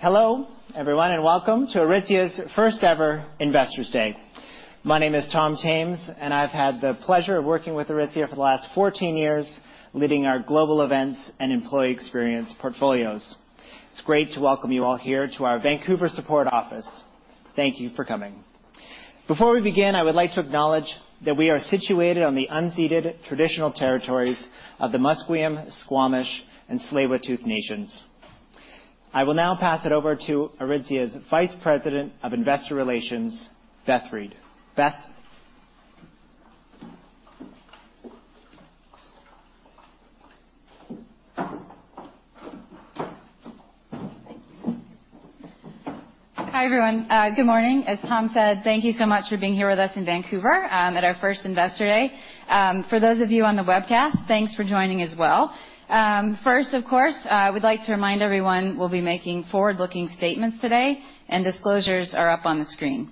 Hello, everyone, and welcome to Aritzia's first ever Investors Day. My name is Tom Tames, and I've had the pleasure of working with Aritzia for the last 14 years, leading our Global Events and Employee Experience Portfolios. It's great to welcome you all here to our Vancouver support office. Thank you for coming. Before we begin, I would like to acknowledge that we are situated on the unceded traditional territories of the Musqueam, Squamish, and Tsleil-Waututh Nations. I will now pass it over to Aritzia's Vice President of Investor Relations, Beth Reed. Beth. Hi, everyone. Good morning. As Tom said, thank you so much for being here with us in Vancouver at our first Investor Day. For those of you on the webcast, thanks for joining as well. First, of course, we'd like to remind everyone we'll be making forward-looking statements today and disclosures are up on the screen.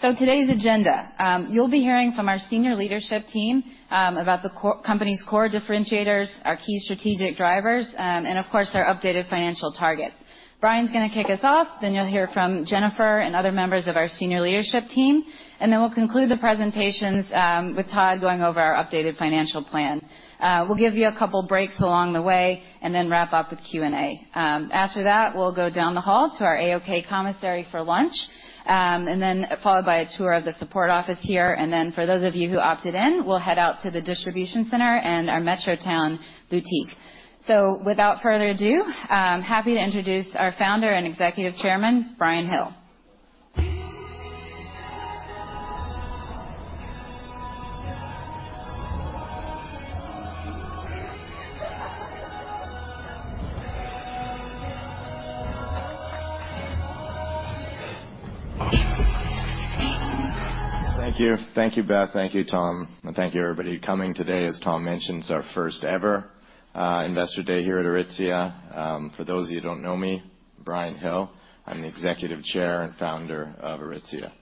So, today's agenda. You'll be hearing from our senior leadership team about the company's core differentiators, our key strategic drivers, and of course, our updated financial targets. Brian's gonna kick us off, then you'll hear from Jennifer and other members of our senior leadership team. Then we'll conclude the presentations with Todd going over our updated financial plan. We'll give you a couple breaks along the way and then wrap up with Q&A. After that, we'll go down the hall to our A-OK Commissary for lunch, and then followed by a tour of the support office here. For those of you who opted in, we'll head out to the distribution center and our Metrotown boutique. Without further ado, I'm happy to introduce our Founder and Executive Chairman, Brian Hill. Thank you. Thank you, Beth. Thank you, Tom. And thank you, everybody, coming today. As Tom mentioned, it's our first ever Investor Day here at Aritzia. For those of you who don't know me, Brian Hill, I'm the Executive Chair and Founder of Aritzia.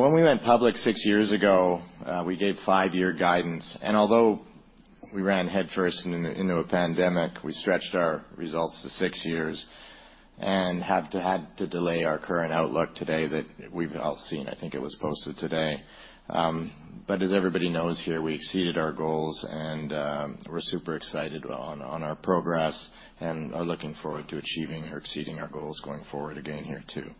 When we went public six years ago, we gave five-year guidance. Although we ran headfirst into a pandemic, we stretched our results to six years and had to delay our current outlook today that we've all seen. I think it was posted today. As everybody knows here, we exceeded our goals and we're super excited on our progress and are looking forward to achieving or exceeding our goals going forward again here too.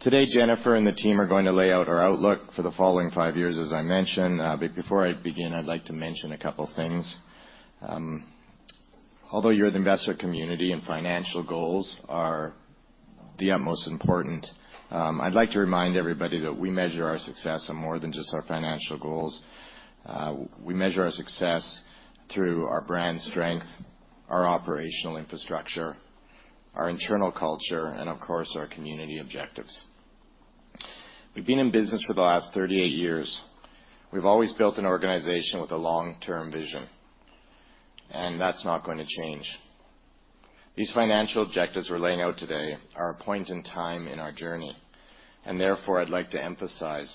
Today, Jennifer and the team are going to lay out our outlook for the following five years, as I mentioned. Before I begin, I'd like to mention a couple things. Although to the investor community, financial goals are of the utmost importance, I'd like to remind everybody that we measure our success on more than just our financial goals. We measure our success through our brand strength, our operational infrastructure, our internal culture, and of course, our community objectives. We've been in business for the last 38 years. We've always built an organization with a long-term vision, and that's not going to change. These financial objectives we're laying out today are a point in time in our journey. Therefore, I'd like to emphasize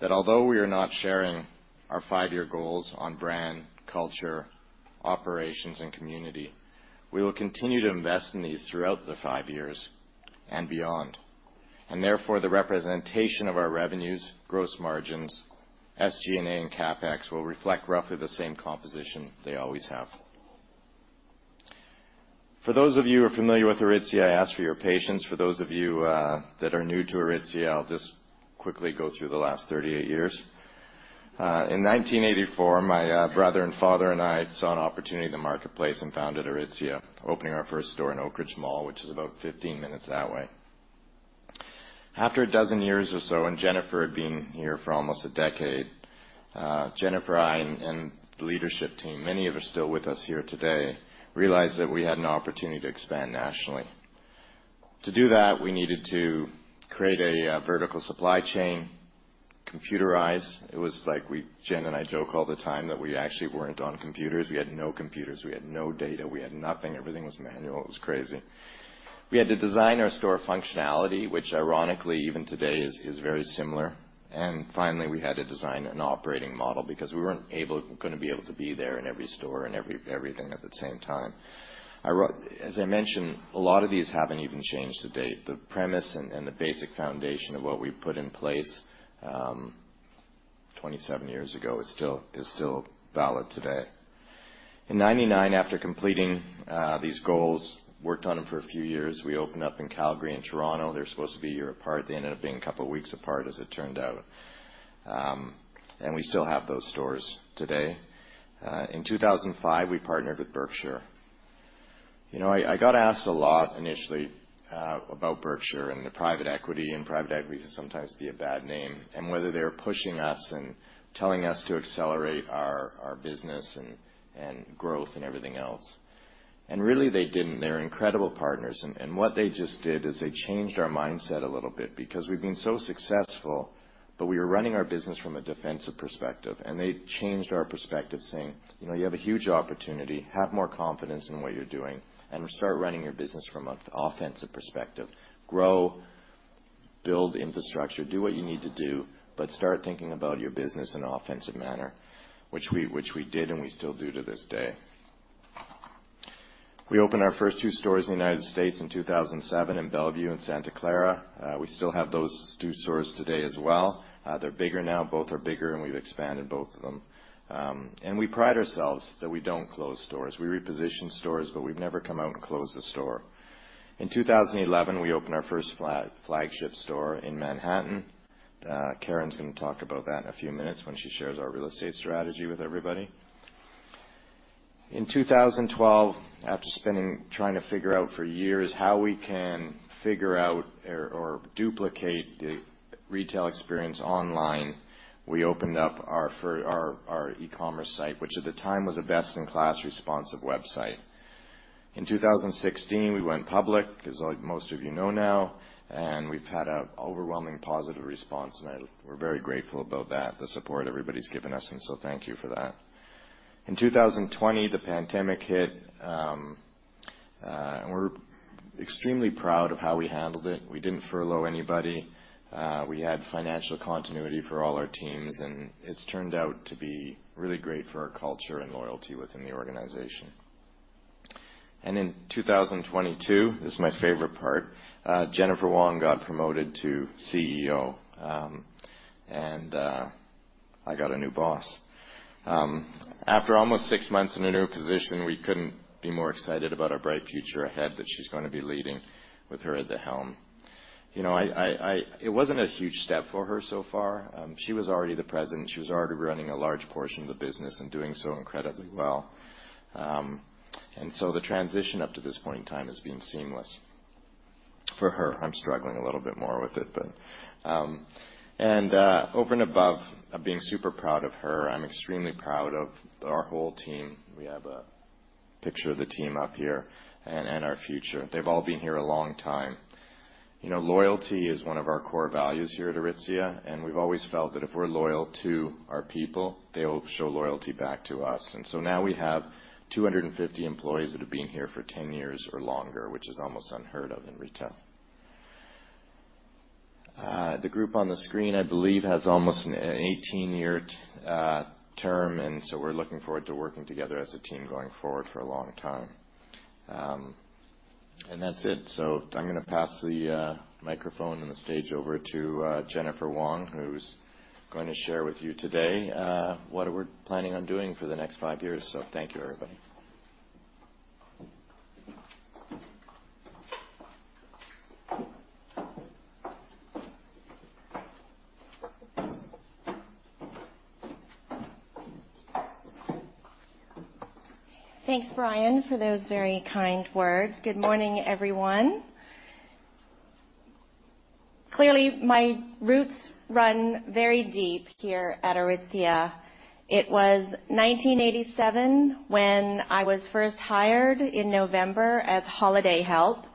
that although we are not sharing our five-year goals on brand, culture, operations, and community, we will continue to invest in these throughout the five years and beyond. Therefore, the representation of our revenues, gross margins, SG&A, and CapEx will reflect roughly the same composition they always have. For those of you who are familiar with Aritzia, I ask for your patience. For those of you that are new to Aritzia, I'll just quickly go through the last 38 years. In 1984, my brother and father and I saw an opportunity in the marketplace and founded Aritzia, opening our first store in Oakridge Mall, which is about 15 minutes that way. After a dozen years or so, and Jennifer had been here for almost a decade, Jennifer, I, and the leadership team, many of us still with us here today, realized that we had an opportunity to expand nationally. To do that, we needed to create a vertical supply chain, computerize. It was like Jen and I joke all the time that we actually weren't on computers. We had no computers. We had no data. We had nothing. Everything was manual. It was crazy. We had to design our store functionality, which ironically, even today is very similar. Finally, we had to design an operating model because we weren't gonna be able to be there in every store and everything at the same time. As I mentioned, a lot of these haven't even changed to date. The premise and the basic foundation of what we put in place 27 years ago is still valid today. In 1999, after completing these goals, worked on them for a few years. We opened up in Calgary and Toronto. They're supposed to be a year apart. They ended up being a couple weeks apart as it turned out. We still have those stores today. In 2005, we partnered with Berkshire. I got asked a lot initially about Berkshire and the private equity, and private equity can sometimes be a bad name and whether they were pushing us and telling us to accelerate our business and growth and everything else. Really, they didn't. They're incredible partners. What they just did is they changed our mindset a little bit because we've been so successful, but we were running our business from a defensive perspective, and they changed our perspective saying, "You know, you have a huge opportunity. Have more confidence in what you're doing and start running your business from an offensive perspective. Grow, build infrastructure, do what you need to do, but start thinking about your business in an offensive manner, which we did, and we still do to this day. We opened our first two stores in the United States in 2007 in Bellevue and Santa Clara. We still have those two stores today as well. They're bigger now. Both are bigger, and we've expanded both of them. We pride ourselves that we don't close stores. We reposition stores, but we've never come out and closed a store. In 2011, we opened our first flagship store in Manhattan. Karen's gonna talk about that in a few minutes when she shares our real estate strategy with everybody. In 2012, after trying to figure out for years how we can figure out or duplicate the retail experience online, we opened up our eCommerce site, which at the time was a best-in-class responsive website. In 2016, we went public, like most of you know now, and we've had an overwhelmingly positive response. We're very grateful about that, the support everybody's given us, so thank you for that. In 2020, the pandemic hit, and we're extremely proud of how we handled it. We didn't furlough anybody. We had financial continuity for all our teams, and it's turned out to be really great for our culture and loyalty within the organization. In 2022, this is my favorite part, Jennifer Wong got promoted to CEO. I got a new boss. After almost six months in the new position, we couldn't be more excited about our bright future ahead that she's gonna be leading with her at the helm. You know, it wasn't a huge step for her so far. She was already the president. She was already running a large portion of the business and doing so incredibly well. The transition up to this point in time has been seamless for her. I'm struggling a little bit more with it, but over and above, I'm being super proud of her. I'm extremely proud of our whole team. We have a picture of the team up here and our future. They've all been here a long time. You know, loyalty is one of our core values here at Aritzia, and we've always felt that if we're loyal to our people, they'll show loyalty back to us. Now we have 250 employees that have been here for 10 years or longer, which is almost unheard of in retail. The group on the screen, I believe, has almost an 18-year term, and we're looking forward to working together as a team going forward for a long time. That's it. I'm gonna pass the microphone and the stage over to Jennifer Wong, who's going to share with you today what we're planning on doing for the next five years. Thank you, everybody. Thanks, Brian, for those very kind words. Good morning, everyone. Clearly, my roots run very deep here at Aritzia. It was 1987 when I was first hired in November as holiday help.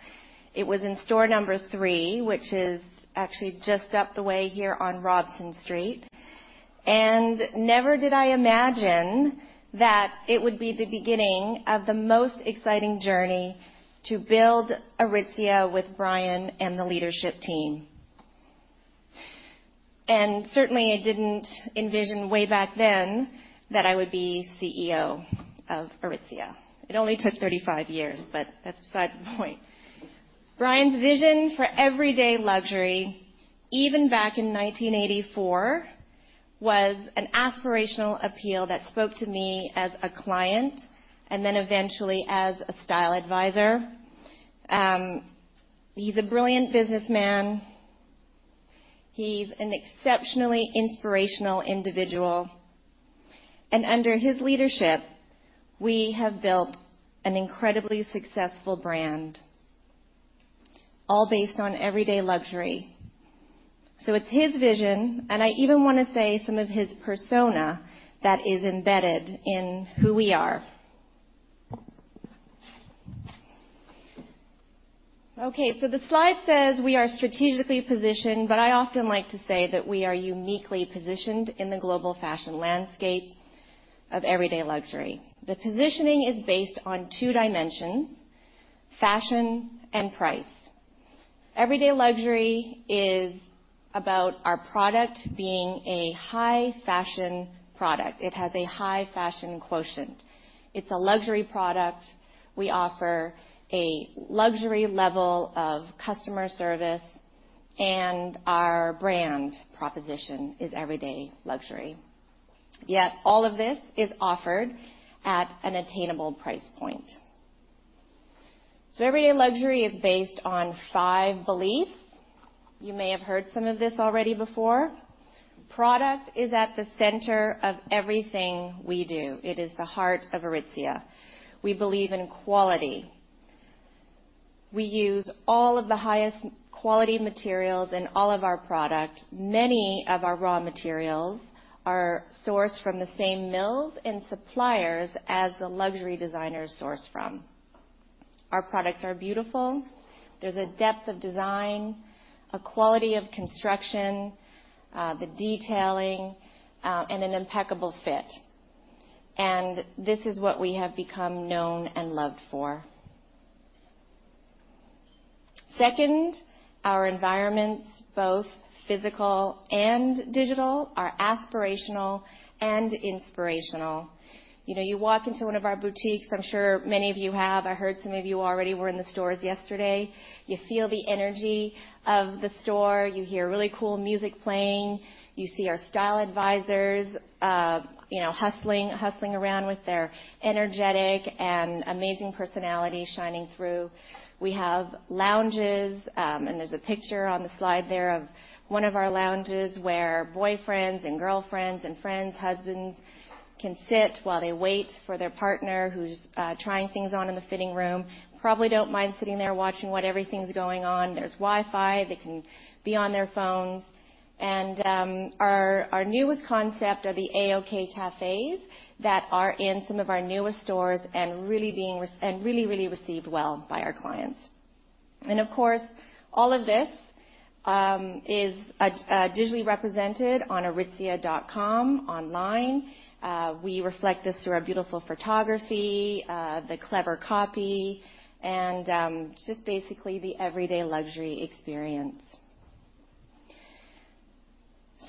It was in store number three, which is actually just up the way here on Robson Street. Never did I imagine that it would be the beginning of the most exciting journey to build Aritzia with Brian and the leadership team. Certainly, I didn't envision way back then that I would be CEO of Aritzia. It only took 35 years, but that's beside the point. Brian's vision for Everyday Luxury, even back in 1984, was an aspirational appeal that spoke to me as a client, and then eventually as a style advisor. He's a brilliant businessman. He's an exceptionally inspirational individual. Under his leadership, we have built an incredibly successful brand, all based on Everyday Luxury. It's his vision, and I even wanna say some of his persona that is embedded in who we are. Okay, the slide says we are strategically positioned, but I often like to say that we are uniquely positioned in the global fashion landscape of Everyday Luxury. The positioning is based on two dimensions: fashion and price. Everyday Luxury is about our product being a high-fashion product. It has a high-fashion quotient. It's a luxury product. We offer a luxury level of customer service, and our brand proposition is Everyday Luxury. Yet all of this is offered at an attainable price point. Everyday Luxury is based on five beliefs. You may have heard some of this already before. Product is at the center of everything we do. It is the heart of Aritzia. We believe in quality. We use all of the highest quality materials in all of our products. Many of our raw materials are sourced from the same mills and suppliers as the luxury designers source from. Our products are beautiful. There's a depth of design, a quality of construction, the detailing, and an impeccable fit. This is what we have become known and loved for. Second, our environments, both physical and digital, are aspirational and inspirational. You know, you walk into one of our boutiques. I'm sure many of you have. I heard some of you already were in the stores yesterday. You feel the energy of the store. You hear really cool music playing. You see our style advisors, you know, hustling around with their energetic and amazing personality shining through. We have lounges, and there's a picture on the slide there of one of our lounges where boyfriends and girlfriends and friends, husbands can sit while they wait for their partner who's trying things on in the fitting room. Probably don't mind sitting there watching what's going on. There's Wi-Fi. They can be on their phones. Our newest concept are the A-OK cafes that are in some of our newest stores and really being received well by our clients. Of course, all of this is digitally represented on aritzia.com online. We reflect this through our beautiful photography, the clever copy, and just basically the Everyday Luxury experience.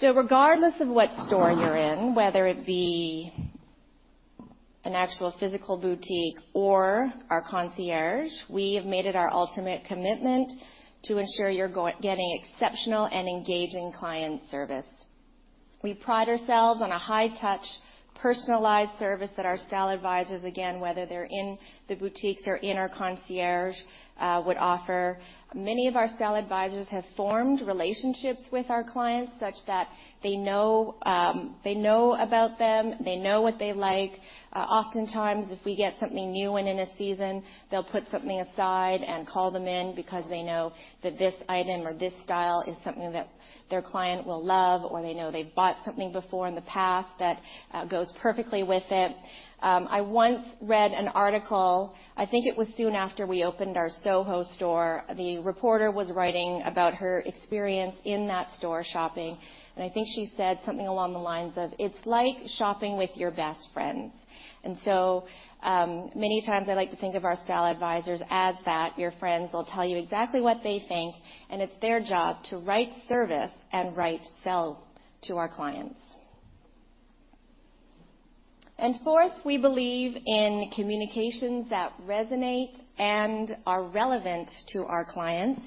Regardless of what store you're in, whether it be an actual physical boutique or our concierge, we have made it our ultimate commitment to ensure you're getting exceptional and engaging client service. We pride ourselves on a high-touch, personalized service that our style advisors, again, whether they're in the boutiques or in our concierge, would offer. Many of our style advisors have formed relationships with our clients such that they know about them, they know what they like. Oftentimes, if we get something new and in a season, they'll put something aside and call them in because they know that this item or this style is something that their client will love, or they know they've bought something before in the past that goes perfectly with it. I once read an article, I think it was soon after we opened our SoHo store. The reporter was writing about her experience in that store shopping, and I think she said something along the lines of, "It's like shopping with your best friends." Many times I like to think of our style advisors as that. Your friends will tell you exactly what they think, and it's their job to right service and right sell to our clients. Fourth, we believe in communications that resonate and are relevant to our clients.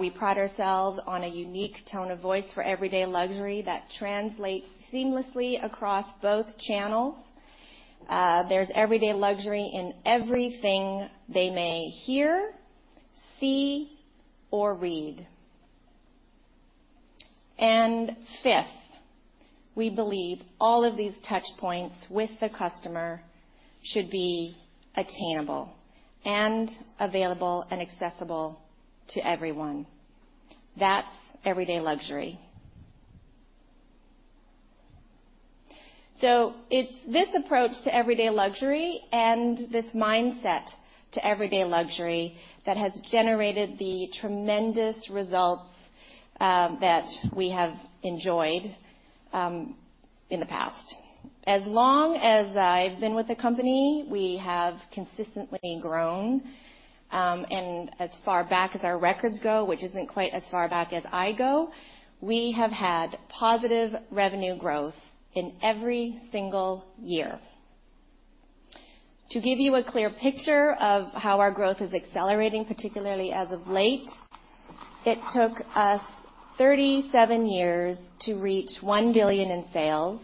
We pride ourselves on a unique tone of voice for Everyday Luxury that translates seamlessly across both channels. There's Everyday Luxury in everything they may hear, see, or read. Fifth, we believe all of these touch points with the customer should be attainable and available and accessible to everyone. That's Everyday Luxury. It's this approach to Everyday Luxury and this mindset to Everyday Luxury that has generated the tremendous results that we have enjoyed in the past. As long as I've been with the company, we have consistently grown. As far back as our records go, which isn't quite as far back as I go, we have had positive revenue growth in every single year. To give you a clear picture of how our growth is accelerating, particularly as of late, it took us 37 years to reach 1 billion in sales.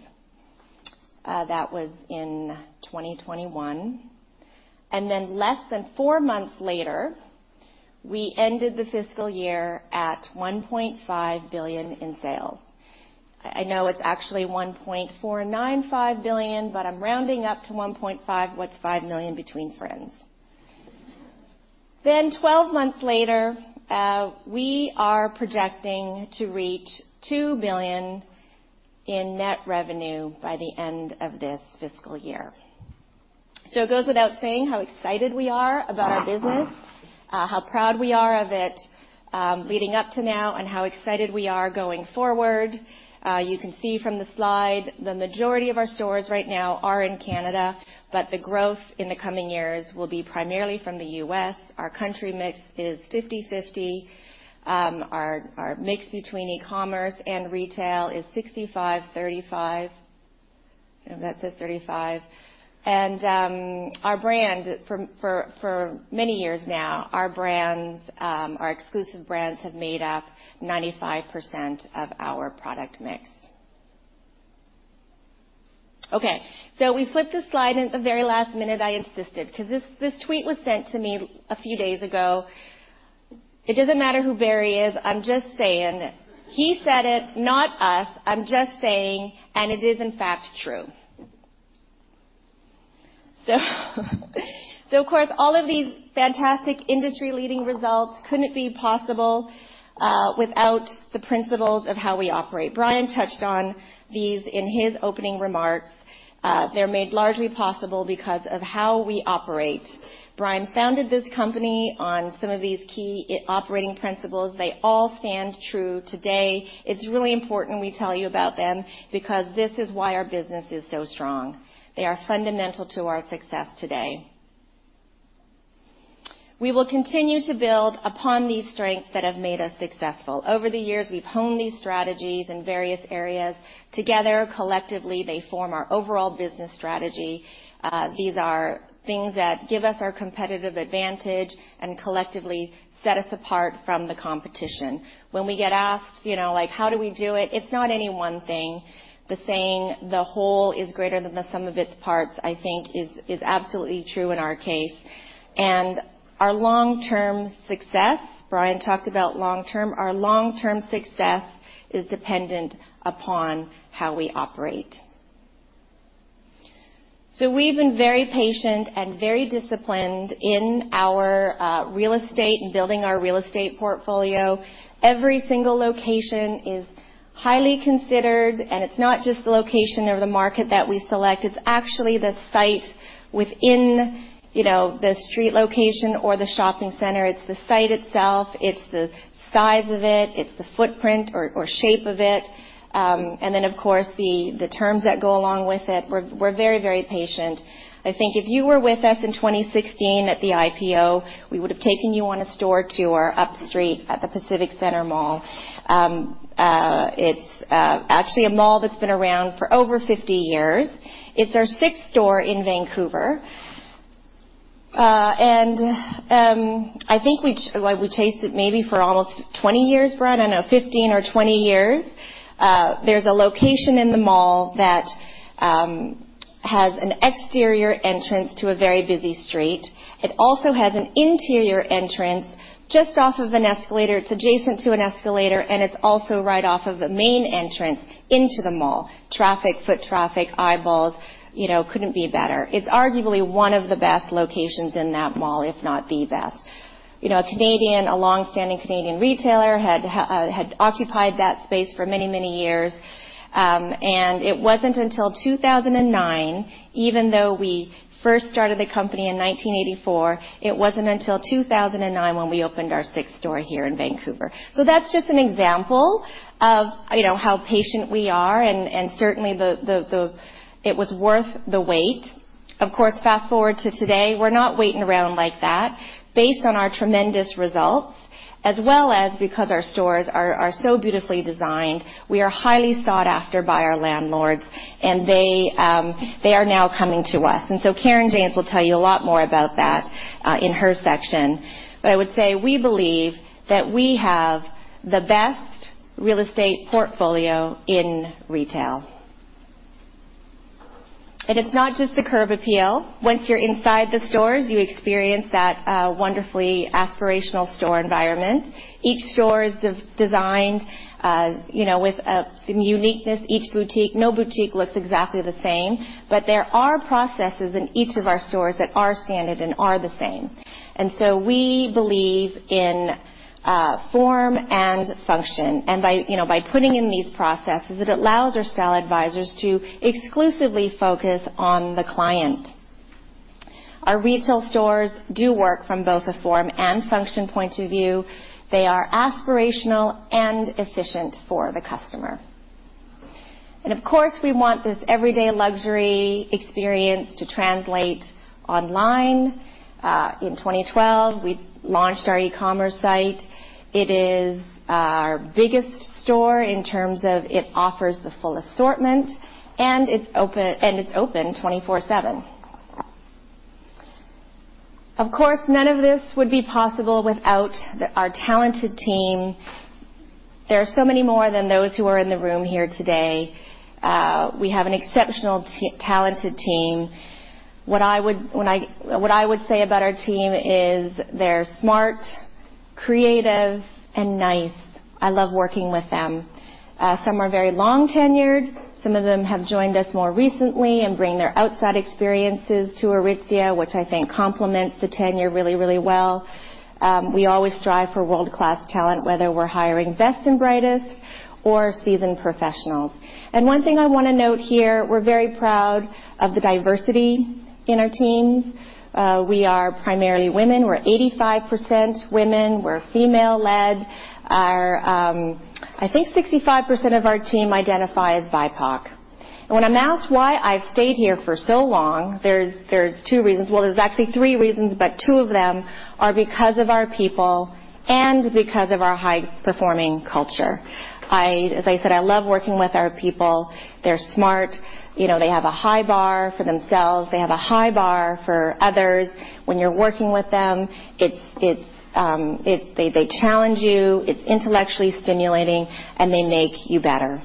That was in 2021. Less than four months later, we ended the fiscal year at 1.5 billion in sales. I know it's actually 1.495 billion, but I'm rounding up to 1.5. What's 5 million between friends? 12 months later, we are projecting to reach 2 billion in net revenue by the end of this fiscal year. It goes without saying how excited we are about our business, how proud we are of it, leading up to now, and how excited we are going forward. You can see from the slide the majority of our stores right now are in Canada, but the growth in the coming years will be primarily from the U.S. Our country mix is 50/50. Our mix between eCommerce and retail is 65/35. I know that says 35. Our brands for many years now, our exclusive brands have made up 95% of our product mix. Okay, we slipped this slide in at the very last minute. I insisted because this tweet was sent to me a few days ago. It doesn't matter who Barry is. I'm just saying. He said it, not us. I'm just saying, and it is in fact true. Of course, all of these fantastic industry-leading results couldn't be possible without the principles of how we operate. Brian touched on these in his opening remarks. They're made largely possible because of how we operate. Brian founded this company on some of these key operating principles. They all stand true today. It's really important we tell you about them because this is why our business is so strong. They are fundamental to our success today. We will continue to build upon these strengths that have made us successful. Over the years, we've honed these strategies in various areas together. Collectively, they form our overall business strategy. These are things that give us our competitive advantage and collectively set us apart from the competition. When we get asked, you know, like, how do we do it? It's not any one thing. The saying, the whole is greater than the sum of its parts, I think is absolutely true in our case. Our long-term success, Brian talked about long-term, our long-term success is dependent upon how we operate. We've been very patient and very disciplined in our real estate, in building our real estate portfolio. Every single location is highly considered, and it's not just the location or the market that we select. It's actually the site within, you know, the street location or the shopping center. It's the site itself, it's the size of it's the footprint or shape of it, and then, of course, the terms that go along with it. We're very patient. I think if you were with us in 2016 at the IPO, we would have taken you on a store tour up the street at the Pacific Centre mall. It's actually a mall that's been around for over 50 years. It's our sixth store in Vancouver. Well, we chased it maybe for almost 20 years. Brian, I don't know, 15 or 20 years. There's a location in the mall that has an exterior entrance to a very busy street. It also has an interior entrance just off of an escalator. It's adjacent to an escalator, and it's also right off of the main entrance into the mall. Traffic, foot traffic, eyeballs, you know, couldn't be better. It's arguably one of the best locations in that mall, if not the best. You know, a Canadian, a long-standing Canadian retailer had had occupied that space for many, many years. And it wasn't until 2009, even though we first started the company in 1984, it wasn't until 2009 when we opened our sixth store here in Vancouver. So that's just an example of, you know, how patient we are and certainly it was worth the wait. Of course, fast-forward to today, we're not waiting around like that. Based on our tremendous results, as well as because our stores are so beautifully designed, we are highly sought after by our landlords, and they are now coming to us. Karen Janes will tell you a lot more about that in her section. I would say we believe that we have the best real estate portfolio in retail. It's not just the curb appeal. Once you're inside the stores, you experience that wonderfully aspirational store environment. Each store is designed, you know, with a uniqueness. No boutique looks exactly the same. There are processes in each of our stores that are standard and are the same. We believe in form and function. By, you know, putting in these processes, it allows our style advisors to exclusively focus on the client. Our retail stores do work from both a form and function point of view. They are aspirational and efficient for the customer. Of course, we want this Everyday Luxury experience to translate online. In 2012, we launched our eCommerce site. It is our biggest store in terms of it offers the full assortment, and it's open 24/7. Of course, none of this would be possible without our talented team. There are so many more than those who are in the room here today. We have an exceptional talented team. What I would say about our team is they're smart, creative, and nice. I love working with them. Some are very long-tenured. Some of them have joined us more recently and bring their outside experiences to Aritzia, which I think complements the tenure really, really well. We always strive for world-class talent, whether we're hiring best and brightest or seasoned professionals. One thing I wanna note here, we're very proud of the diversity in our teams. We are primarily women. We're 85% women. We're female-led. I think 65% of our team identify as BIPOC. When I'm asked why I've stayed here for so long, there's two reasons. Well, there's actually three reasons, but two of them are because of our people and because of our high-performing culture. As I said, I love working with our people. They're smart. You know, they have a high bar for themselves. They have a high bar for others. When you're working with them, they challenge you, it's intellectually stimulating, and they make you better.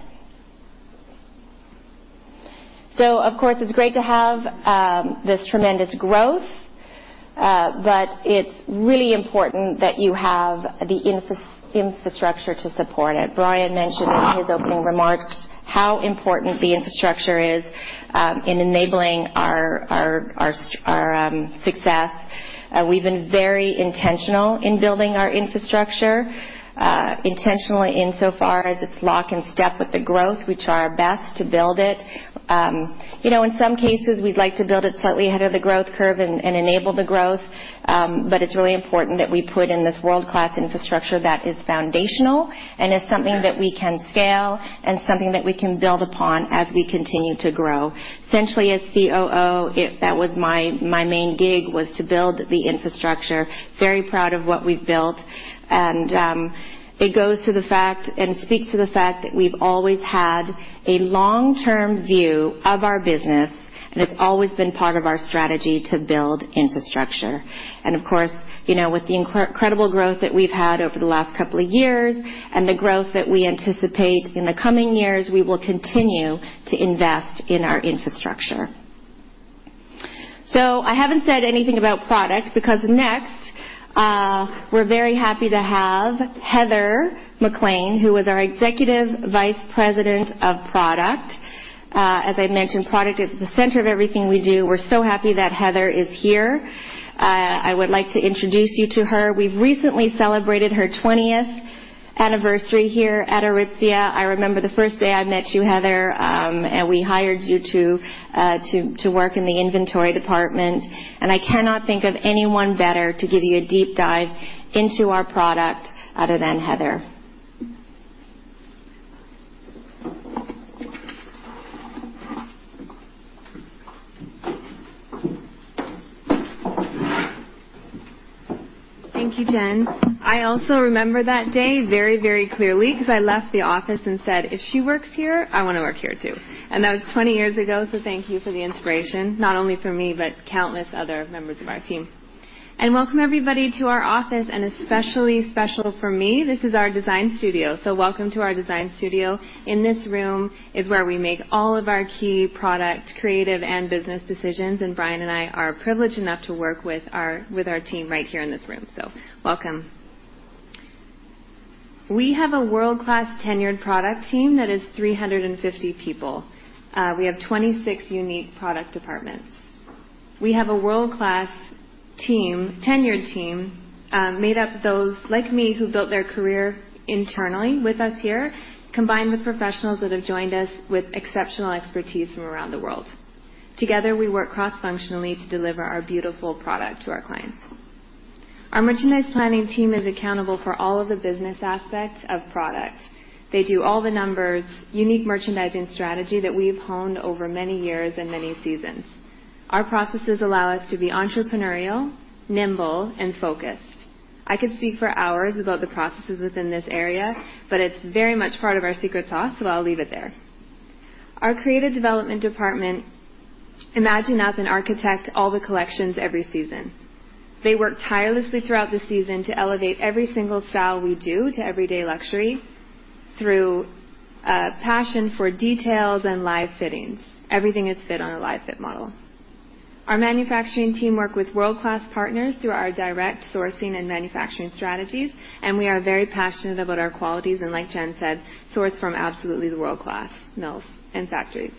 Of course, it's great to have this tremendous growth, but it's really important that you have the infrastructure to support it. Brian mentioned in his opening remarks how important the infrastructure is in enabling our success. We've been very intentional in building our infrastructure, intentionally insofar as it's lockstep with the growth, which we do our best to build it. You know, in some cases, we'd like to build it slightly ahead of the growth curve and enable the growth. It's really important that we put in this world-class infrastructure that is foundational and is something that we can scale and something that we can build upon as we continue to grow. Essentially, as COO, that was my main gig to build the infrastructure. Very proud of what we've built. It goes to the fact, and speaks to the fact that we've always had a long-term view of our business, and it's always been part of our strategy to build infrastructure. Of course, you know, with the incredible growth that we've had over the last couple of years, and the growth that we anticipate in the coming years, we will continue to invest in our infrastructure. I haven't said anything about product because next, we're very happy to have Heather McLean, who is our Executive Vice President of Product. As I mentioned, product is at the center of everything we do. We're so happy that Heather is here. I would like to introduce you to her. We've recently celebrated her 20th anniversary here at Aritzia. I remember the first day I met you, Heather, and we hired you to work in the inventory department, and I cannot think of anyone better to give you a deep dive into our product other than Heather. Thank you, Jen. I also remember that day very, very clearly 'cause I left the office and said, "If she works here, I wanna work here, too." That was 20 years ago, so thank you for the inspiration, not only for me, but countless other members of our team. Welcome everybody to our office, and especially special for me, this is our design studio. Welcome to our design studio. In this room is where we make all of our key product, creative, and business decisions, and Brian and I are privileged enough to work with our team right here in this room. Welcome. We have a world-class tenured product team that is 350 people. We have 26 unique product departments. We have a world-class team, tenured team, made up of those like me, who built their career internally with us here, combined with professionals that have joined us with exceptional expertise from around the world. Together, we work cross-functionally to deliver our beautiful product to our clients. Our merchandise planning team is accountable for all of the business aspects of product. They do all the numbers, unique merchandising strategy that we've honed over many years and many seasons. Our processes allow us to be entrepreneurial, nimble, and focused. I could speak for hours about the processes within this area, but it's very much part of our secret sauce, so I'll leave it there. Our creative development department imagine up and architect all the collections every season. They work tirelessly throughout the season to elevate every single style we do to Everyday Luxury through passion for details and live fittings. Everything is fit on a live fit model. Our manufacturing team work with world-class partners through our direct sourcing and manufacturing strategies, and we are very passionate about our qualities, and like Jen said, sourced from absolutely the world-class mills and factories.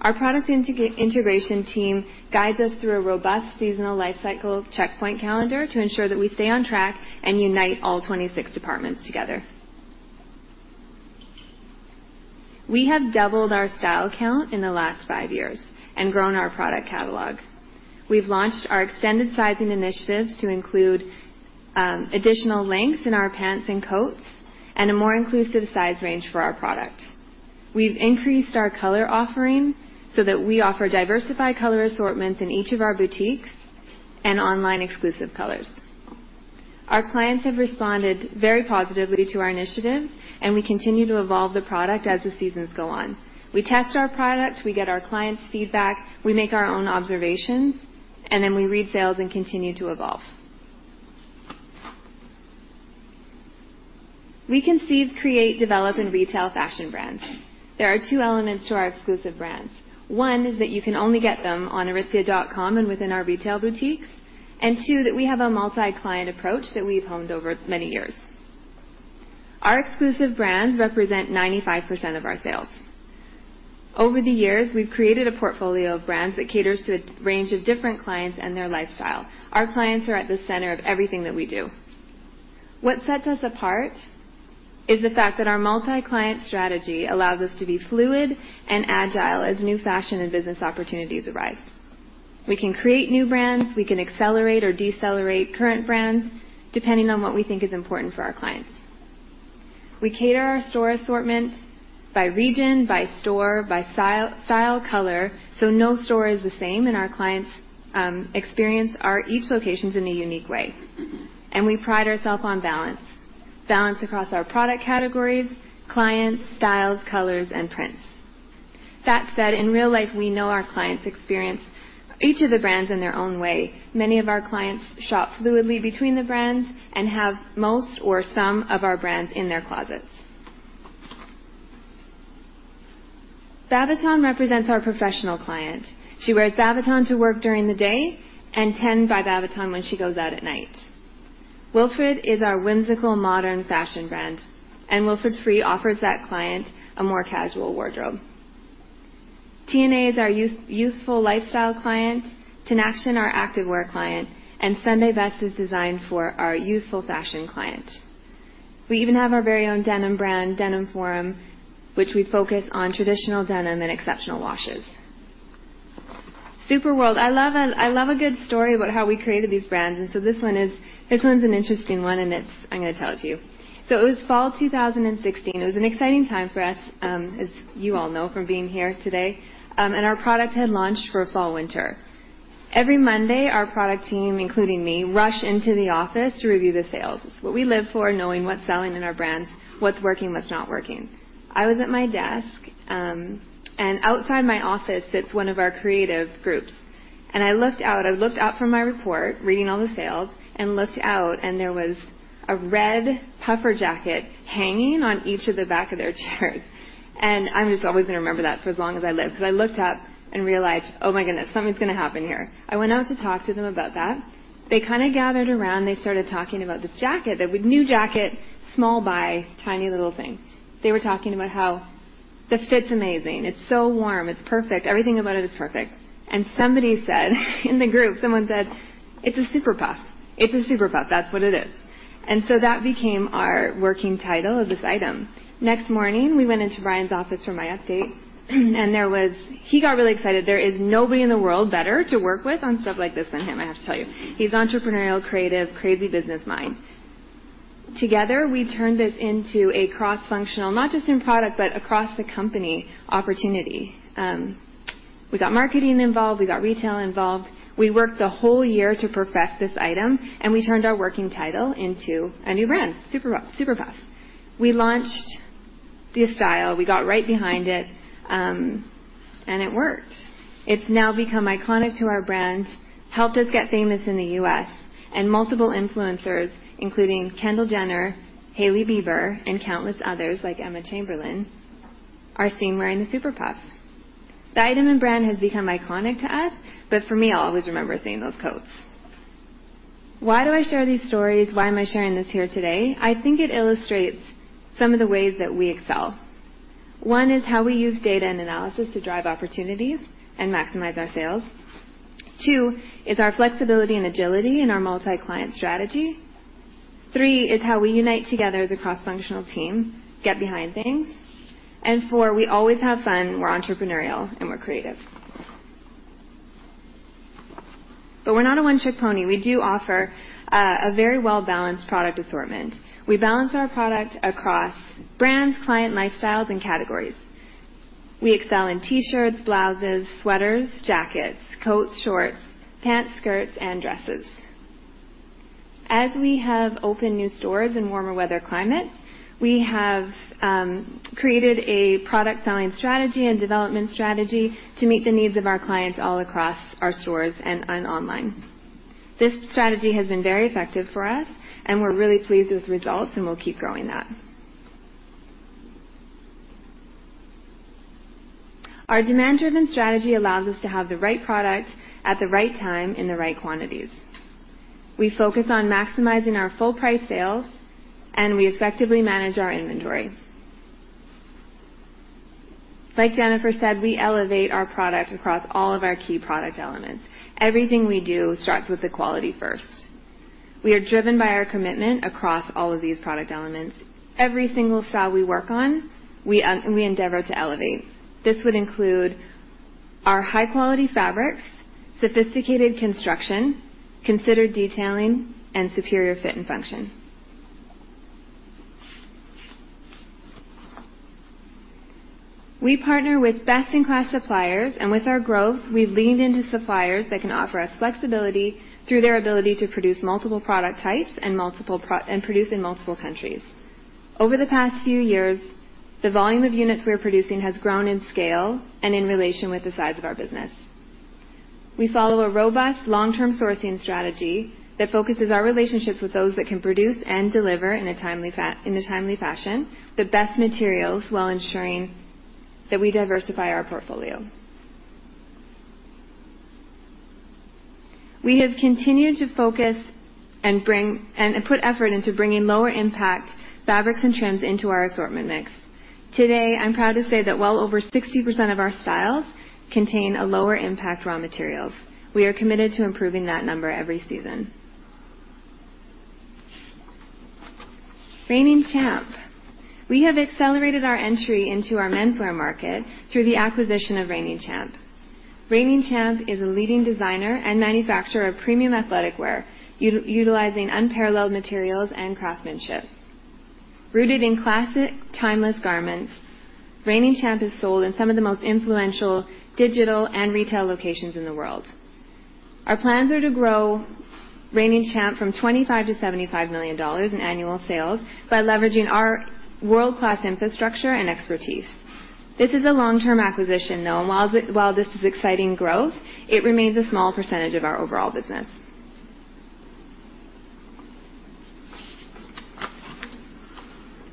Our product integration team guides us through a robust seasonal lifecycle checkpoint calendar to ensure that we stay on track and unite all 26 departments together. We have doubled our style count in the last five years and grown our product catalog. We've launched our extended sizing initiatives to include additional lengths in our pants and coats and a more inclusive size range for our product. We've increased our color offering so that we offer diversified color assortments in each of our boutiques and online exclusive colors. Our clients have responded very positively to our initiatives, and we continue to evolve the product as the seasons go on. We test our products, we get our clients' feedback, we make our own observations, and then we read sales and continue to evolve. We conceive, create, develop, and retail fashion brands. There are two elements to our exclusive brands. One is that you can only get them on aritzia.com and within our retail boutiques. Two, that we have a multi-client approach that we've honed over many years. Our exclusive brands represent 95% of our sales. Over the years, we've created a portfolio of brands that caters to a range of different clients and their lifestyle. Our clients are at the center of everything that we do. What sets us apart is the fact that our multi-client strategy allows us to be fluid and agile as new fashion and business opportunities arise. We can create new brands, we can accelerate or decelerate current brands, depending on what we think is important for our clients. We cater our store assortment by region, by store, by style, color, so no store is the same, and our clients experience our each locations in a unique way. We pride ourself on balance. Balance across our product categories, clients, styles, colors, and prints. That said, in real life, we know our clients experience each of the brands in their own way. Many of our clients shop fluidly between the brands and have most or some of our brands in their closets. Babaton represents our professional client. She wears Babaton to work during the day and Ten by Babaton when she goes out at night. Wilfred is our whimsical, modern fashion brand, and Wilfred Free offers that client a more casual wardrobe. Tna is our youthful lifestyle client, TnAction is our active wear client, and Sunday Best is designed for our youthful fashion client. We even have our very own denim brand, Denim Forum, which we focus on traditional denim and exceptional washes. Super World. I love a good story about how we created these brands, and so this one is an interesting one, and it's. I'm gonna tell it to you. It was fall 2016. It was an exciting time for us, as you all know from being here today, and our product had launched for fall/winter. Every Monday, our product team, including me, rush into the office to review the sales. It's what we live for, knowing what's selling in our brands, what's working, what's not working. I was at my desk, and outside my office sits one of our creative groups. I looked up from my report, reading all the sales, and looked out, and there was a red puffer jacket hanging on each of the back of their chairs. I'm just always gonna remember that for as long as I live, 'cause I looked up and realized, "Oh, my goodness, something's gonna happen here." I went out to talk to them about that. They kinda gathered around. They started talking about this jacket, small buy, tiny little thing. They were talking about how the fit's amazing. It's so warm. It's perfect. Everything about it is perfect. Somebody said in the group, someone said, "It's a Super Puff. It's a Super Puff. That's what it is." So that became our working title of this item. The next morning, we went into Brian's office for my update, and he got really excited. There is nobody in the world better to work with on stuff like this than him, I have to tell you. He's entrepreneurial, creative, crazy business mind. Together, we turned this into a cross-functional, not just in product, but across the company opportunity. We got marketing involved, we got retail involved. We worked the whole year to perfect this item, and we turned our working title into a new brand, Super Puff. We launched this style. We got right behind it, and it worked. It's now become iconic to our brand, helped us get famous in the U.S., and multiple influencers, including Kendall Jenner, Hailey Bieber, and countless others, like Emma Chamberlain, are seen wearing the Super Puff. The item and brand has become iconic to us, but for me, I'll always remember seeing those coats. Why do I share these stories? Why am I sharing this here today? I think it illustrates some of the ways that we excel. One is how we use data and analysis to drive opportunities and maximize our sales. Two is our flexibility and agility in our multi-client strategy. Three is how we unite together as a cross-functional team, get behind things. And four, we always have fun, we're entrepreneurial, and we're creative. We're not a one-trick pony. We do offer a very well-balanced product assortment. We balance our product across brands, client lifestyles, and categories. We excel in T-shirts, blouses, sweaters, jackets, coats, shorts, pants, skirts, and dresses. As we have opened new stores in warmer weather climates, we have created a product styling strategy and development strategy to meet the needs of our clients all across our stores and online. This strategy has been very effective for us, and we're really pleased with the results, and we'll keep growing that. Our demand-driven strategy allows us to have the right product at the right time in the right quantities. We focus on maximizing our full price sales, and we effectively manage our inventory. Like Jennifer said, we elevate our product across all of our key product elements. Everything we do starts with the quality first. We are driven by our commitment across all of these product elements. Every single style we work on, we endeavor to elevate. This would include our high-quality fabrics, sophisticated construction, considered detailing, and superior fit and function. We partner with best-in-class suppliers, and with our growth, we've leaned into suppliers that can offer us flexibility through their ability to produce multiple product types and produce in multiple countries. Over the past few years, the volume of units we are producing has grown in scale and in relation with the size of our business. We follow a robust long-term sourcing strategy that focuses our relationships with those that can produce and deliver in a timely fashion, the best materials while ensuring that we diversify our portfolio. We have continued to focus and put effort into bringing lower impact fabrics and trims into our assortment mix. Today, I'm proud to say that well over 60% of our styles contain a lower impact raw materials. We are committed to improving that number every season. Reigning Champ. We have accelerated our entry into our menswear market through the acquisition of Reigning Champ. Reigning Champ is a leading designer and manufacturer of premium athletic wear, utilizing unparalleled materials and craftsmanship. Rooted in classic, timeless garments, Reigning Champ is sold in some of the most influential digital and retail locations in the world. Our plans are to grow Reigning Champ from 25 million-75 million dollars in annual sales by leveraging our world-class infrastructure and expertise. This is a long-term acquisition, though. While this is exciting growth, it remains a small percentage of our overall business.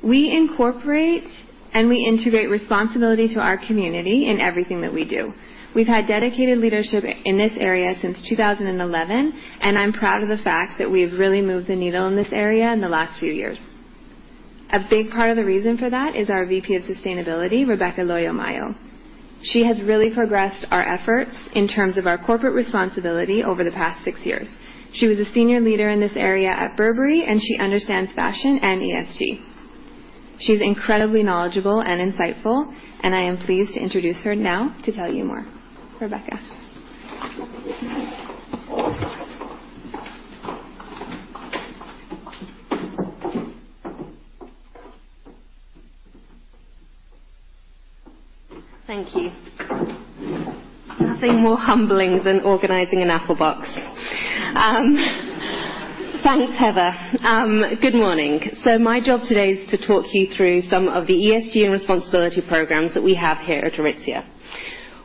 We incorporate and we integrate responsibility to our community in everything that we do. We've had dedicated leadership in this area since 2011, and I'm proud of the fact that we've really moved the needle in this area in the last few years. A big part of the reason for that is our VP of Sustainability, Rebecca Loyo Mayo. She has really progressed our efforts in terms of our corporate responsibility over the past six years. She was a senior leader in this area at Burberry, and she understands fashion and ESG. She's incredibly knowledgeable and insightful, and I am pleased to introduce her now to tell you more. Rebecca. Thank you. Nothing more humbling than organizing an Apple box. Thanks, Heather. Good morning. My job today is to talk you through some of the ESG and responsibility programs that we have here at Aritzia.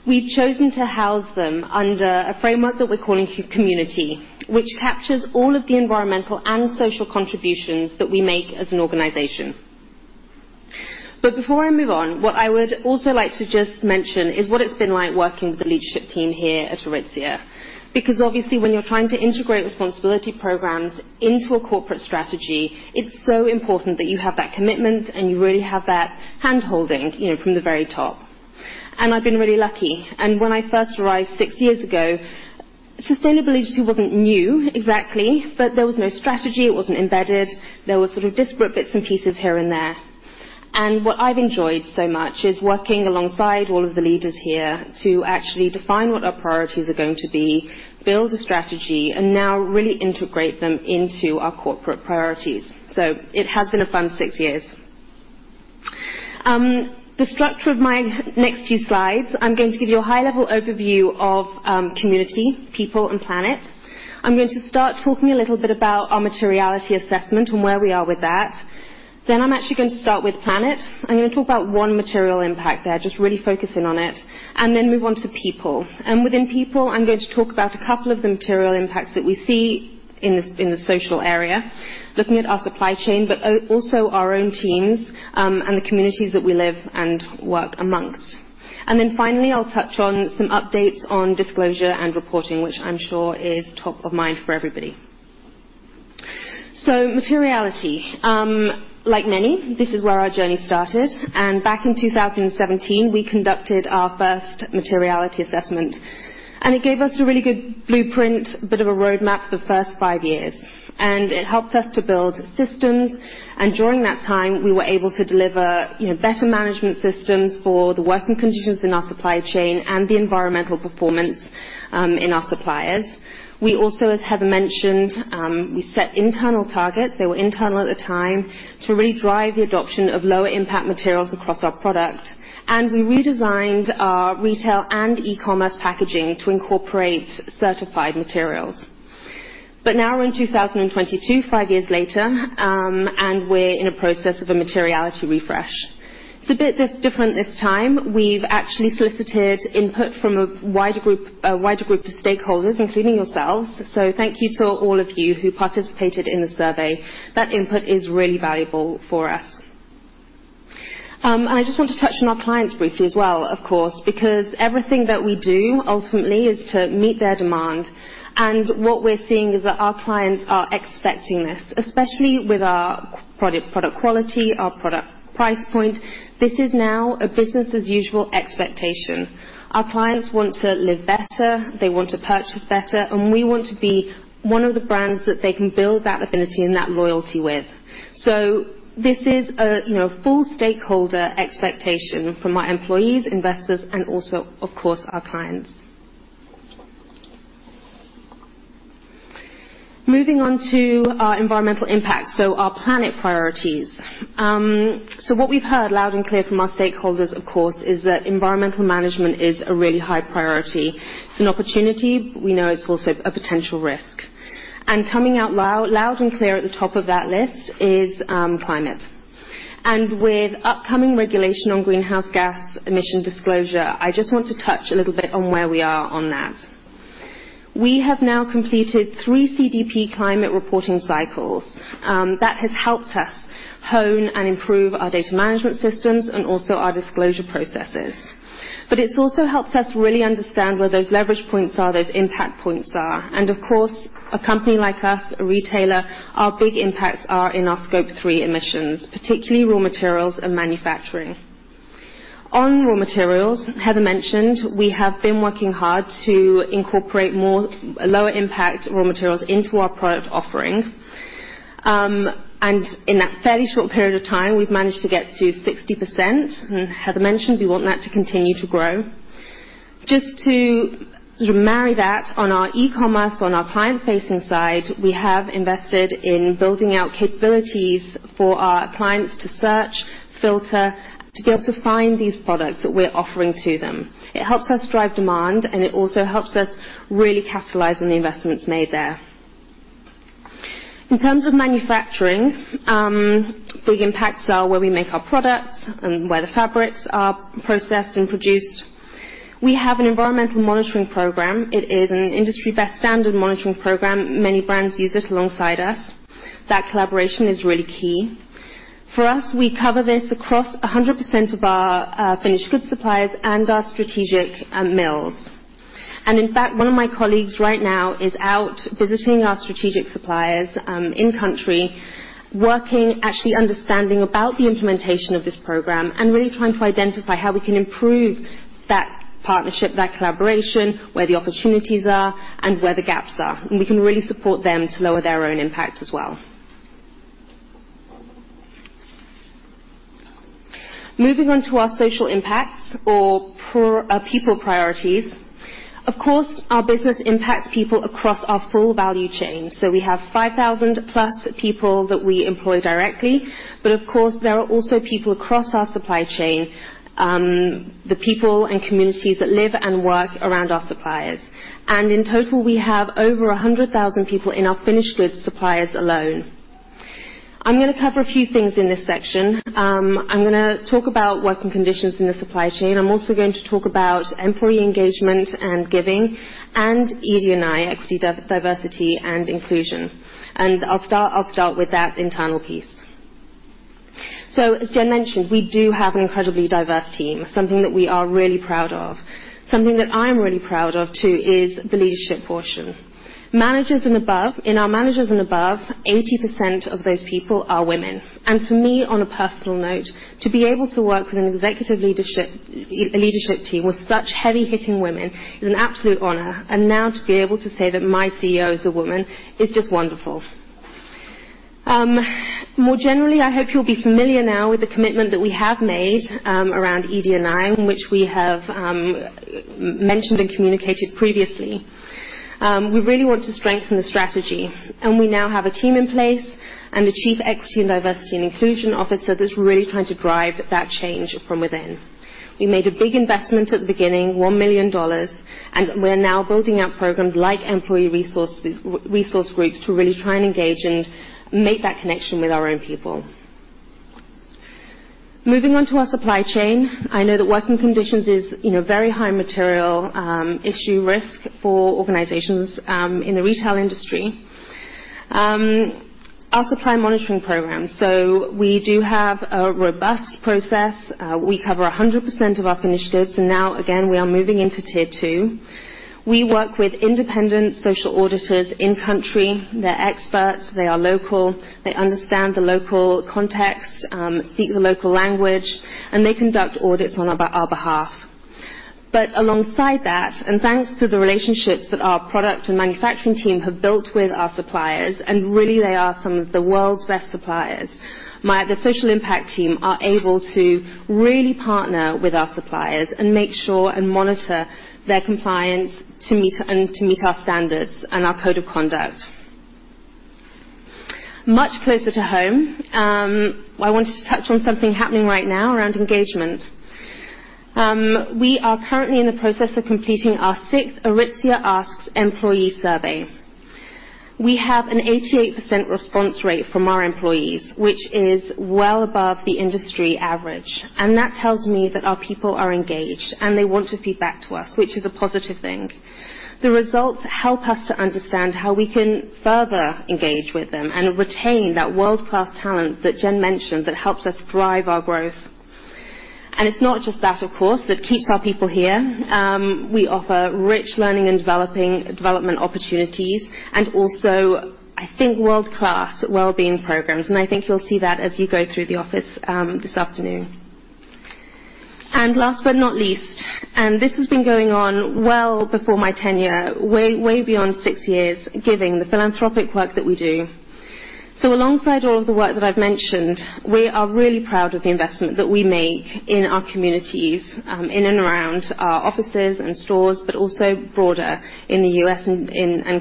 We've chosen to house them under a framework that we're calling Community, which captures all of the environmental and social contributions that we make as an organization. Before I move on, what I would also like to just mention is what it's been like working with the leadership team here at Aritzia. Because obviously, when you're trying to integrate responsibility programs into a corporate strategy, it's so important that you have that commitment and you really have that handholding, you know, from the very top. I've been really lucky. When I first arrived six years ago, sustainability wasn't new exactly, but there was no strategy. It wasn't embedded. There was sort of disparate bits and pieces here and there. What I've enjoyed so much is working alongside all of the leaders here to actually define what our priorities are going to be, build a strategy, and now really integrate them into our corporate priorities. It has been a fun six years. The structure of my next few slides, I'm going to give you a high-level overview of community, people and planet. I'm going to start talking a little bit about our materiality assessment and where we are with that. I'm actually going to start with planet. I'm gonna talk about one material impact there, just really focusing on it, and then move on to people. Within people, I'm going to talk about a couple of the material impacts that we see in the social area, looking at our supply chain, but also our own teams, and the communities that we live and work amongst. Finally, I'll touch on some updates on disclosure and reporting, which I'm sure is top of mind for everybody. Materiality. Like many, this is where our journey started, and back in 2017, we conducted our first materiality assessment, and it gave us a really good blueprint, a bit of a roadmap for the first five years, and it helped us to build systems. During that time, we were able to deliver, you know, better management systems for the working conditions in our supply chain and the environmental performance in our suppliers. We also, as Heather mentioned, we set internal targets, they were internal at the time, to really drive the adoption of lower impact materials across our product. We redesigned our retail and eCommerce packaging to incorporate certified materials. Now we're in 2022, five years later, and we're in a process of a materiality refresh. It's a bit different this time. We've actually solicited input from a wider group of stakeholders, including yourselves. Thank you to all of you who participated in the survey. That input is really valuable for us. I just want to touch on our clients briefly as well, of course, because everything that we do ultimately is to meet their demand. What we're seeing is that our clients are expecting this, especially with our product quality, our product price point. This is now a business as usual expectation. Our clients want to live better, they want to purchase better, and we want to be one of the brands that they can build that affinity and that loyalty with. This is a, you know, full stakeholder expectation from our employees, investors, and also, of course, our clients. Moving on to our environmental impact, our planet priorities. What we've heard loud and clear from our stakeholders, of course, is that environmental management is a really high priority. It's an opportunity. We know it's also a potential risk. Coming out loud and clear at the top of that list is climate. With upcoming regulation on greenhouse gas emissions disclosure, I just want to touch a little bit on where we are on that. We have now completed three CDP climate reporting cycles that has helped us hone and improve our data management systems and also our disclosure processes. It's also helped us really understand where those leverage points are, those impact points are. Of course, a company like us, a retailer, our big impacts are in our Scope 3 emissions, particularly raw materials and manufacturing. On raw materials, Heather mentioned we have been working hard to incorporate more lower impact raw materials into our product offering. In that fairly short period of time, we've managed to get to 60%, and Heather mentioned we want that to continue to grow. Just to marry that on our eCommerce, on our client-facing side, we have invested in building out capabilities for our clients to search, filter, to be able to find these products that we're offering to them. It helps us drive demand, and it also helps us really capitalize on the investments made there. In terms of manufacturing, big impacts are where we make our products and where the fabrics are processed and produced. We have an environmental monitoring program. It is an industry best standard monitoring program. Many brands use it alongside us. That collaboration is really key. For us, we cover this across 100% of our finished goods suppliers and our strategic mills. In fact, one of my colleagues right now is out visiting our strategic suppliers in country, working actually understanding about the implementation of this program and really trying to identify how we can improve that partnership, that collaboration, where the opportunities are and where the gaps are, and we can really support them to lower their own impact as well. Moving on to our social impacts or people priorities. Our business impacts people across our full value chain, so we have 5,000+ people that we employ directly. Of course, there are also people across our supply chain, the people and communities that live and work around our suppliers. In total, we have over 100,000 people in our finished goods suppliers alone. I'm gonna cover a few things in this section. I'm gonna talk about working conditions in the supply chain. I'm also going to talk about employee engagement and giving and ED&I, equity, diversity and inclusion. I'll start with that internal piece. As Jen mentioned, we do have an incredibly diverse team, something that we are really proud of. Something that I'm really proud of too is the leadership portion. Managers and above... In our managers and above, 80% of those people are women. For me, on a personal note, to be able to work with an executive leadership, a leadership team with such heavy-hitting women is an absolute honor. Now to be able to say that my CEO is a woman is just wonderful. More generally, I hope you'll be familiar now with the commitment that we have made, around ED&I, which we have, mentioned and communicated previously. We really want to strengthen the strategy, and we now have a team in place and a chief equity and diversity and inclusion officer that's really trying to drive that change from within. We made a big investment at the beginning, 1 million dollars, and we're now building out programs like employee resource groups to really try and engage and make that connection with our own people. Moving on to our supply chain. I know that working conditions is, you know, very high materiality issue risk for organizations in the retail industry. Our supply monitoring program. We do have a robust process. We cover 100% of our finished goods, and now again, we are moving into tier two. We work with independent social auditors in-country. They're experts. They are local. They understand the local context, speak the local language, and they conduct audits on our behalf. Alongside that, and thanks to the relationships that our product and manufacturing team have built with our suppliers, and really, they are some of the world's best suppliers. The social impact team are able to really partner with our suppliers and make sure and monitor their compliance to meet our standards and our code of conduct. Much closer to home, I wanted to touch on something happening right now around engagement. We are currently in the process of completing our sixth Aritzia Asks employee survey. We have an 88% response rate from our employees, which is well above the industry average. That tells me that our people are engaged and they want to feed back to us, which is a positive thing. The results help us to understand how we can further engage with them and retain that world-class talent that Jen mentioned that helps us drive our growth. It's not just that, of course, that keeps our people here. We offer rich learning and development opportunities and also, I think, world-class wellbeing programs. I think you'll see that as you go through the office this afternoon. Last but not least, this has been going on well before my tenure, way beyond six years, given the philanthropic work that we do. Alongside all of the work that I've mentioned, we are really proud of the investment that we make in our communities in and around our offices and stores, but also broader in the U.S. and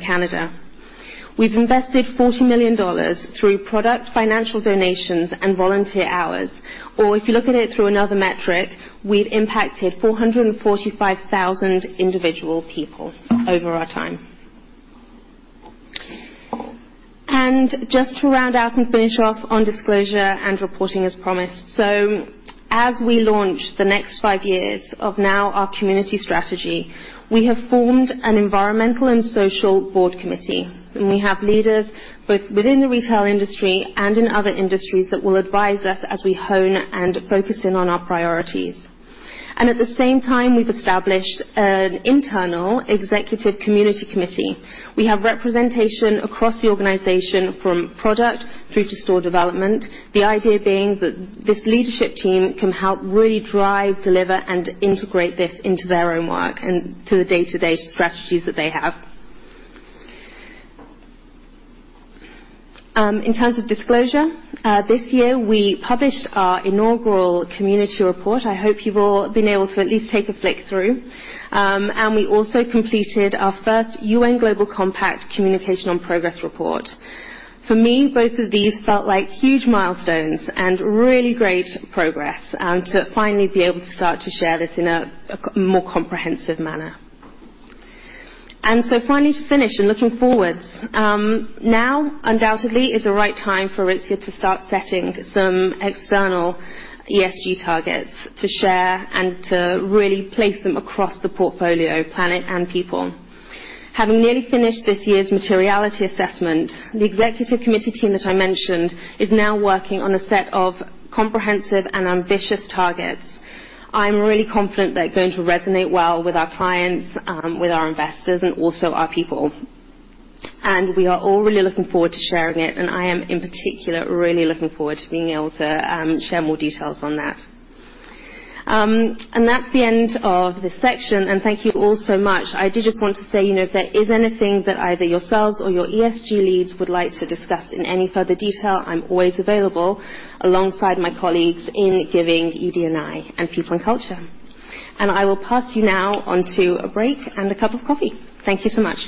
Canada. We've invested 40 million dollars through product financial donations and volunteer hours or if you're looking at it through another metric, we've impacted 445,000 individual people over our time. Just to round out and finish off on disclosure and reporting as promised. As we launch the next five years of now our community strategy, we have formed an environmental and social board committee, and we have leaders both within the retail industry and in other industries that will advise us as we hone and focus in on our priorities. At the same time, we've established an internal executive community committee. We have representation across the organization from product through to store development. The idea being that this leadership team can help really drive, deliver, and integrate this into their own work and to the day-to-day strategies that they have. In terms of disclosure, this year, we published our inaugural community report. I hope you've all been able to at least take a flick through. We also completed our first UN Global Compact Communication on Progress report. For me, both of these felt like huge milestones and really great progress, to finally be able to start to share this in a more comprehensive manner. Finally, to finish and looking forwards. Now, undoubtedly is the right time for Aritzia to start setting some external ESG targets to share and to really place them across the portfolio, planet and people. Having nearly finished this year's materiality assessment, the executive committee team that I mentioned is now working on a set of comprehensive and ambitious targets. I'm really confident they're going to resonate well with our clients, with our investors, and also our people. We are all really looking forward to sharing it, and I am, in particular, really looking forward to being able to, share more details on that. That's the end of this section, and thank you all so much. I did just want to say, you know, if there is anything that either yourselves or your ESG leads would like to discuss in any further detail, I'm always available alongside my colleagues in giving ED&I and people and culture. I will pass you now on to a break and a cup of coffee. Thank you so much.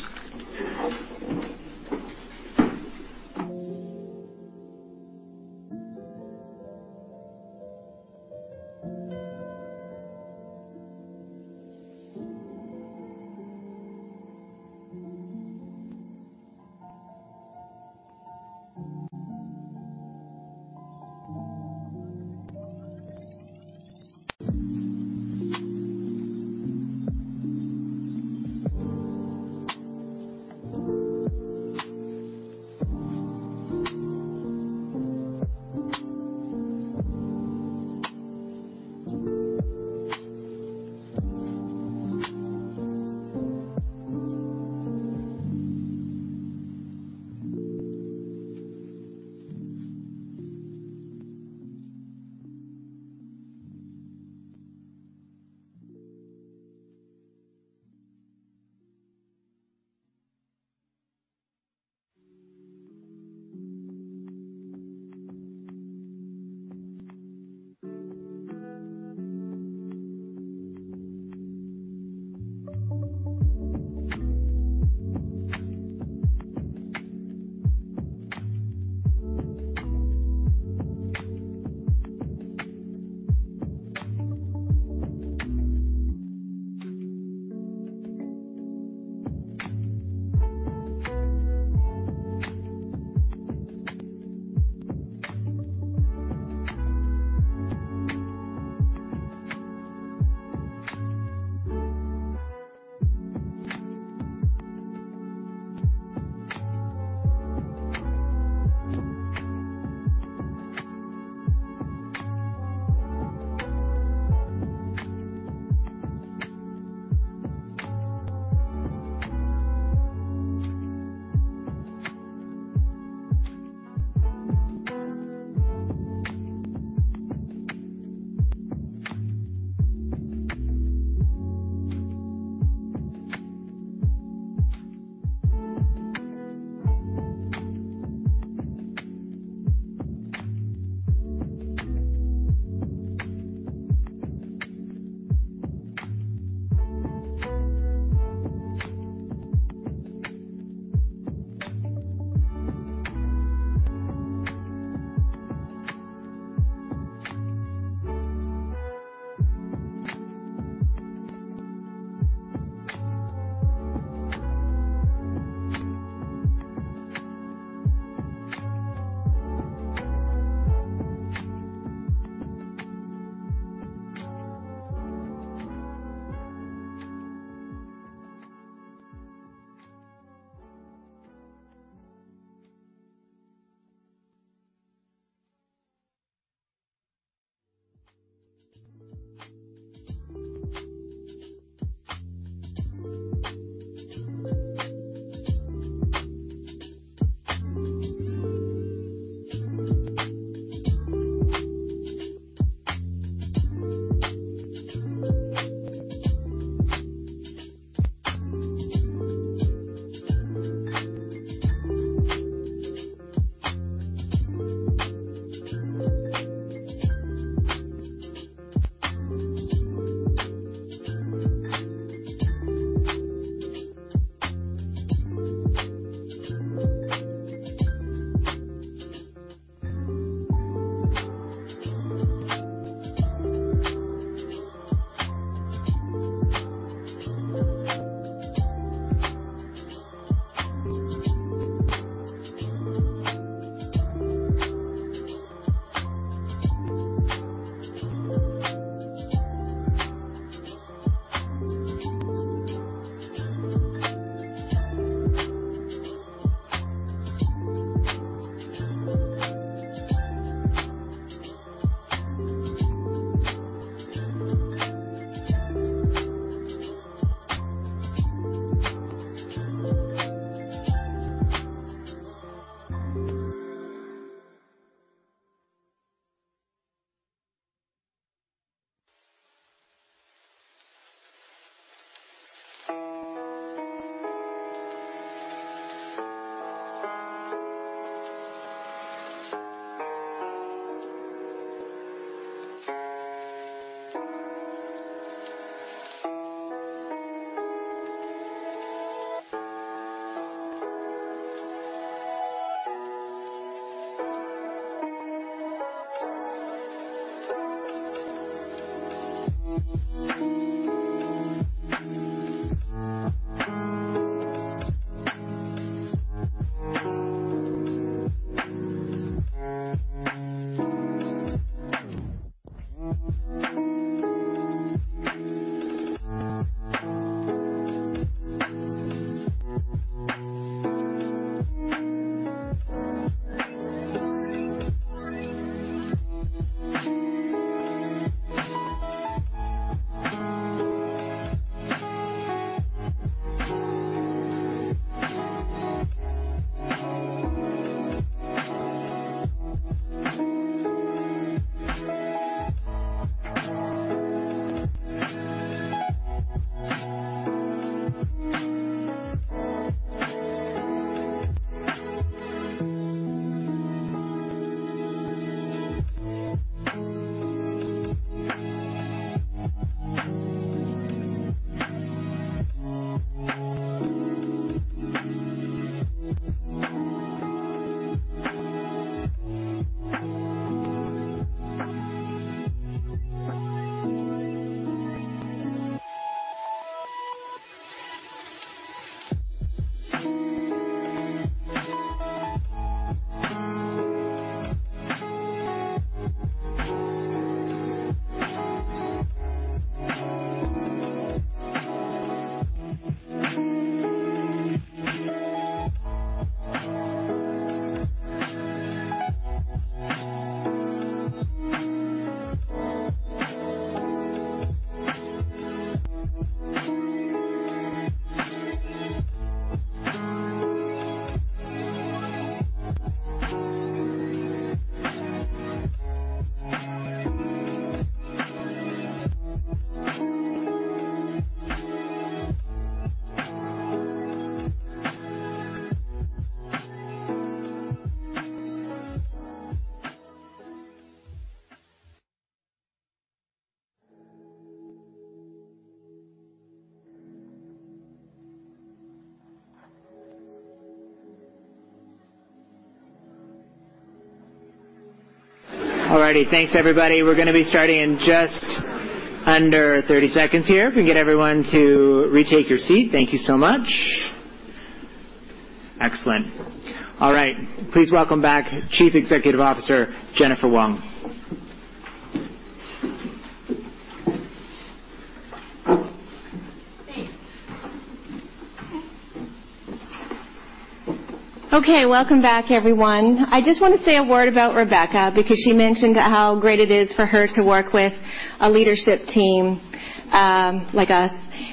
All righty. Thanks, everybody. We're gonna be starting in just under 30 seconds here. If we can get everyone to retake your seat. Thank you so much. Excellent. All right. Please welcome back Chief Executive Officer, Jennifer Wong. Thanks. Okay, welcome back, everyone. I just wanna say a word about Rebecca because she mentioned how great it is for her to work with a leadership team, like us.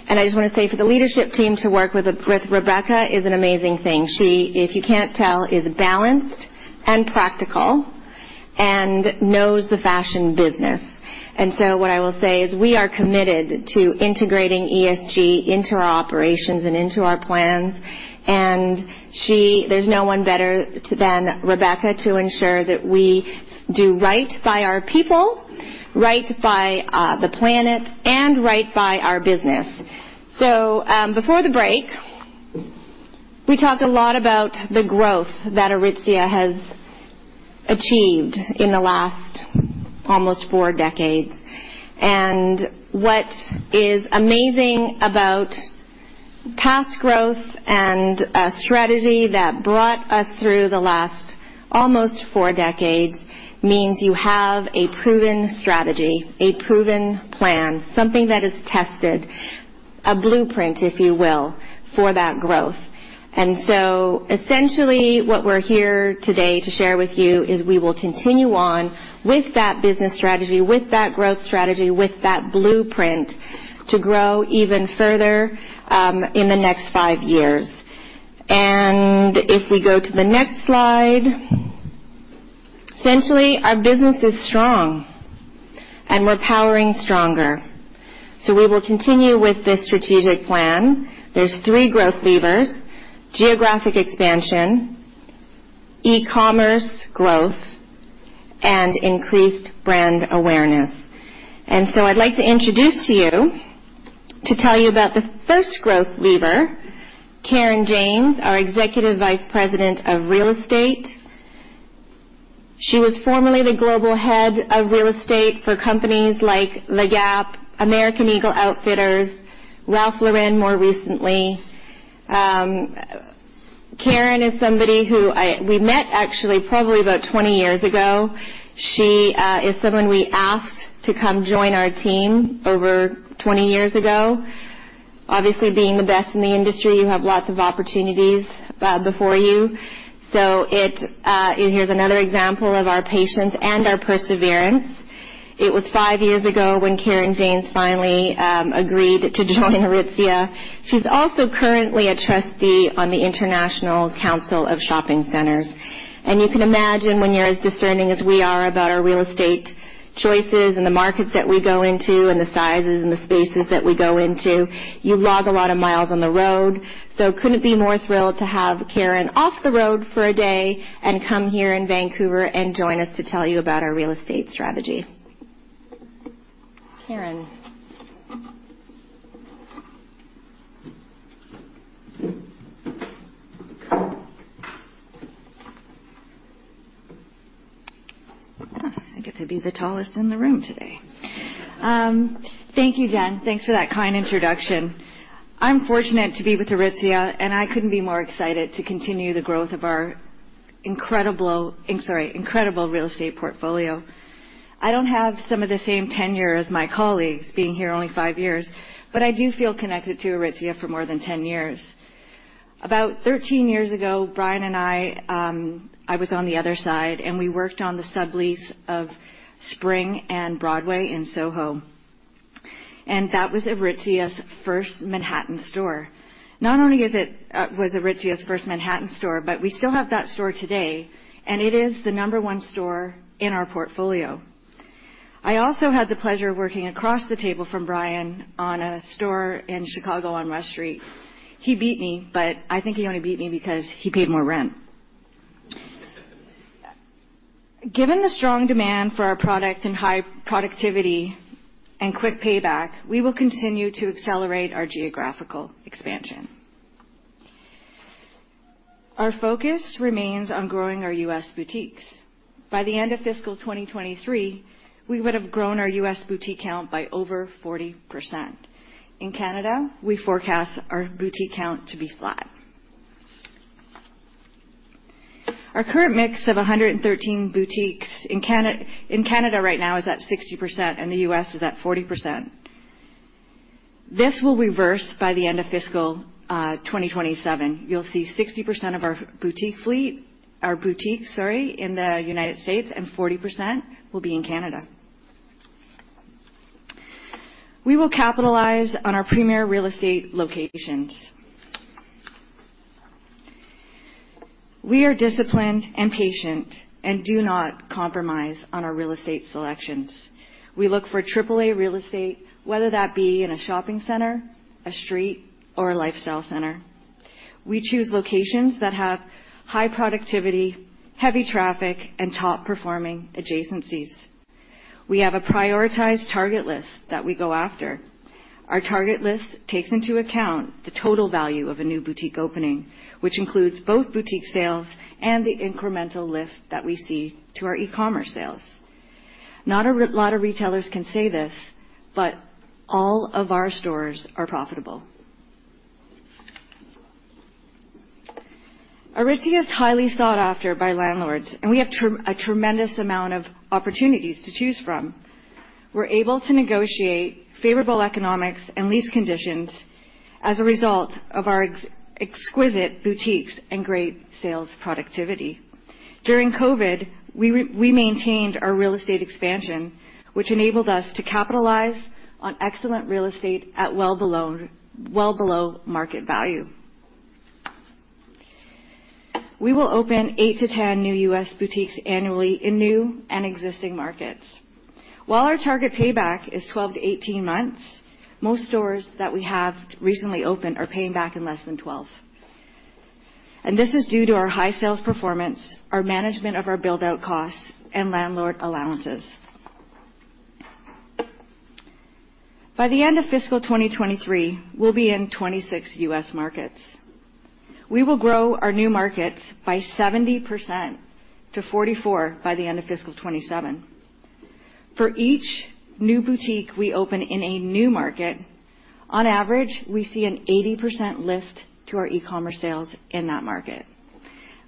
I just wanna say for the leadership team to work with Rebecca is an amazing thing. She, if you can't tell, is balanced and practical and knows the fashion business. What I will say is we are committed to integrating ESG into our operations and into our plans. There's no one better than Rebecca to ensure that we do right by our people, right by the planet, and right by our business. Before the break, we talked a lot about the growth that Aritzia has achieved in the last almost four decades. What is amazing about past growth and a strategy that brought us through the last almost four decades means you have a proven strategy, a proven plan, something that is tested, a blueprint, if you will, for that growth. Essentially, what we're here today to share with you is we will continue on with that business strategy, with that growth strategy, with that blueprint to grow even further, in the next five years. If we go to the next slide. Essentially, our business is strong, and we're powering stronger. We will continue with this strategic plan. There's three growth levers: geographic expansion, eCommerce growth, and increased brand awareness. I'd like to introduce to you to tell you about the first growth lever, Karen Janes, our Executive Vice President of Real Estate. She was formerly the global head of real estate for companies like The Gap, American Eagle Outfitters, Ralph Lauren, more recently. Karen is somebody who we met actually probably about 20 years ago. She is someone we asked to come join our team over 20 years ago. Obviously, being the best in the industry, you have lots of opportunities before you. Here's another example of our patience and our perseverance. It was five years ago when Karen Janes finally agreed to join Aritzia. She's also currently a trustee on the International Council of Shopping Centers. You can imagine when you're as discerning as we are about our real estate choices and the markets that we go into and the sizes and the spaces that we go into, you log a lot of miles on the road. Couldn't be more thrilled to have Karen off the road for a day and come here in Vancouver and join us to tell you about our real estate strategy. Karen. I get to be the tallest in the room today. Thank you, Jen. Thanks for that kind introduction. I'm fortunate to be with Aritzia, and I couldn't be more excited to continue the growth of our incredible real estate portfolio. I don't have some of the same tenure as my colleagues, being here only five years, but I do feel connected to Aritzia for more than 10 years. About 13 years ago, Brian and I was on the other side, and we worked on the sublease of Spring and Broadway in SoHo. That was Aritzia's first Manhattan store. Not only was it Aritzia's first Manhattan store, but we still have that store today, and it is the number one store in our portfolio. I also had the pleasure of working across the table from Brian on a store in Chicago on Rush Street. He beat me, but I think he only beat me because he paid more rent. Given the strong demand for our product and high productivity and quick payback, we will continue to accelerate our geographical expansion. Our focus remains on growing our U.S. boutiques. By the end of fiscal 2023, we would have grown our U.S. boutique count by over 40%. In Canada, we forecast our boutique count to be flat. Our current mix of 113 boutiques in Canada right now is at 60%, and the U.S. is at 40%. This will reverse by the end of fiscal 2027. You'll see 60% of our boutique fleet, our boutiques, sorry, in the United States, and 40% will be in Canada. We will capitalize on our premier real estate locations. We are disciplined and patient and do not compromise on our real estate selections. We look for triple A real estate, whether that be in a shopping center, a street, or a lifestyle center. We choose locations that have high productivity, heavy traffic, and top-performing adjacencies. We have a prioritized target list that we go after. Our target list takes into account the total value of a new boutique opening, which includes both boutique sales and the incremental lift that we see to our eCommerce sales. Not a lot of retailers can say this, but all of our stores are profitable. Aritzia is highly sought after by landlords, and we have a tremendous amount of opportunities to choose from. We're able to negotiate favorable economics and lease conditions as a result of our exquisite boutiques and great sales productivity. During COVID, we maintained our real estate expansion, which enabled us to capitalize on excellent real estate at well below market value. We will open 8-10 new U.S. boutiques annually in new and existing markets. While our target payback is 12-18 months, most stores that we have recently opened are paying back in less than 12. This is due to our high sales performance, our management of our build-out costs, and landlord allowances. By the end of fiscal 2023, we'll be in 26 U.S. markets. We will grow our new markets by 70% to 44 by the end of fiscal 2027. For each new boutique we open in a new market, on average, we see an 80% lift to our eCommerce sales in that market.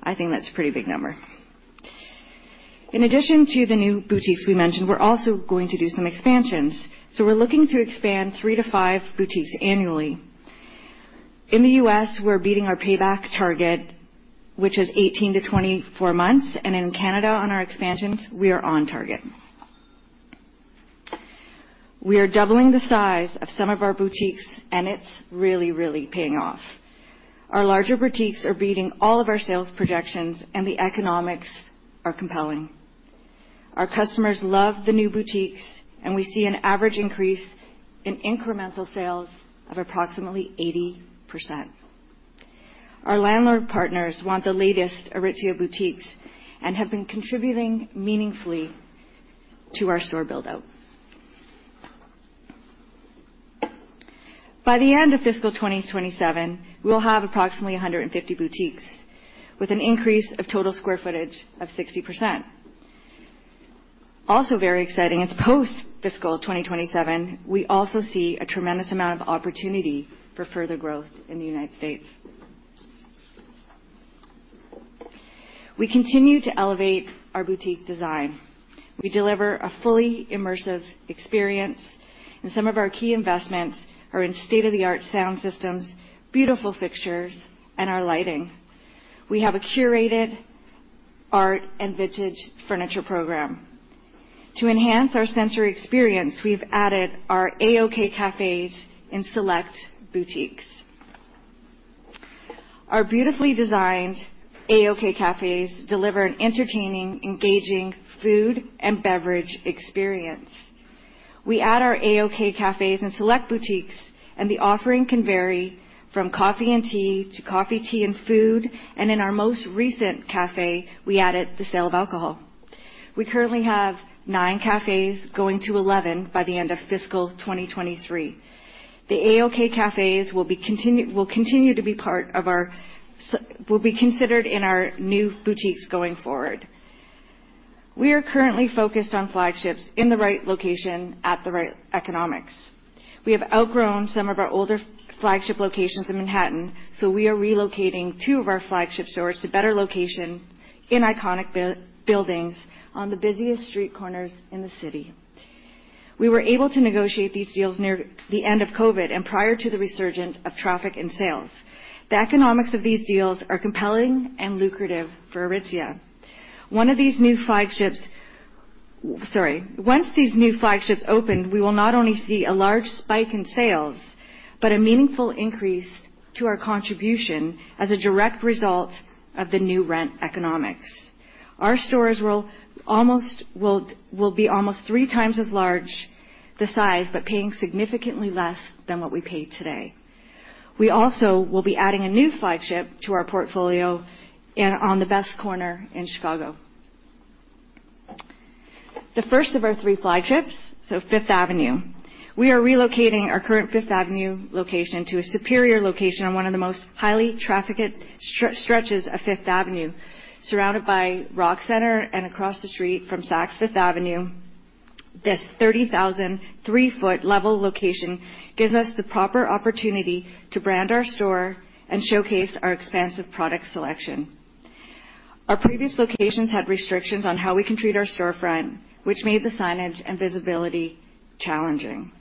I think that's a pretty big number. In addition to the new boutiques we mentioned, we're also going to do some expansions. We're looking to expand 3-5 boutiques annually. In the U.S., we're beating our payback target, which is 18-24 months, and in Canada on our expansions, we are on target. We are doubling the size of some of our boutiques, and it's really, really paying off. Our larger boutiques are beating all of our sales projections, and the economics are compelling. Our customers love the new boutiques, and we see an average increase in incremental sales of approximately 80%. Our landlord partners want the latest Aritzia boutiques and have been contributing meaningfully to our store build-out. By the end of fiscal 2027, we'll have approximately 150 boutiques with an increase of total square footage of 60%. Also very exciting is post-fiscal 2027, we also see a tremendous amount of opportunity for further growth in the United States. We continue to elevate our boutique design. We deliver a fully immersive experience, and some of our key investments are in state-of-the-art sound systems, beautiful fixtures, and our lighting. We have a curated art and vintage furniture program. To enhance our sensory experience, we've added our A-OK cafes in select boutiques. Our beautifully designed A-OK cafes deliver an entertaining, engaging food and beverage experience. We add our A-OK cafes in select boutiques, and the offering can vary from coffee and tea to coffee, tea, and food. In our most recent cafe, we added the sale of alcohol. We currently have nine cafes going to 11 by the end of fiscal 2023. The A-OK cafes will continue to be considered in our new boutiques going forward. We are currently focused on flagships in the right location at the right economics. We have outgrown some of our older flagship locations in Manhattan, so we are relocating two of our flagship stores to better locations in iconic buildings on the busiest street corners in the city. We were able to negotiate these deals near the end of COVID and prior to the resurgence of traffic and sales. The economics of these deals are compelling and lucrative for Aritzia. One of these new flagships. Once these new flagships open, we will not only see a large spike in sales, but a meaningful increase to our contribution as a direct result of the new rent economics. Our stores will be almost three times as large the size, but paying significantly less than what we pay today. We also will be adding a new flagship to our portfolio on the best corner in Chicago. The first of our three flagships, so Fifth Avenue. We are relocating our current Fifth Avenue location to a superior location on one of the most highly trafficked stretches of Fifth Avenue, surrounded by Rockefeller Center and across the street from Saks Fifth Avenue. This 30,000 sq ft level location gives us the proper opportunity to brand our store and showcase our expansive product selection. Our previous locations had restrictions on how we can treat our storefront, which made the signage and visibility challenging.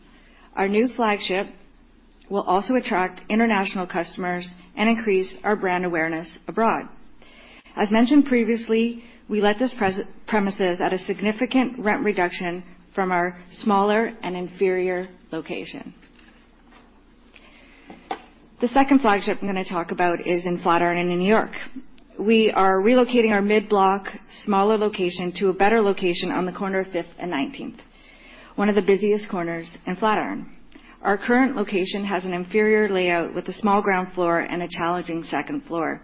Our new flagship will also attract international customers and increase our brand awareness abroad. As mentioned previously, we let this premises at a significant rent reduction from our smaller and inferior location. The second flagship I'm gonna talk about is in Flatiron in New York. We are relocating our mid-block, smaller location to a better location on the corner of Fifth and 19th, one of the busiest corners in Flatiron. Our current location has an inferior layout with a small ground floor and a challenging second floor.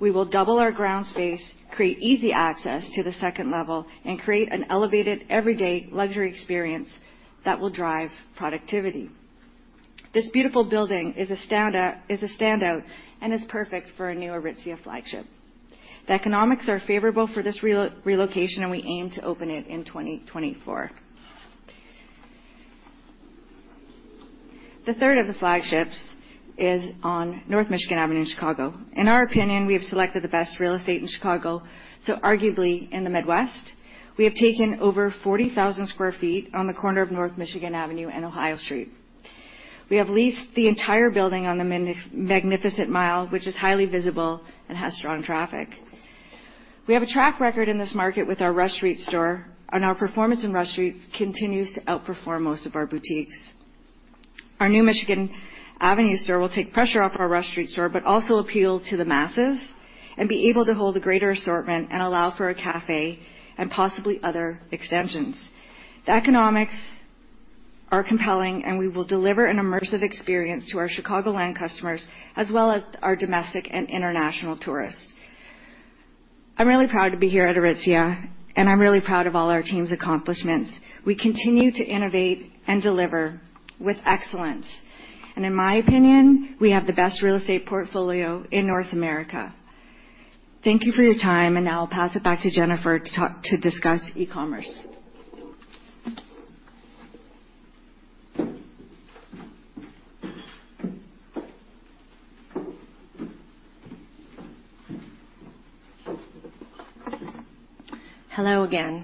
We will double our ground space, create easy access to the second level, and create an elevated, Everyday Luxury experience that will drive productivity. This beautiful building is a standout and is perfect for a new Aritzia flagship. The economics are favorable for this relocation, and we aim to open it in 2024. The third of the flagships is on North Michigan Avenue in Chicago. In our opinion, we have selected the best real estate in Chicago, so arguably in the Midwest. We have taken over 40,000 sq ft on the corner of North Michigan Avenue and Ohio Street. We have leased the entire building on the Magnificent Mile, which is highly visible and has strong traffic. We have a track record in this market with our Rush Street store, and our performance in Rush Street continues to outperform most of our boutiques. Our new Michigan Avenue store will take pressure off our Rush Street store but also appeal to the masses and be able to hold a greater assortment and allow for a cafe and possibly other extensions. The economics are compelling, and we will deliver an immersive experience to our Chicagoland customers, as well as our domestic and international tourists. I'm really proud to be here at Aritzia, and I'm really proud of all our team's accomplishments. We continue to innovate and deliver with excellence, and in my opinion, we have the best real estate portfolio in North America. Thank you for your time, and now I'll pass it back to Jennifer to discuss eCommerce. Hello again.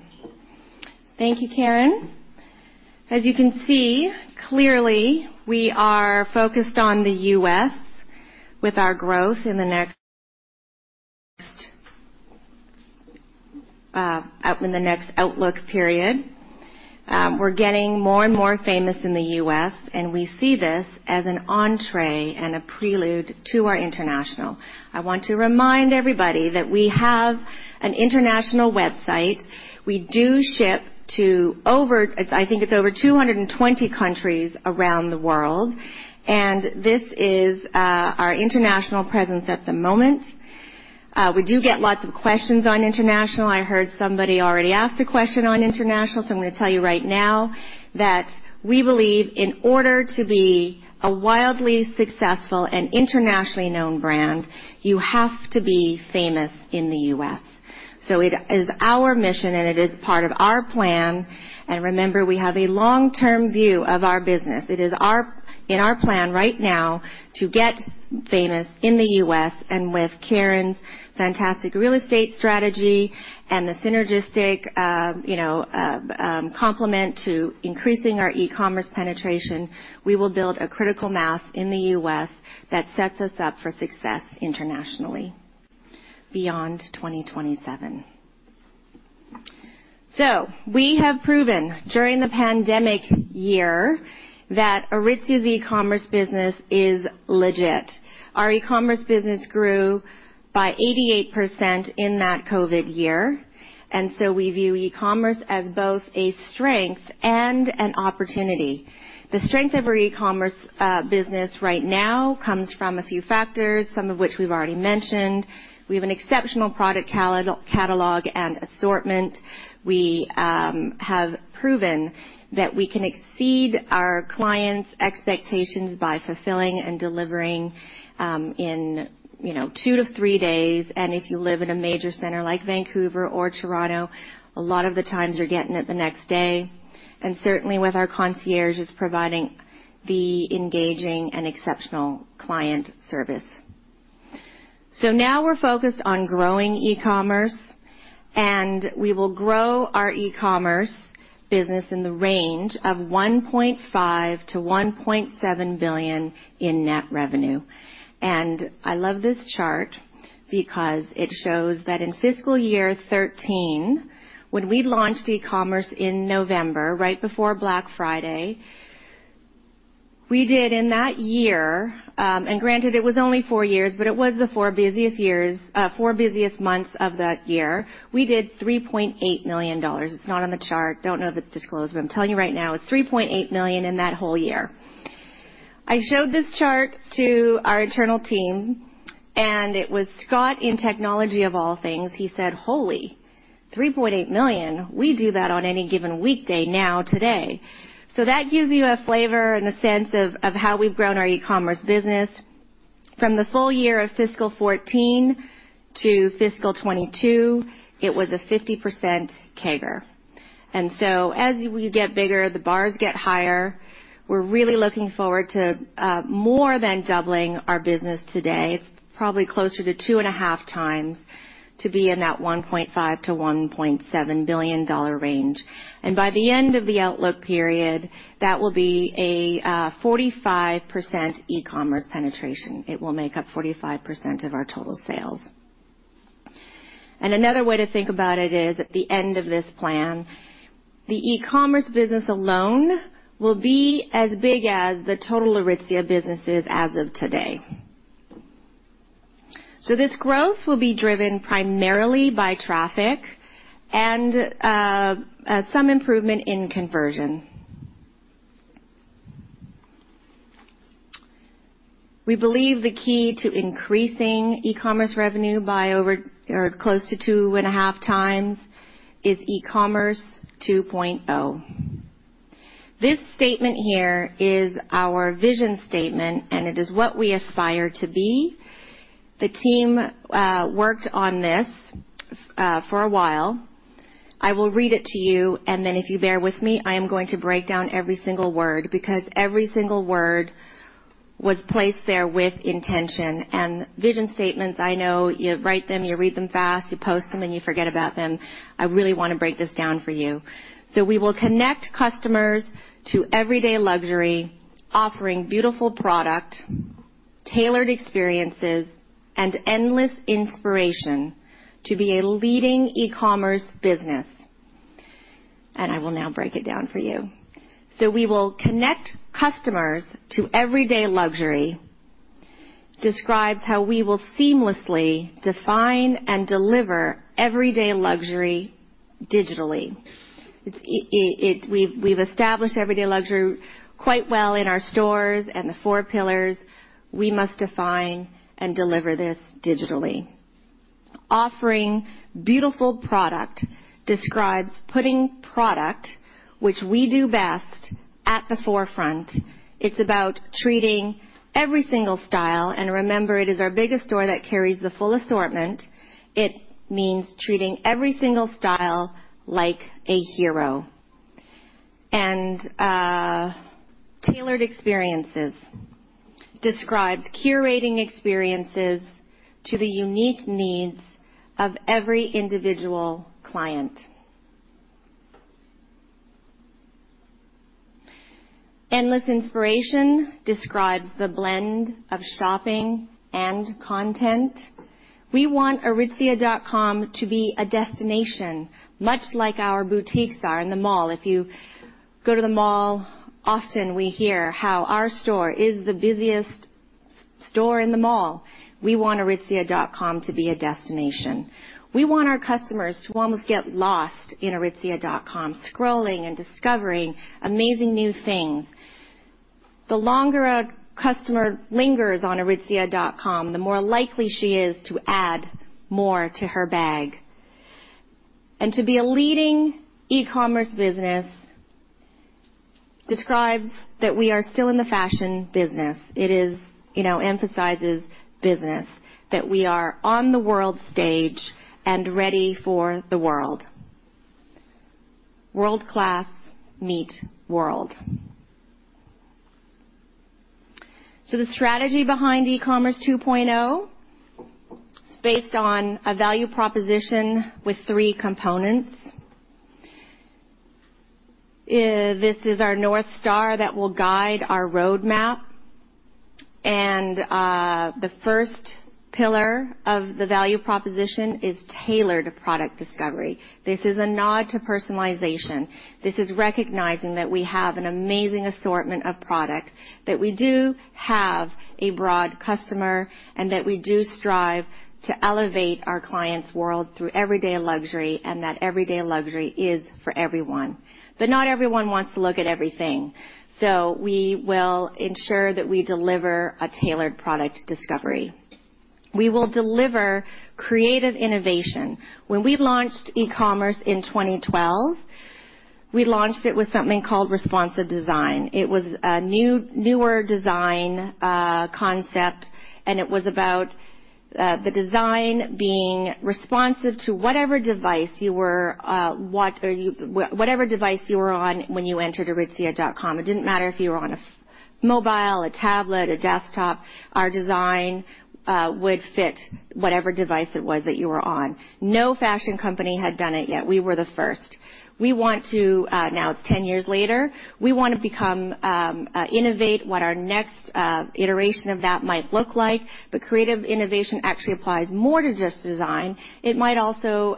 Thank you, Karen. As you can see, clearly, we are focused on the U.S. with our growth in the next outlook period. We're getting more and more famous in the U.S., and we see this as an entree and a prelude to our international. I want to remind everybody that we have an international website. We do ship to over 220 countries around the world, and this is our international presence at the moment. We do get lots of questions on international. I heard somebody already asked a question on international, so I'm gonna tell you right now that we believe in order to be a wildly successful and internationally known brand, you have to be famous in the U.S. It is our mission, and it is part of our plan. Remember, we have a long-term view of our business. It is our plan right now to get famous in the U.S. and with Karen's fantastic real estate strategy and the synergistic complement to increasing our eCommerce penetration. We will build a critical mass in the U.S. that sets us up for success internationally beyond 2027. We have proven during the pandemic year that Aritzia's eCommerce business is legit. Our eCommerce business grew by 88% in that COVID year, and we view eCommerce as both a strength and an opportunity. The strength of our eCommerce business right now comes from a few factors, some of which we've already mentioned. We have an exceptional product catalog and assortment. We have proven that we can exceed our clients' expectations by fulfilling and delivering, you know, in 2-3 days. If you live in a major center like Vancouver or Toronto, a lot of the times you're getting it the next day. Certainly, with our concierges providing the engaging and exceptional client service. Now we're focused on growing eCommerce, and we will grow our eCommerce business in the range of 1.5 billion-1.7 billion in net revenue. I love this chart because it shows that in fiscal year 2013, when we launched eCommerce in November, right before Black Friday, we did in that year, and granted it was only four months, but it was the four busiest months of that year. We did 3.8 million dollars. It's not on the chart. Don't know if it's disclosed, but I'm telling you right now, it's 3.8 million in that whole year. I showed this chart to our internal team, and it was Scott in technology of all things. He said, "Holy. 3.8 million. We do that on any given weekday now today." That gives you a flavor and a sense of how we've grown our eCommerce business. From the full year of fiscal 2014 to fiscal 2022, it was a 50% CAGR. As we get bigger, the bars get higher. We're really looking forward to more than doubling our business today. It's probably closer to 2.5x to be in that 1.5 billion-1.7 billion dollar range. By the end of the outlook period, that will be a 45% eCommerce penetration. It will make up 45% of our total sales. Another way to think about it is at the end of this plan, the eCommerce business alone will be as big as the total Aritzia businesses as of today. This growth will be driven primarily by traffic and some improvement in conversion. We believe the key to increasing eCommerce revenue by over or close to two and a half times is eCommerce 2.0. This statement here is our vision statement, and it is what we aspire to be. The team worked on this for a while. I will read it to you, and then if you bear with me, I am going to break down every single word because every single word was placed there with intention. Vision statements, I know you write them, you read them fast, you post them, and you forget about them. I really want to break this down for you. We will connect customers to Everyday Luxury, offering beautiful product, tailored experiences, and endless inspiration to be a leading eCommerce business. I will now break it down for you. We will connect customers to Everyday Luxury. Describes how we will seamlessly define and deliver Everyday Luxury digitally. We've established Everyday Luxury quite well in our stores and the four pillars. We must define and deliver this digitally. Offering beautiful product describes putting product which we do best at the forefront. It's about treating every single style, and remember, it is our biggest store that carries the full assortment. It means treating every single style like a hero. Tailored experiences describes curating experiences to the unique needs of every individual client. Endless inspiration describes the blend of shopping and content. We want aritzia.com to be a destination, much like our boutiques are in the mall. If you go to the mall, often we hear how our store is the busiest store in the mall. We want aritzia.com to be a destination. We want our customers to almost get lost in aritzia.com, scrolling and discovering amazing new things. The longer a customer lingers on aritzia.com, the more likely she is to add more to her bag. To be a leading eCommerce business describes that we are still in the fashion business. It is, you know, emphasizes business, that we are on the world stage and ready for the world. World-class meet world. The strategy behind eCommerce 2.0, it's based on a value proposition with three components. This is our North Star that will guide our roadmap. The first pillar of the value proposition is tailored product discovery. This is a nod to personalization. This is recognizing that we have an amazing assortment of product, that we do have a broad customer, and that we do strive to elevate our clients' world through Everyday Luxury, and that Everyday Luxury is for everyone. Not everyone wants to look at everything. We will ensure that we deliver a tailored product discovery. We will deliver creative innovation. When we launched eCommerce in 2012, we launched it with something called responsive design. It was a new, newer design concept, and it was about the design being responsive to whatever device you were on when you entered aritzia.com. It didn't matter if you were on a mobile, a tablet, a desktop. Our design would fit whatever device it was that you were on. No fashion company had done it yet. We were the first. We want to. Now it's 10 years later. We wanna innovate what our next iteration of that might look like. Creative innovation actually applies more to just design. It might also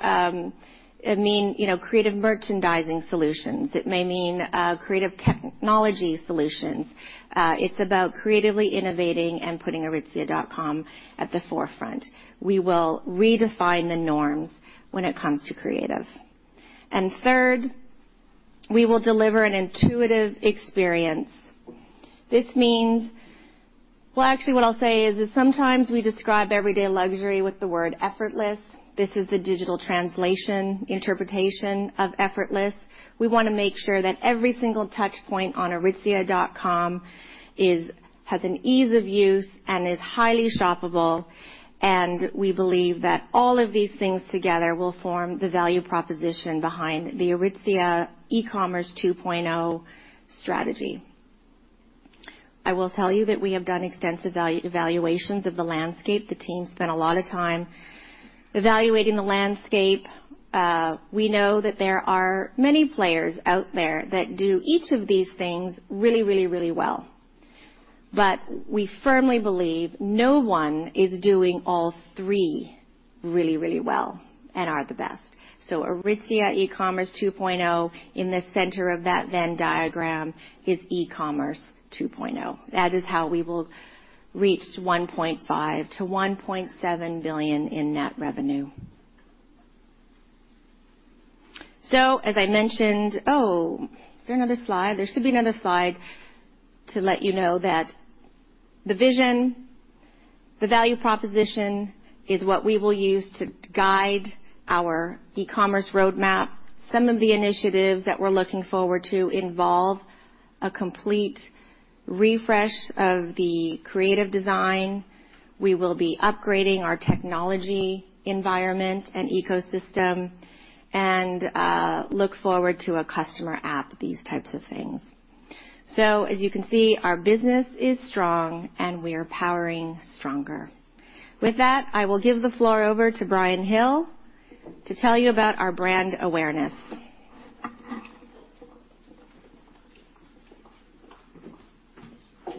mean, you know, creative merchandising solutions. It may mean creative technology solutions. It's about creatively innovating and putting aritzia.com at the forefront. We will redefine the norms when it comes to creative. Third, we will deliver an intuitive experience. This means, well, actually, what I'll say is that sometimes we describe Everyday Luxury with the word effortless. This is the digital translation interpretation of effortless. We wanna make sure that every single touch point on aritzia.com is has an ease of use and is highly shoppable. We believe that all of these things together will form the value proposition behind the Aritzia eCommerce 2.0 strategy. I will tell you that we have done extensive value evaluations of the landscape. The team spent a lot of time evaluating the landscape. We know that there are many players out there that do each of these things really, really, really well. We firmly believe no one is doing all three really, really well and are the best. Aritzia eCommerce 2.0 in the center of that Venn diagram is eCommerce 2.0. That is how we will reach 1.5 billion-1.7 billion in net revenue. As I mentioned. Oh, is there another slide? There should be another slide to let you know that the vision, the value proposition is what we will use to guide our eCommerce roadmap. Some of the initiatives that we're looking forward to involve a complete refresh of the creative design. We will be upgrading our technology environment and ecosystem, and look forward to a customer app, these types of things. As you can see, our business is strong, and we are powering stronger. With that, I will give the floor over to Brian Hill to tell you about our brand awareness. They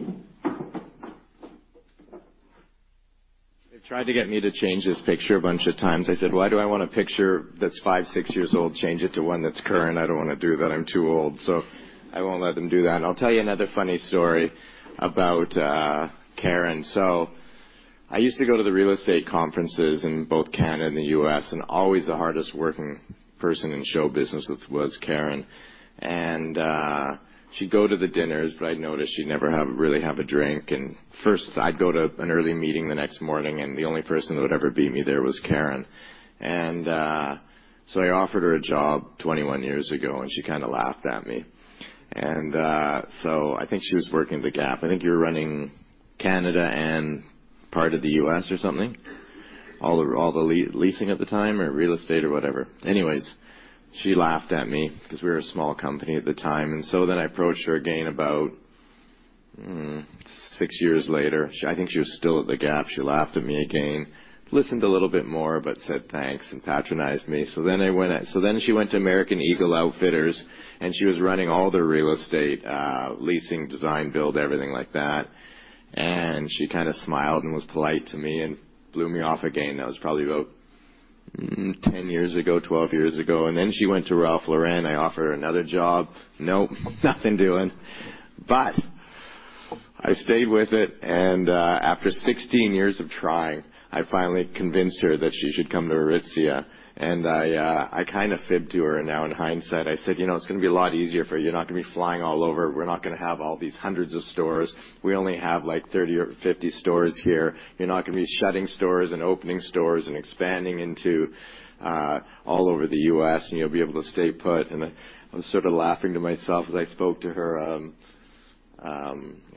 tried to get me to change this picture a bunch of times. I said, "Why do I want a picture that's five, six years old, change it to one that's current? I don't wanna do that. I'm too old." I won't let them do that. I'll tell you another funny story about Karen. I used to go to the real estate conferences in both Canada and the U.S., and always the hardest working person in show business was Karen. She'd go to the dinners, but I noticed she'd never really have a drink. First, I'd go to an early meeting the next morning, and the only person that would ever beat me there was Karen. I offered her a job 21 years ago, and she kinda laughed at me. I think she was working at The Gap. I think you were running Canada and part of the U.S. or something, all the leasing at the time or real estate or whatever. Anyways, she laughed at me because we were a small company at the time. I approached her again about six years later. I think she was still at The Gap. She laughed at me again, listened a little bit more, but said, "Thanks," and patronized me. She went to American Eagle Outfitters, and she was running all their real estate, leasing, design, build, everything like that. She kinda smiled and was polite to me and blew me off again. That was probably about 10 years ago, 12 years ago. She went to Ralph Lauren. I offered her another job. Nope, nothing doing. I stayed with it, and after 16 years of trying, I finally convinced her that she should come to Aritzia. I kinda fibbed to her, now in hindsight. I said, "You know, it's gonna be a lot easier for you. You're not gonna be flying all over. We're not gonna have all these hundreds of stores. We only have, like, 30 or 50 stores here. You're not gonna be shutting stores and opening stores and expanding into all over the U.S., and you'll be able to stay put." I was sort of laughing to myself as I spoke to her. I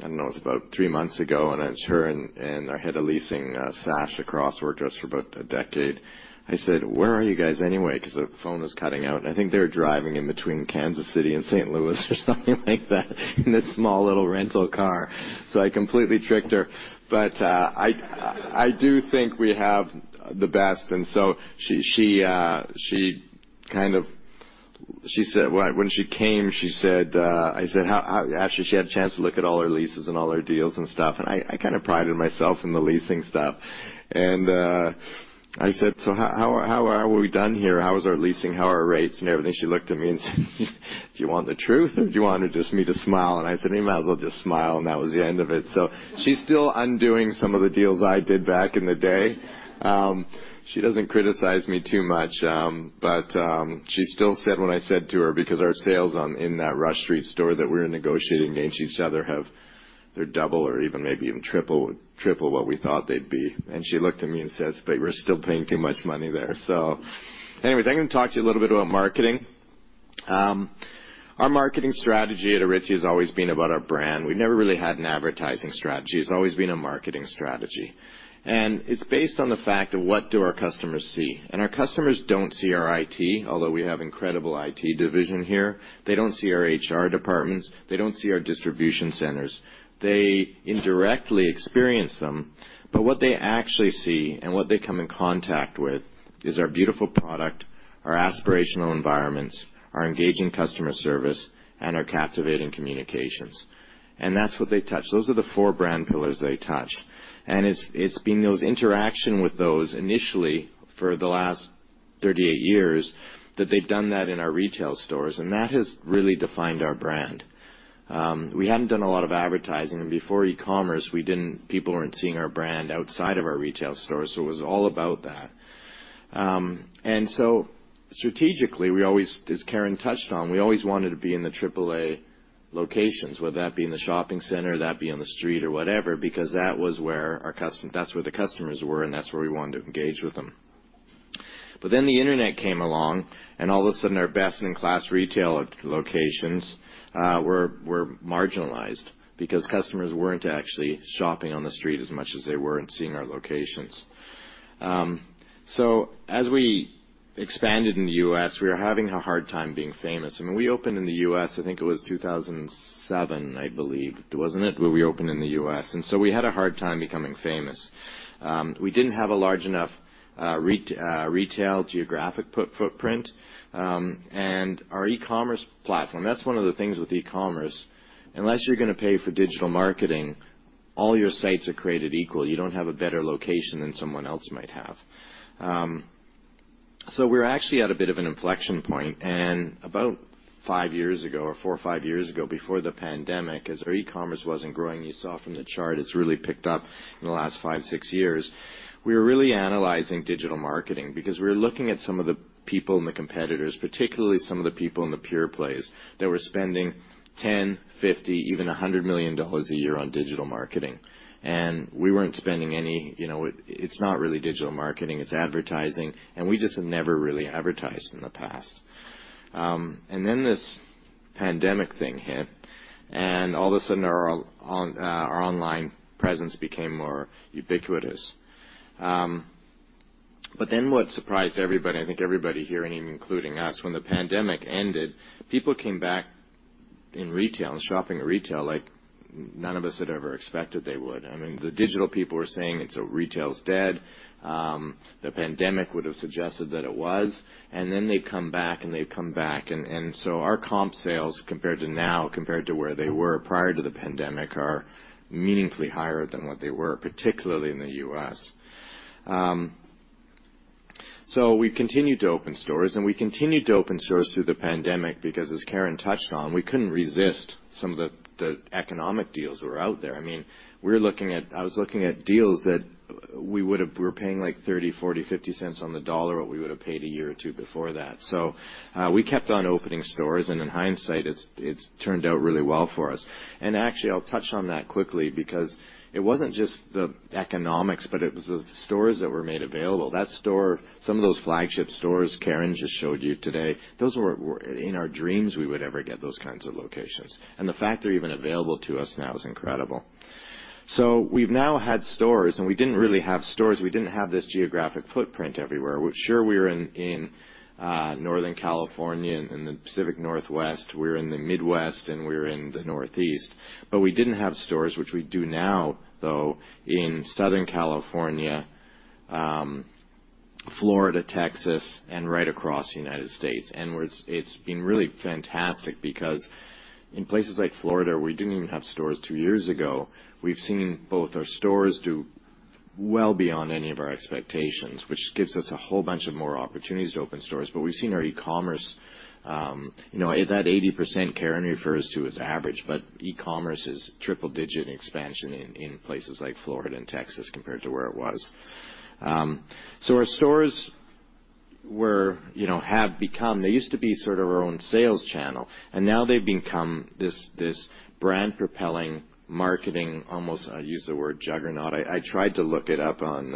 don't know, it's about three months ago, and it's her and our head of leasing, Sasha Crosse, worked with us for about a decade. I said, "Where are you guys anyway?" Because the phone was cutting out, and I think they were driving in between Kansas City and St. Louis or something like that in a small little rental car. I completely tricked her. I do think we have the best. She kind of said when she came, I said, how. Actually, she had a chance to look at all our leases and all our deals and stuff, and I kinda prided myself in the leasing stuff. I said, "So how are we done here? How is our leasing? How are our rates and everything?" She looked at me and said, "Do you want the truth, or do you want just me to smile?" I said, "You might as well just smile," and that was the end of it. She's still undoing some of the deals I did back in the day. She doesn't criticize me too much, but she still said what I said to her because our sales in that Rush Street store that we're negotiating against each other have. They're double or even, maybe even triple what we thought they'd be. She looked at me and says, "But we're still paying too much money there." Anyways, I'm gonna talk to you a little bit about marketing. Our marketing strategy at Aritzia has always been about our brand. We never really had an advertising strategy. It's always been a marketing strategy. It's based on the fact of what do our customers see. Our customers don't see our IT, although we have incredible IT division here. They don't see our HR departments. They don't see our distribution centers. They indirectly experience them, but what they actually see and what they come in contact with is our beautiful product, our aspirational environments, our engaging customer service, and our captivating communications. That's what they touch. Those are the four brand pillars they touch. It's been those interaction with those initially for the last 38 years that they've done that in our retail stores, and that has really defined our brand. We hadn't done a lot of advertising, and before eCommerce, people weren't seeing our brand outside of our retail store, so it was all about that. Strategically, we always, as Karen touched on, we always wanted to be in the triple-A locations, whether that be in the shopping center, that be on the street or whatever, because that was where our customers were, and that's where we wanted to engage with them. The Internet came along, and all of a sudden, our best-in-class retail locations were marginalized because customers weren't actually shopping on the street as much as they weren't seeing our locations. As we expanded in the U.S., we were having a hard time being famous. I mean, we opened in the U.S., I think it was 2007, I believe. Wasn't it? Where we opened in the U.S. We had a hard time becoming famous. We didn't have a large enough retail geographic footprint. Our eCommerce platform, that's one of the things with eCommerce. Unless you're gonna pay for digital marketing, all your sites are created equal. You don't have a better location than someone else might have. We're actually at a bit of an inflection point. About five years ago or four or five years ago, before the pandemic, as our eCommerce wasn't growing, you saw from the chart, it's really picked up in the last five, six years. We were really analyzing digital marketing because we were looking at some of the people in the competitors, particularly some of the people in the pure plays that were spending $10 million, $50 million, even $100 million a year on digital marketing. We weren't spending any, you know. It's not really digital marketing, it's advertising, and we just have never really advertised in the past. This pandemic thing hit, and all of a sudden our online presence became more ubiquitous. What surprised everybody, I think everybody here, and even including us, when the pandemic ended, people came back in retail and shopping at retail like none of us had ever expected they would. I mean, the digital people were saying, "And so retail is dead." The pandemic would have suggested that it was. They come back. Our comp sales compared to now, compared to where they were prior to the pandemic, are meaningfully higher than what they were, particularly in the U.S. We continued to open stores, and we continued to open stores through the pandemic because as Karen touched on, we couldn't resist some of the economic deals that were out there. I mean, I was looking at deals that we were paying, like, 0.30, 0.40, 0.50 on the dollar what we would have paid a year or two before that. We kept on opening stores, and in hindsight, it's turned out really well for us. Actually, I'll touch on that quickly because it wasn't just the economics, but it was the stores that were made available. Some of those flagship stores Karen just showed you today, those were in our dreams we would ever get those kinds of locations. The fact they're even available to us now is incredible. We've now had stores, and we didn't really have stores. We didn't have this geographic footprint everywhere. Sure, we were in Northern California and in the Pacific Northwest, we're in the Midwest, and we're in the Northeast. We didn't have stores, which we do now, though, in Southern California, Florida, Texas, and right across the United States. Where it's been really fantastic because in places like Florida, we didn't even have stores two years ago. We've seen both our stores do well beyond any of our expectations, which gives us a whole bunch of more opportunities to open stores. We've seen our eCommerce, you know, that 80% Karen refers to is average, but eCommerce is triple-digit expansion in places like Florida and Texas compared to where it was. Our stores have become... They used to be sort of our own sales channel, and now they've become this brand-propelling marketing. Almost, I use the word, juggernaut. I tried to look it up on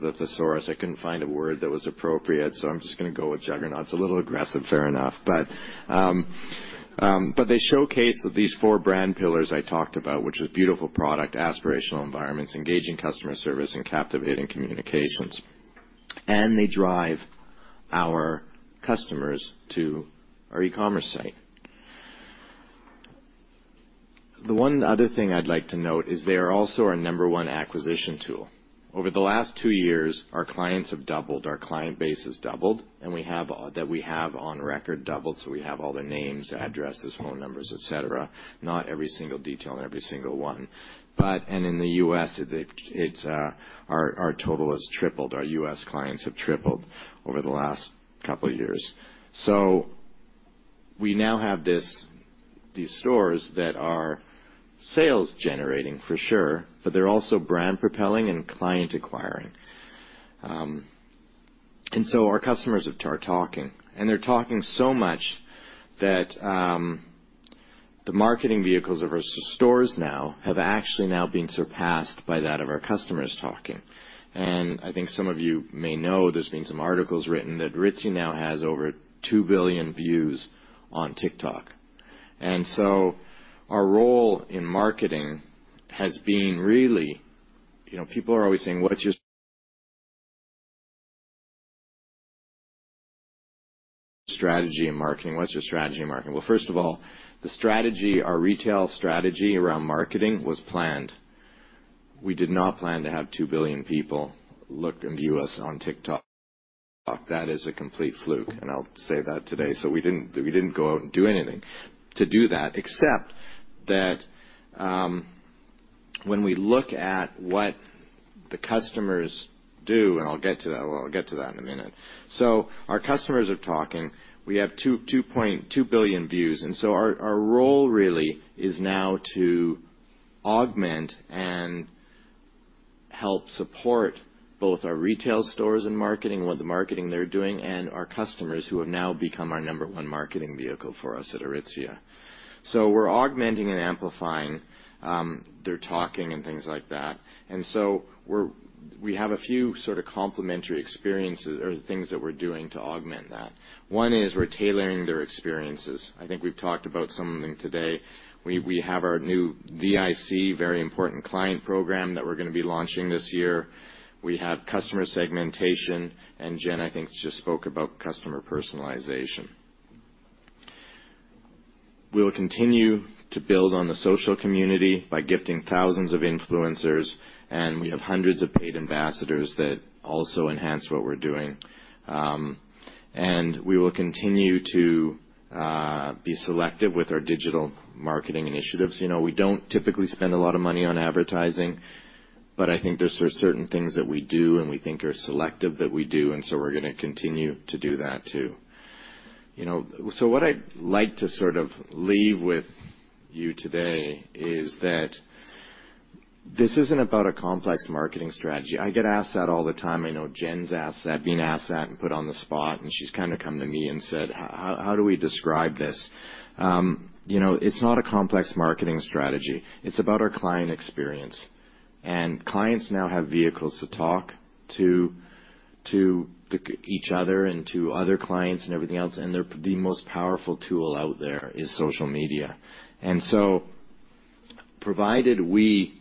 the thesaurus. I couldn't find a word that was appropriate, so I'm just gonna go with juggernaut. It's a little aggressive, fair enough. They showcase these four brand pillars I talked about, which is beautiful product, aspirational environments, engaging customer service, and captivating communications. They drive our customers to our eCommerce site. The one other thing I'd like to note is they are also our number one acquisition tool. Over the last two years, our clients have doubled. Our client base has doubled, and we have all that we have on record doubled, so we have all their names, addresses, phone numbers, et cetera. Not every single detail on every single one. In the U.S., it's our total has tripled. Our U.S. clients have tripled over the last couple of years. We now have these stores that are sales generating for sure, but they're also brand propelling and client acquiring. Our customers are talking, and they're talking so much that the marketing vehicles of our stores now have actually been surpassed by that of our customers talking. I think some of you may know there's been some articles written that Aritzia now has over 2 billion views on TikTok. Our role in marketing has been really, you know, people are always saying, "What's your strategy in marketing? What's your strategy in marketing?" Well, first of all, the strategy, our retail strategy around marketing was planned. We did not plan to have 2 billion people look and view us on TikTok. That is a complete fluke, and I'll say that today. We didn't go out and do anything to do that, except that, when we look at what the customers do, and I'll get to that. Well, I'll get to that in a minute. Our customers are talking. We have 2 billion views. Our role really is now to augment and help support both our retail stores and marketing with the marketing they're doing, and our customers who have now become our number one marketing vehicle for us at Aritzia. We're augmenting and amplifying their talking and things like that. We have a few sort of complementary experiences or things that we're doing to augment that. One is we're tailoring their experiences. I think we've talked about some of them today. We have our new VIC, Very Important Client program, that we're gonna be launching this year. We have customer segmentation, and Jen, I think, just spoke about customer personalization. We'll continue to build on the social community by gifting thousands of influencers, and we have hundreds of paid ambassadors that also enhance what we're doing. We will continue to be selective with our digital marketing initiatives. You know, we don't typically spend a lot of money on advertising, but I think there's certain things that we do and we think are selective that we do, and so we're gonna continue to do that too. You know, what I'd like to sort of leave with you today is that this isn't about a complex marketing strategy. I get asked that all the time. I know Jen's asked that, been asked that and put on the spot, and she's kinda come to me and said, "How, how do we describe this?" You know, it's not a complex marketing strategy. It's about our client experience. Clients now have vehicles to talk to each other and to other clients and everything else, and the most powerful tool out there is social media. Provided we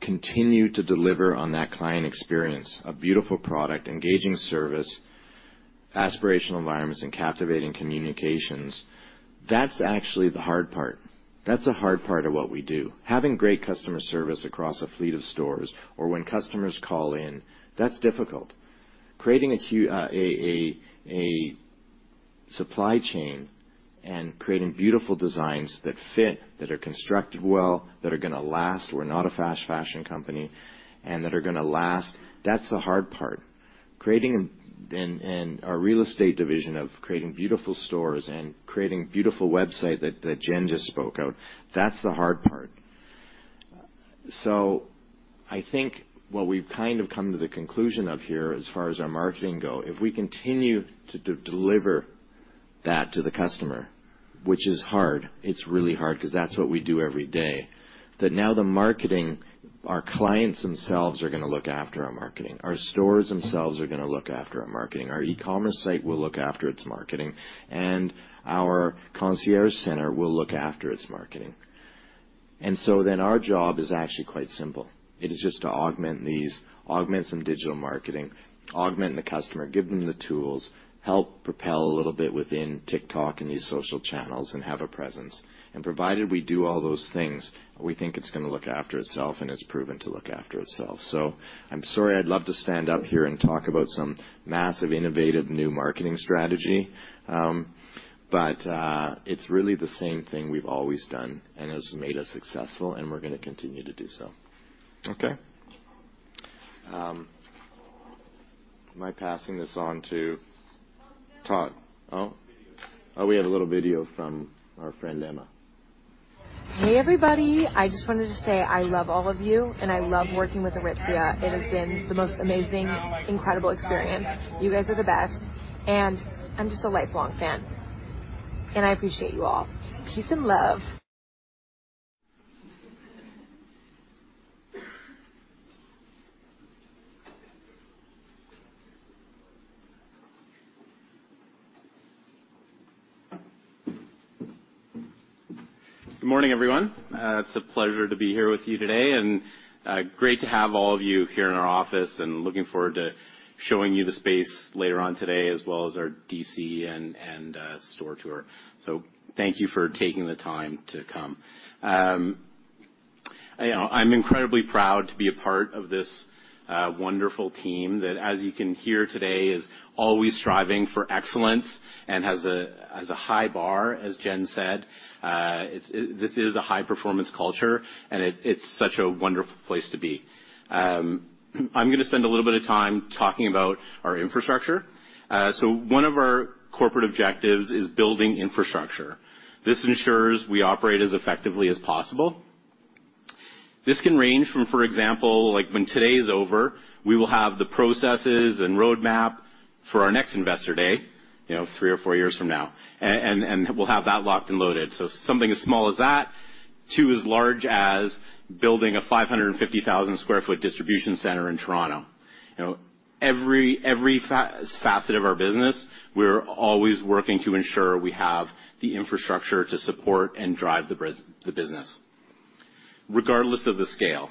continue to deliver on that client experience, a beautiful product, engaging service, aspirational environments, and captivating communications, that's actually the hard part. That's the hard part of what we do. Having great customer service across a fleet of stores or when customers call in, that's difficult. Creating a supply chain and creating beautiful designs that fit, that are constructed well, that are gonna last, we're not a fast fashion company, and that are gonna last, that's the hard part. Creating and our real estate division creating beautiful stores and creating beautiful website that Jen just spoke of, that's the hard part. I think what we've kind of come to the conclusion of here as far as our marketing goes, if we continue to deliver that to the customer, which is hard, it's really hard 'cause that's what we do every day, then the marketing, our clients themselves are gonna look after our marketing. Our stores themselves are gonna look after our marketing. Our eCommerce site will look after its marketing. Our concierge center will look after its marketing. Our job is actually quite simple. It is just to augment these, augment some digital marketing, augment the customer, give them the tools, help propel a little bit within TikTok and these social channels and have a presence. Provided we do all those things, we think it's gonna look after itself, and it's proven to look after itself. I'm sorry I'd love to stand up here and talk about some massive, innovative new marketing strategy, but it's really the same thing we've always done and has made us successful, and we're gonna continue to do so. Okay. Am I passing this on to Todd? Oh. Oh, we had a little video from our friend Emma. Hey, everybody. I just wanted to say I love all of you, and I love working with Aritzia. It has been the most amazing, incredible experience. You guys are the best, and I'm just a lifelong fan. I appreciate you all. Peace and love. Good morning, everyone. It's a pleasure to be here with you today, and great to have all of you here in our office and looking forward to showing you the space later on today as well as our DC and store tour. Thank you for taking the time to come. I'm incredibly proud to be a part of this wonderful team that, as you can hear today, is always striving for excellence and has a high bar, as Jen said. This is a high performance culture, and it's such a wonderful place to be. I'm gonna spend a little bit of time talking about our infrastructure. One of our corporate objectives is building infrastructure. This ensures we operate as effectively as possible. This can range from, for example, like when today is over, we will have the processes and roadmap for our next Investor Day, you know, three or four years from now. We'll have that locked and loaded. Something as small as that to as large as building a 550,000 sq ft distribution center in Toronto. You know, every facet of our business, we're always working to ensure we have the infrastructure to support and drive the business, regardless of the scale.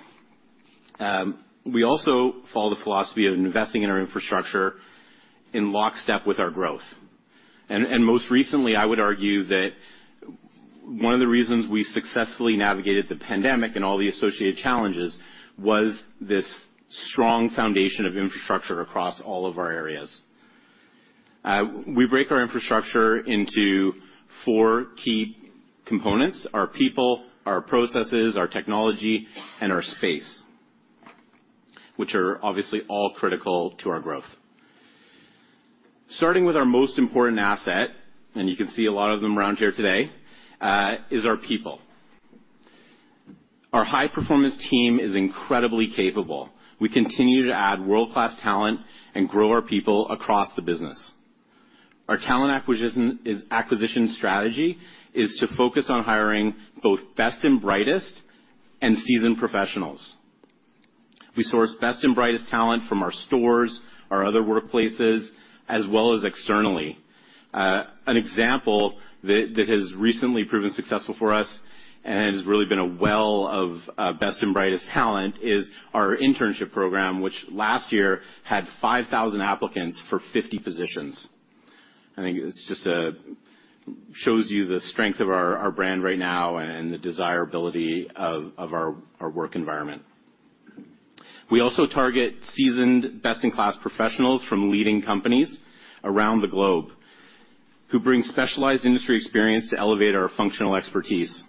We also follow the philosophy of investing in our infrastructure in lockstep with our growth. Most recently, I would argue that one of the reasons we successfully navigated the pandemic and all the associated challenges was this strong foundation of infrastructure across all of our areas. We break our infrastructure into four key components. Our people, our processes, our technology, and our space are obviously all critical to our growth. Starting with our most important asset, and you can see a lot of them around here today, is our people. Our high-performance team is incredibly capable. We continue to add world-class talent and grow our people across the business. Our talent acquisition strategy is to focus on hiring both best and brightest and seasoned professionals. We source best and brightest talent from our stores, our other workplaces, as well as externally. An example that has recently proven successful for us and has really been a well of best and brightest talent is our internship program, which last year had 5,000 applicants for 50 positions. I think it shows you the strength of our brand right now and the desirability of our work environment. We also target seasoned best-in-class professionals from leading companies around the globe who bring specialized industry experience to elevate our functional expertise.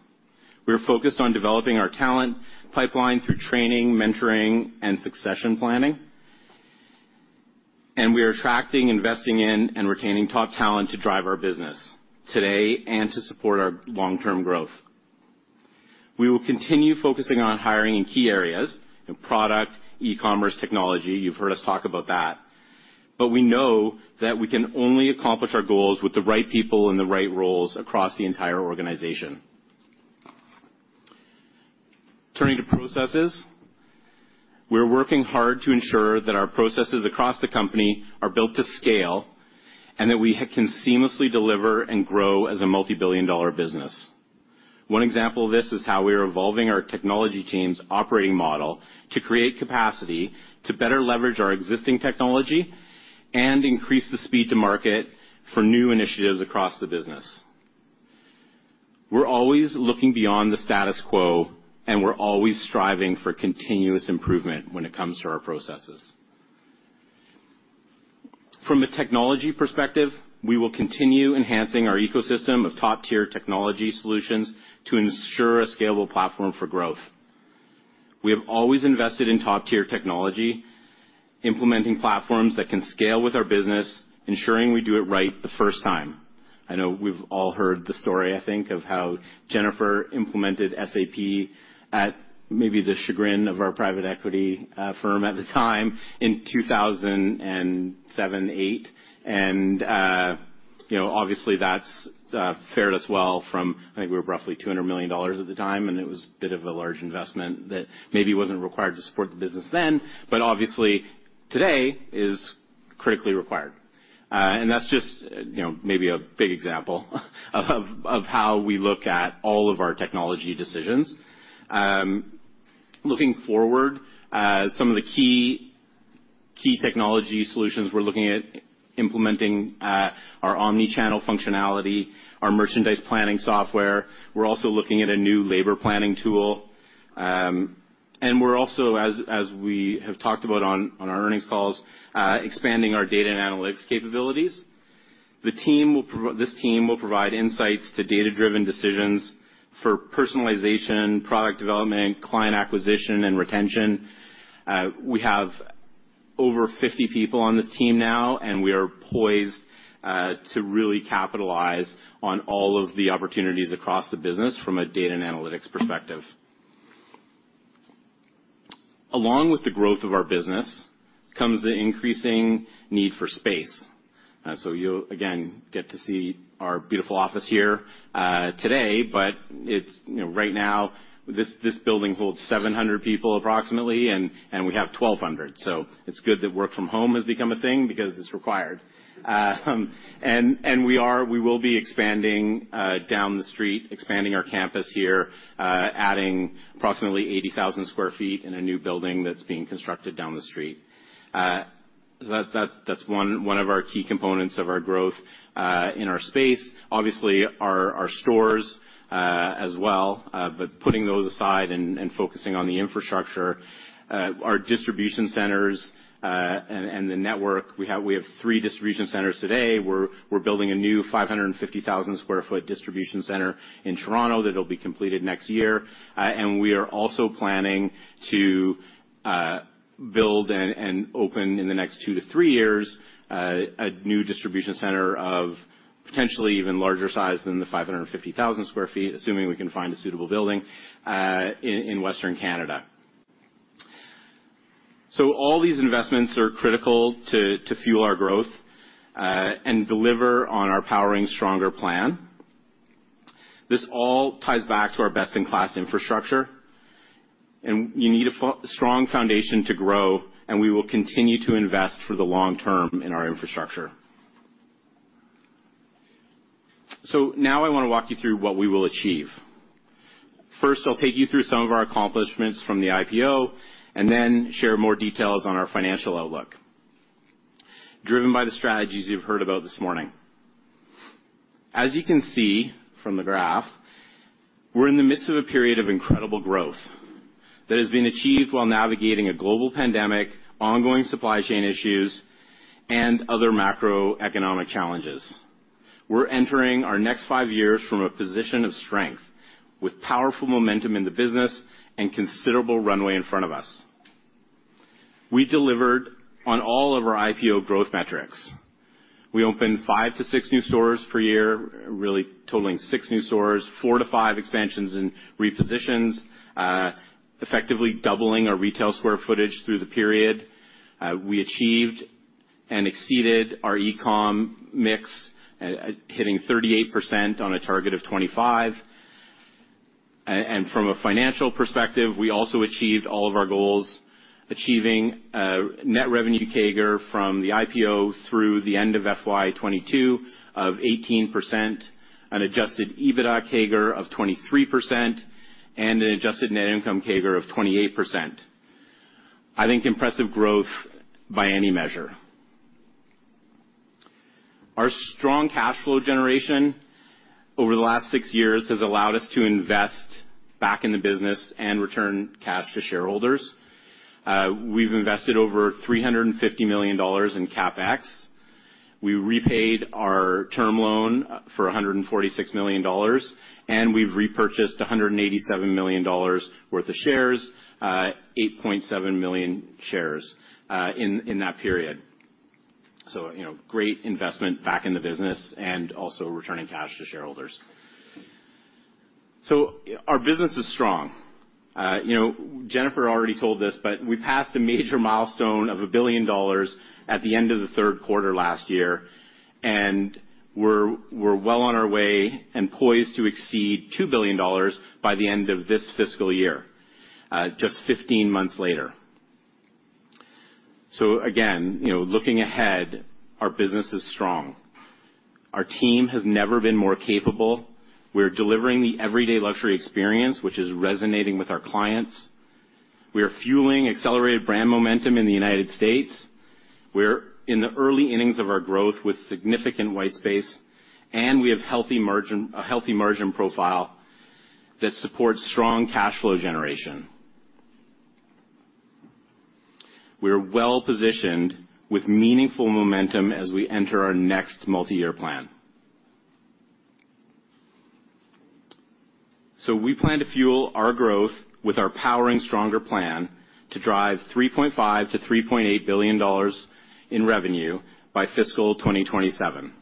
We're focused on developing our talent pipeline through training, mentoring, and succession planning. We are attracting, investing in, and retaining top talent to drive our business today and to support our long-term growth. We will continue focusing on hiring in key areas in product, eCommerce, technology. You've heard us talk about that. We know that we can only accomplish our goals with the right people in the right roles across the entire organization. Turning to processes. We're working hard to ensure that our processes across the company are built to scale, and that we can seamlessly deliver and grow as a multi-billion-dollar business. One example of this is how we are evolving our technology team's operating model to create capacity to better leverage our existing technology and increase the speed to market for new initiatives across the business. We're always looking beyond the status quo, and we're always striving for continuous improvement when it comes to our processes. From a technology perspective, we will continue enhancing our ecosystem of top-tier technology solutions to ensure a scalable platform for growth. We have always invested in top-tier technology, implementing platforms that can scale with our business, ensuring we do it right the first time. I know we've all heard the story, I think, of how Jennifer implemented SAP at maybe the chagrin of our private equity firm at the time in 2007-2008. You know, obviously, that's served us well. I think we were roughly 200 million dollars at the time, and it was a bit of a large investment that maybe wasn't required to support the business then, but obviously today is critically required. That's just, you know, maybe a big example of how we look at all of our technology decisions. Looking forward, some of the key technology solutions we're looking at implementing, our omni-channel functionality, our merchandise planning software. We're also looking at a new labor planning tool. We're also, as we have talked about on our earnings calls, expanding our data and analytics capabilities. This team will provide insights to data-driven decisions for personalization, product development, client acquisition, and retention. We have over 50 people on this team now, and we are poised to really capitalize on all of the opportunities across the business from a data and analytics perspective. Along with the growth of our business comes the increasing need for space. You'll again get to see our beautiful office here today, but it's you know, right now, this building holds 700 people approximately, and we have 1,200. It's good that work from home has become a thing because it's required. We will be expanding down the street, expanding our campus here, adding approximately 80,000 sq ft in a new building that's being constructed down the street. That's one of our key components of our growth in our space. Obviously, our stores as well, but putting those aside and focusing on the infrastructure, our distribution centers and the network. We have three distribution centers today. We're building a new 550,000 sq ft distribution center in Toronto that'll be completed next year. We are also planning to build and open in the next 2-3 years a new distribution center of potentially even larger size than the 550,000 sq ft, assuming we can find a suitable building in Western Canada. All these investments are critical to fuel our growth and deliver on our Powering Stronger plan. This all ties back to our best-in-class infrastructure. You need a strong foundation to grow, and we will continue to invest for the long term in our infrastructure. Now I wanna walk you through what we will achieve. First, I'll take you through some of our accomplishments from the IPO and then share more details on our financial outlook driven by the strategies you've heard about this morning. As you can see from the graph, we're in the midst of a period of incredible growth that has been achieved while navigating a global pandemic, ongoing supply chain issues, and other macroeconomic challenges. We're entering our next five years from a position of strength, with powerful momentum in the business and considerable runway in front of us. We delivered on all of our IPO growth metrics. We opened 5-6 new stores per year, really totaling six new stores, 4-5 expansions and repositions, effectively doubling our retail square footage through the period. We achieved and exceeded our eCom mix, hitting 38% on a target of 25. From a financial perspective, we also achieved all of our goals, achieving a net revenue CAGR from the IPO through the end of FY 2022 of 18%, an Adjusted EBITDA CAGR of 23% and an Adjusted Net Income CAGR of 28%. I think impressive growth by any measure. Our strong cash flow generation over the last six years has allowed us to invest back in the business and return cash to shareholders. We've invested over 350 million dollars in CapEx. We repaid our term loan for 146 million dollars, and we've repurchased 187 million dollars worth of shares, 8.7 million shares, in that period. You know, great investment back in the business and also returning cash to shareholders. Our business is strong. You know, Jennifer already told this, but we passed a major milestone of 1 billion dollars at the end of the third quarter last year, and we're well on our way and poised to exceed 2 billion dollars by the end of this fiscal year, just 15 months later. Again, you know, looking ahead, our business is strong. Our team has never been more capable. We're delivering the Everyday Luxury experience, which is resonating with our clients. We are fueling accelerated brand momentum in the United States. We're in the early innings of our growth with significant white space, and we have a healthy margin profile that supports strong cash flow generation. We are well positioned with meaningful momentum as we enter our next multiyear plan. We plan to fuel our growth with our powering stronger plan to drive 3.5 billion-3.8 billion dollars in revenue by fiscal 2027,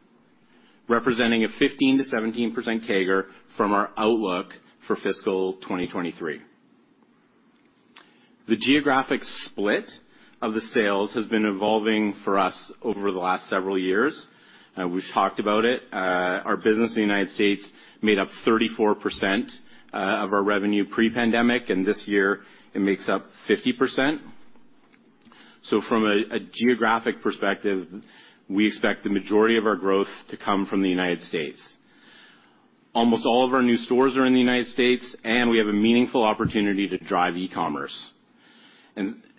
representing a 15%-17% CAGR from our outlook for fiscal 2023. The geographic split of the sales has been evolving for us over the last several years. We've talked about it. Our business in the United States made up 34% of our revenue pre-pandemic, and this year it makes up 50%. From a geographic perspective, we expect the majority of our growth to come from the United States. Almost all of our new stores are in the United States, and we have a meaningful opportunity to drive eCommerce.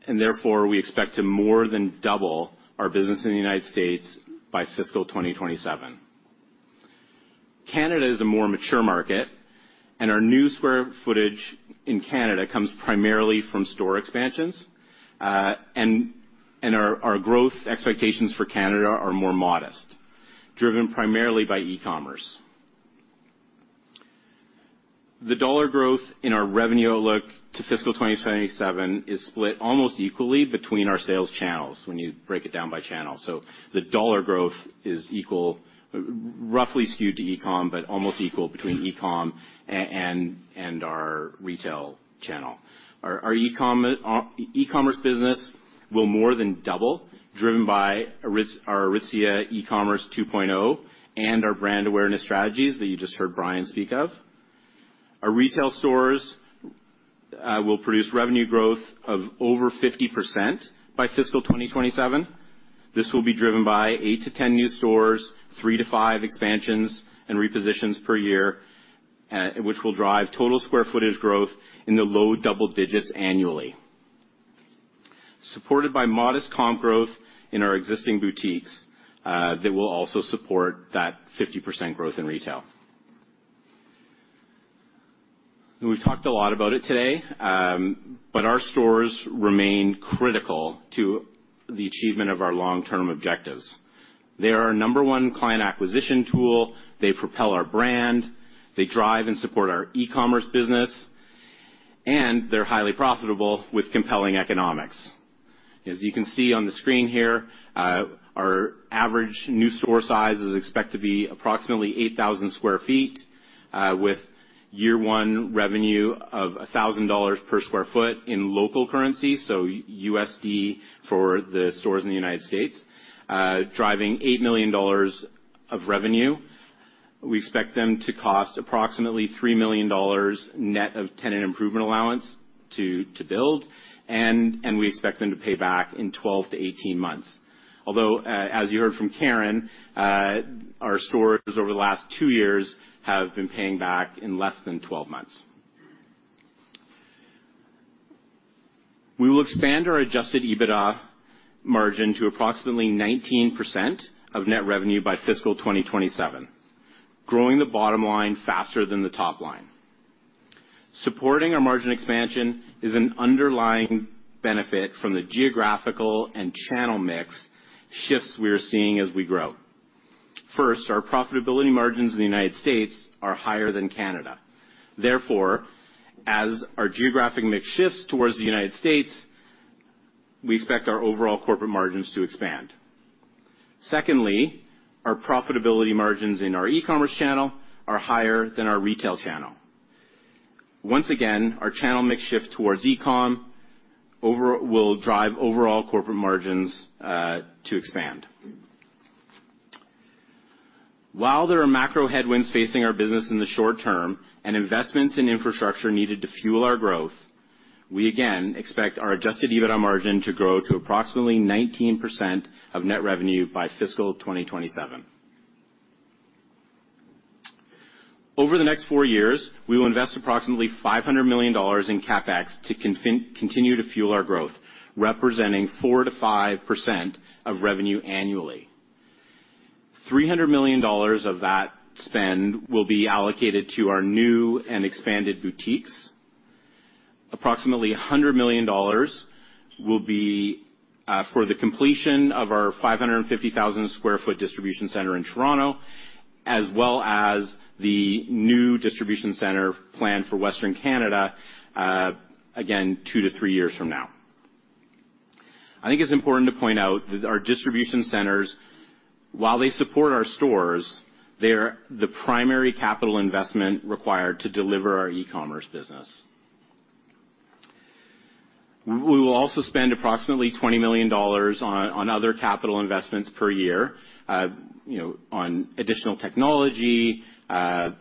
Therefore, we expect to more than double our business in the United States by fiscal 2027. Canada is a more mature market, and our new square footage in Canada comes primarily from store expansions. Our growth expectations for Canada are more modest, driven primarily by eCommerce. The dollar growth in our revenue outlook to fiscal 2027 is split almost equally between our sales channels when you break it down by channel. The dollar growth is equal, roughly skewed to eCom, but almost equal between eCom and our retail channel. Our eCommerce business will more than double, driven by our Aritzia eCommerce 2.0, and our brand awareness strategies that you just heard Brian speak of. Our retail stores will produce revenue growth of over 50% by fiscal 2027. This will be driven by 8-10 new stores, 3-5 expansions and repositions per year, which will drive total square footage growth in the low double digits annually. Supported by modest comp growth in our existing boutiques, that will also support that 50% growth in retail. We've talked a lot about it today, but our stores remain critical to the achievement of our long-term objectives. They are our number one client acquisition tool, they propel our brand, they drive and support our eCommerce business, and they're highly profitable with compelling economics. As you can see on the screen here, our average new store size is expected to be approximately 8,000 sq ft, with year one revenue of $1,000 per sq ft in local currency, so USD for the stores in the United States, driving $8 million of revenue. We expect them to cost approximately $3 million net of tenant improvement allowance to build, and we expect them to pay back in 12-18 months. Although, as you heard from Karen, our stores over the last two years have been paying back in less than 12 months. We will expand our Adjusted EBITDA Margin to approximately 19% of net revenue by fiscal 2027, growing the bottom line faster than the top line. Supporting our margin expansion is an underlying benefit from the geographical and channel mix shifts we are seeing as we grow. First, our profitability margins in the United States are higher than Canada. Therefore, as our geographic mix shifts towards the United States, we expect our overall corporate margins to expand. Secondly, our profitability margins in our eCommerce channel are higher than our retail channel. Once again, our channel mix shift towards eCom will drive overall corporate margins to expand. While there are macro headwinds facing our business in the short term and investments in infrastructure needed to fuel our growth, we again expect our Adjusted EBITDA Margin to grow to approximately 19% of net revenue by fiscal 2027. Over the next four years, we will invest approximately 500 million dollars in CapEx to continue to fuel our growth, representing 4%-5% of revenue annually. 300 million dollars of that spend will be allocated to our new and expanded boutiques. Approximately 100 million dollars will be for the completion of our 550,000 sq ft distribution center in Toronto, as well as the new distribution center planned for Western Canada, again 2-3 years from now. I think it's important to point out that our distribution centers, while they support our stores, they're the primary capital investment required to deliver our eCommerce business. We will also spend approximately 20 million dollars on other capital investments per year, you know, on additional technology,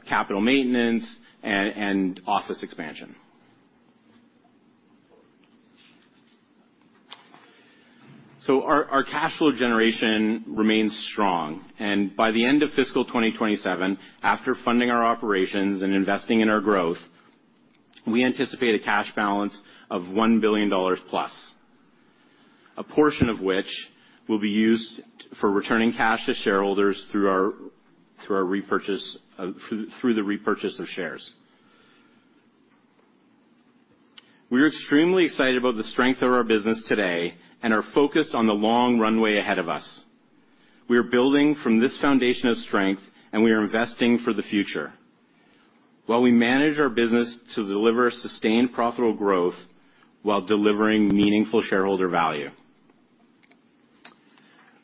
capital maintenance, and office expansion. Our cash flow generation remains strong. By the end of fiscal 2027, after funding our operations and investing in our growth, we anticipate a cash balance of 1 billion dollars+. A portion of which will be used for returning cash to shareholders through our repurchase of shares. We are extremely excited about the strength of our business today and are focused on the long runway ahead of us. We are building from this foundation of strength, and we are investing for the future, while we manage our business to deliver sustained profitable growth while delivering meaningful shareholder value.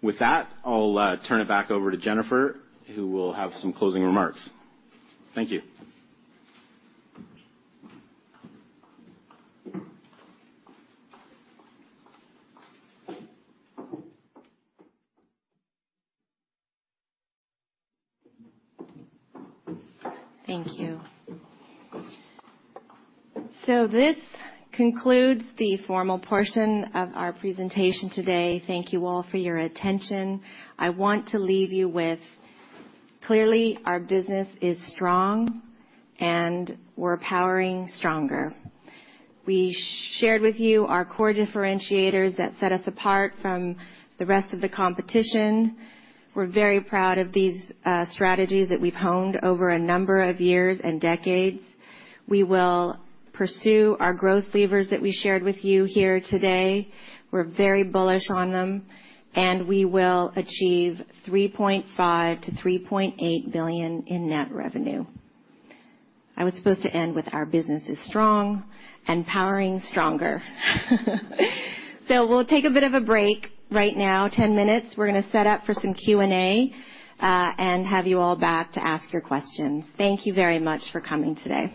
With that, I'll turn it back over to Jennifer, who will have some closing remarks. Thank you. Thank you. This concludes the formal portion of our presentation today. Thank you all for your attention. I want to leave you with, clearly, our business is strong, and we're powering stronger. We shared with you our core differentiators that set us apart from the rest of the competition. We're very proud of these strategies that we've honed over a number of years and decades. We will pursue our growth levers that we shared with you here today. We're very bullish on them, and we will achieve 3.5 billion-3.8 billion in net revenue. I was supposed to end with our business is strong and powering stronger. We'll take a bit of a break right now, 10 minutes. We're gonna set up for some Q&A, and have you all back to ask your questions. Thank you very much for coming today.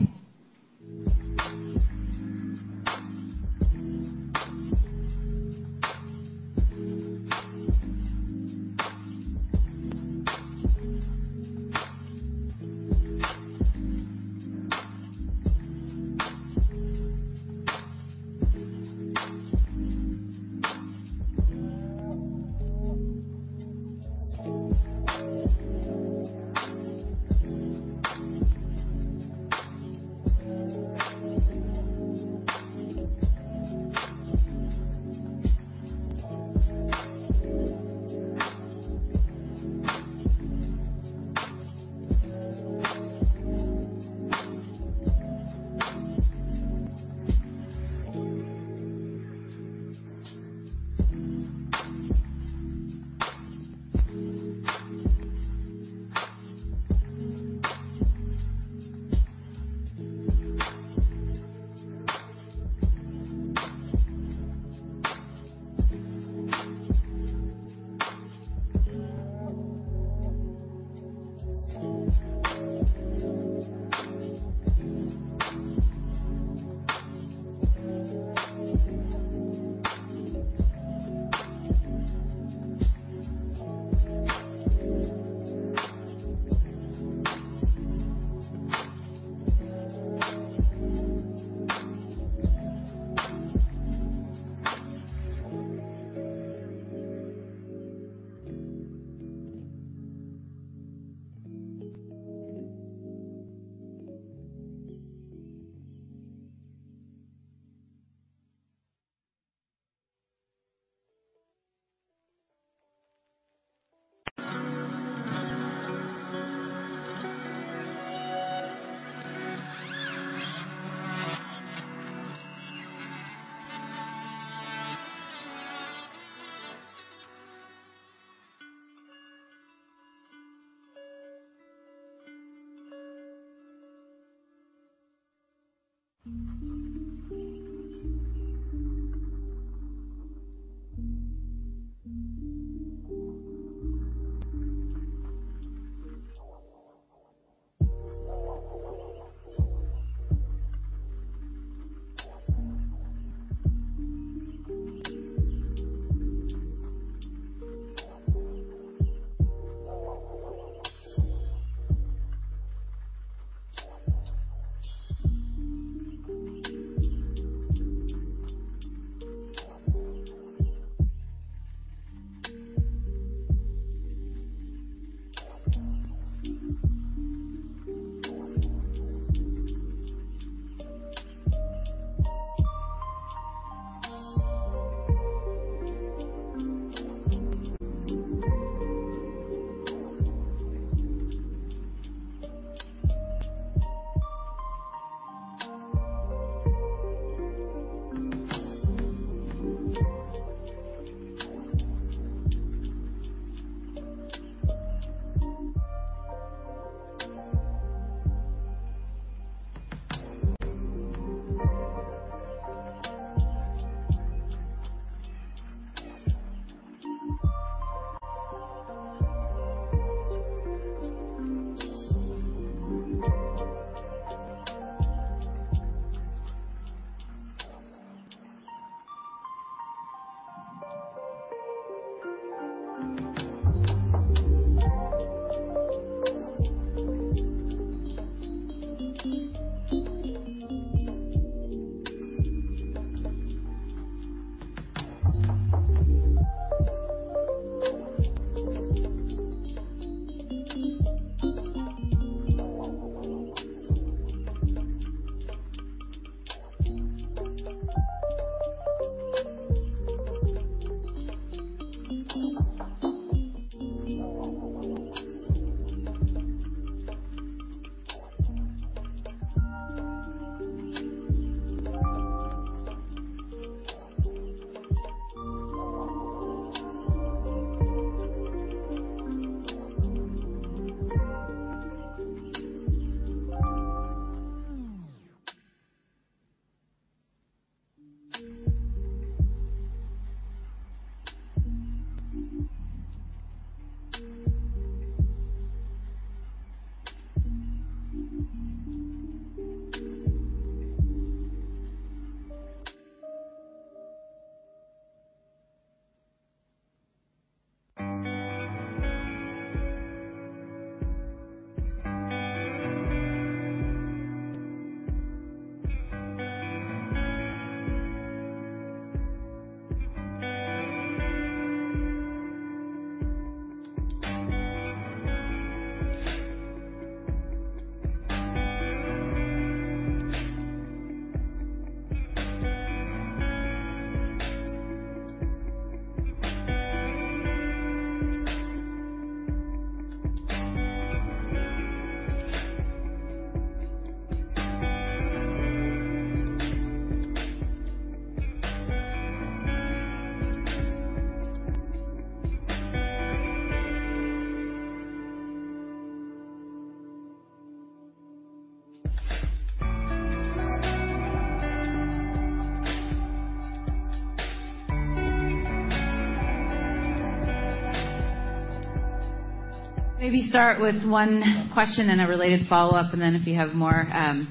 Maybe start with one question and a related follow-up, and then if you have more,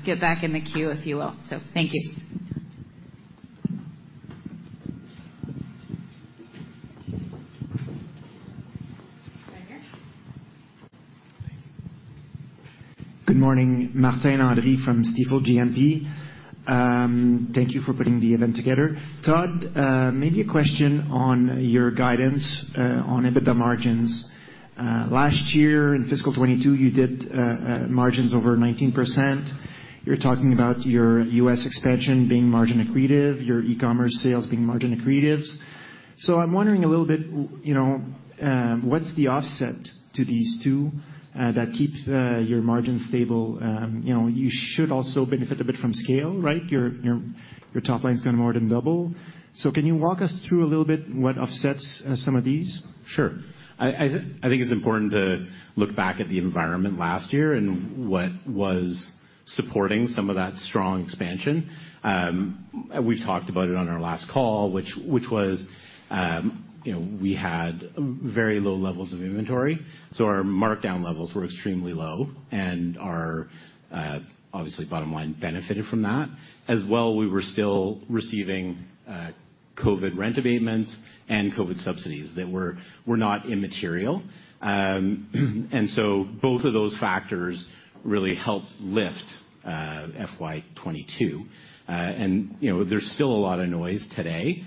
get back in the queue, if you will. Thank you. Right here. Good morning. Martin Landry from Stifel GMP. Thank you for putting the event together. Todd, maybe a question on your guidance on EBITDA margins. Last year in fiscal 2022, you did margins over 19%. You're talking about your U.S. expansion being margin accretive, your eCommerce sales being margin accretives. I'm wondering a little bit, you know, what's the offset to these two that keep your margins stable? You know, you should also benefit a bit from scale, right? Your top line is gonna more than double. Can you walk us through a little bit what offsets some of these? Sure. I think it's important to look back at the environment last year and what was supporting some of that strong expansion. We've talked about it on our last call. You know, we had very low levels of inventory, so our markdown levels were extremely low, and our obviously bottom line benefited from that. As well, we were still receiving COVID rent abatements and COVID subsidies that were not immaterial. Both of those factors really helped lift FY 2022. You know, there's still a lot of noise today.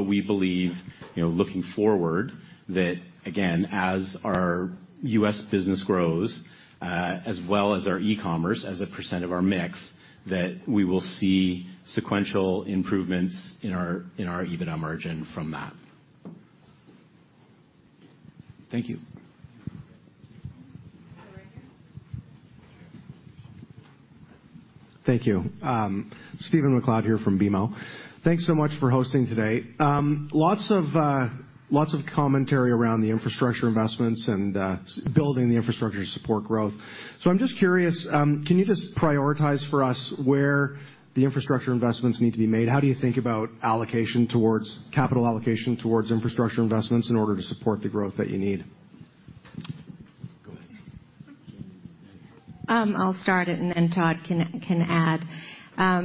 We believe, you know, looking forward that again, as our U.S. business grows, as well as our eCommerce as a percent of our mix, that we will see sequential improvements in our EBITDA margin from that. Thank you. Thank you. Stephen MacLeod here from BMO. Thanks so much for hosting today. Lots of commentary around the infrastructure investments and building the infrastructure to support growth. I'm just curious, can you just prioritize for us where the infrastructure investments need to be made? How do you think about allocation towards capital allocation towards infrastructure investments in order to support the growth that you need? Go ahead. I'll start it, and then Todd can add.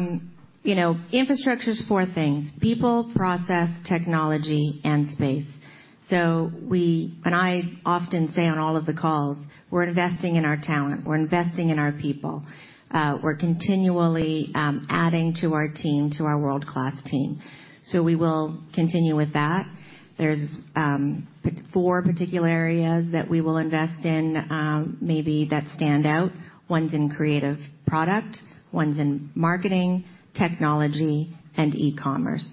You know, infrastructure's four things, people, process, technology, and space. I often say on all of the calls, we're investing in our talent. We're investing in our people. We're continually adding to our team, to our world-class team. We will continue with that. There's four particular areas that we will invest in, maybe that stand out. One's in creative product, one's in marketing, technology, and eCommerce.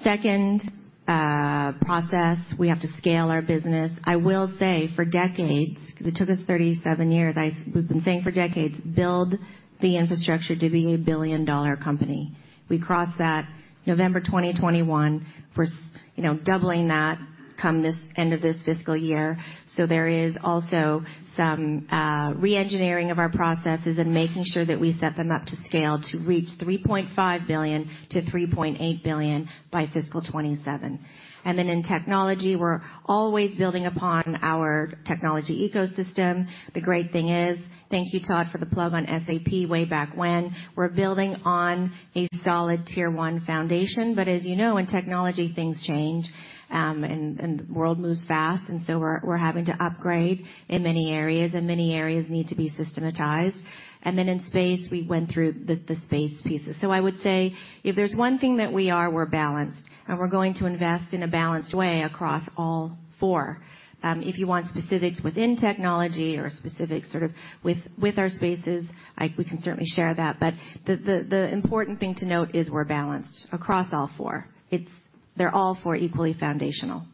Second, process, we have to scale our business. I will say, for decades, because it took us 37 years, we've been saying for decades, build the infrastructure to be a billion-dollar company. We crossed that November 2021. We're, you know, doubling that come this end of this fiscal year. There is also some reengineering of our processes and making sure that we set them up to scale to reach 3.5 billion-3.8 billion by fiscal 2027. In technology, we're always building upon our technology ecosystem. The great thing is, thank you, Todd, for the plug on SAP way back when. We're building on a solid tier one foundation. As you know, in technology, things change, and the world moves fast, and so we're having to upgrade in many areas, and many areas need to be systematized. In space, we went through the space pieces. I would say if there's one thing that we are, we're balanced, and we're going to invest in a balanced way across all four. If you want specifics within technology or specifics sort of with our spaces, we can certainly share that. The important thing to note is we're balanced across all four. They're all four equally foundational.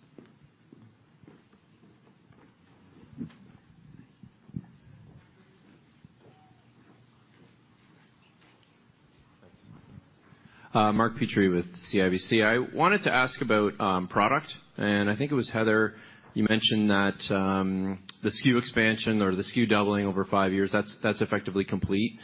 Thanks. Mark Petrie with CIBC. I wanted to ask about product. I think it was Heather, you mentioned that the SKU expansion or the SKU doubling over five years, that's effectively complete.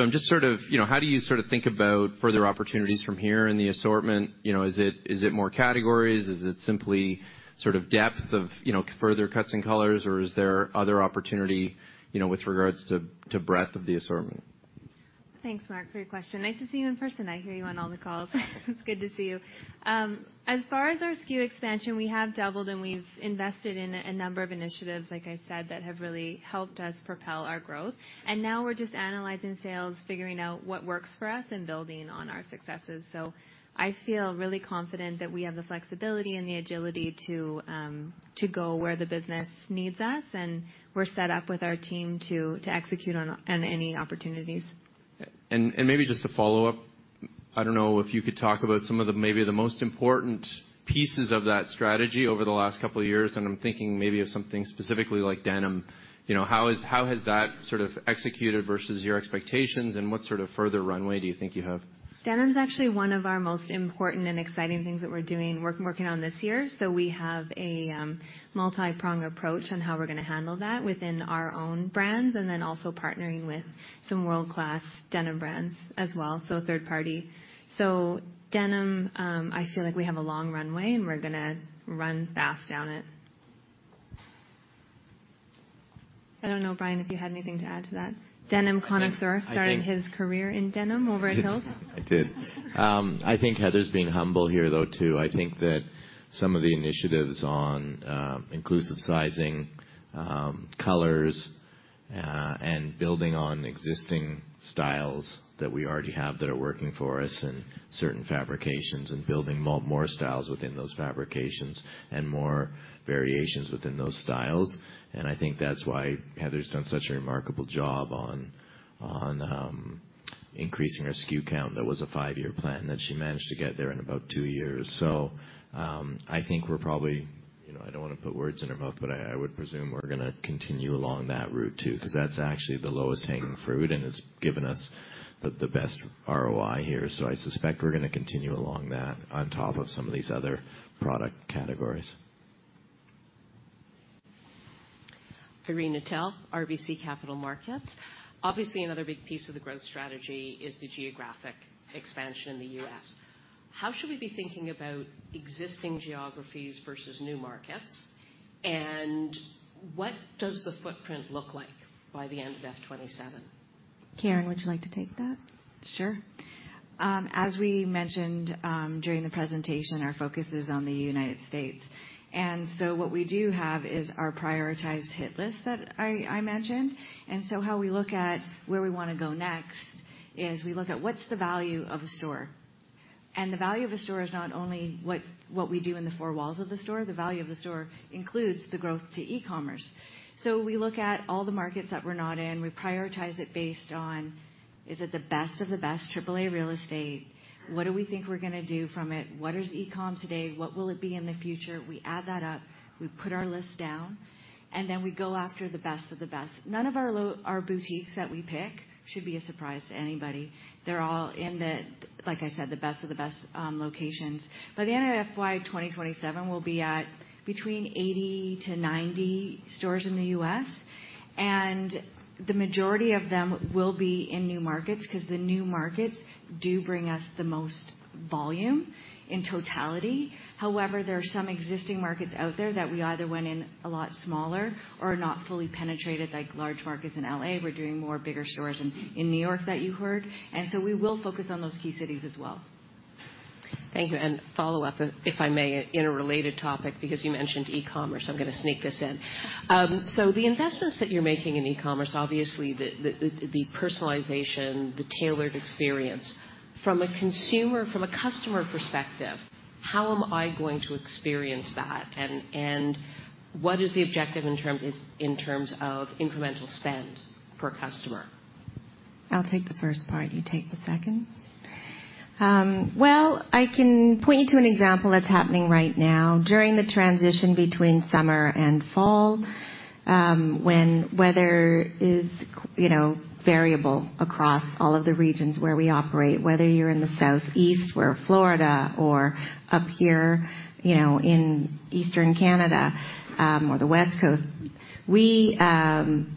I'm just sort of, you know, how do you sort of think about further opportunities from here in the assortment? You know, is it more categories? Is it simply sort of depth of, you know, further cuts and colors, or is there other opportunity, you know, with regards to breadth of the assortment? Thanks, Mark, for your question. Nice to see you in person. I hear you on all the calls. It's good to see you. As far as our SKU expansion, we have doubled, and we've invested in a number of initiatives, like I said, that have really helped us propel our growth. Now we're just analyzing sales, figuring out what works for us and building on our successes. I feel really confident that we have the flexibility and the agility to go where the business needs us, and we're set up with our team to execute on any opportunities. Maybe just to follow up, I don't know if you could talk about some of the, maybe the most important pieces of that strategy over the last couple of years, and I'm thinking maybe of something specifically like Denim. You know, how has that sort of executed versus your expectations and what sort of further runway do you think you have? Denim is actually one of our most important and exciting things that we're doing, working on this year. We have a multipronged approach on how we're gonna handle that within our own brands, and then also partnering with some world-class denim brands as well, so third party. Denim, I feel like we have a long runway, and we're gonna run fast down it. I don't know, Brian, if you had anything to add to that. Denim connoisseur. Yes. Started his career in Denim over at Hills. I did. I think Heather's being humble here, though, too. I think that some of the initiatives on inclusive sizing, colors, and building on existing styles that we already have that are working for us in certain fabrications and building more styles within those fabrications and more variations within those styles. I think that's why Heather's done such a remarkable job on increasing our SKU count. That was a five-year plan that she managed to get there in about two years. I think we're probably, you know, I don't wanna put words in her mouth, but I would presume we're gonna continue along that route, too, 'cause that's actually the lowest hanging fruit, and it's given us the best ROI here. I suspect we're gonna continue along that on top of some of these other product categories. Irene Nattel, RBC Capital Markets. Obviously, another big piece of the growth strategy is the geographic expansion in the U.S. How should we be thinking about existing geographies versus new markets? What does the footprint look like by the end of FY 2027? Karen, would you like to take that? Sure. As we mentioned during the presentation, our focus is on the United States. What we do have is our prioritized hit list that I mentioned. How we look at where we wanna go next is we look at what's the value of a store The value of a store is not only what we do in the four walls of the store. The value of the store includes the growth to eCommerce. We look at all the markets that we're not in. We prioritize it based on is it the best of the best triple A real estate? What do we think we're gonna do from it? What is eCom today? What will it be in the future? We add that up, we put our list down, and then we go after the best of the best. None of our our boutiques that we pick should be a surprise to anybody. They're all in the, like I said, the best of the best locations. By the end of FY 2027, we'll be at between 80-90 stores in the U.S., and the majority of them will be in new markets 'cause the new markets do bring us the most volume in totality. However, there are some existing markets out there that we either went in a lot smaller or are not fully penetrated, like large markets in L.A., we're doing more bigger stores in New York that you heard, and so we will focus on those key cities as well. Thank you, follow-up, if I may, in a related topic, because you mentioned eCommerce, I'm gonna sneak this in. The investments that you're making in eCommerce, obviously the personalization, the tailored experience. From a customer perspective, how am I going to experience that? And what is the objective in terms of incremental spend per customer? I'll take the first part. You take the second. Well, I can point you to an example that's happening right now. During the transition between summer and fall, when weather is you know, variable across all of the regions where we operate, whether you're in the southeast or Florida or up here, you know, in Eastern Canada, or the West Coast. We,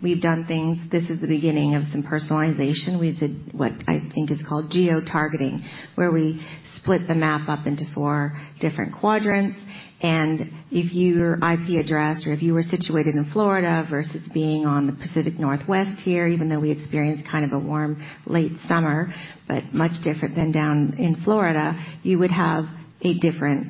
we've done things. This is the beginning of some personalization. We did what I think is called geotargeting, where we split the map up into four different quadrants. If your IP address or if you were situated in Florida versus being on the Pacific Northwest here, even though we experienced kind of a warm late summer, but much different than down in Florida, you would have a different,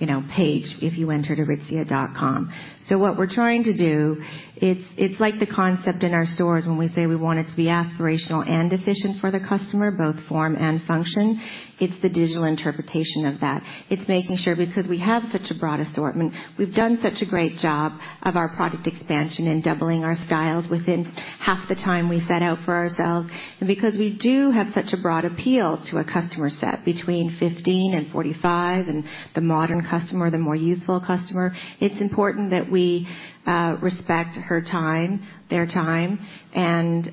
you know, page if you entered aritzia.com. What we're trying to do, it's like the concept in our stores when we say we want it to be aspirational and efficient for the customer, both form and function. It's the digital interpretation of that. It's making sure because we have such a broad assortment, we've done such a great job of our product expansion and doubling our styles within half the time we set out for ourselves. Because we do have such a broad appeal to a customer set between 15 and 45 and the modern customer, the more youthful customer, it's important that we respect her time, their time, and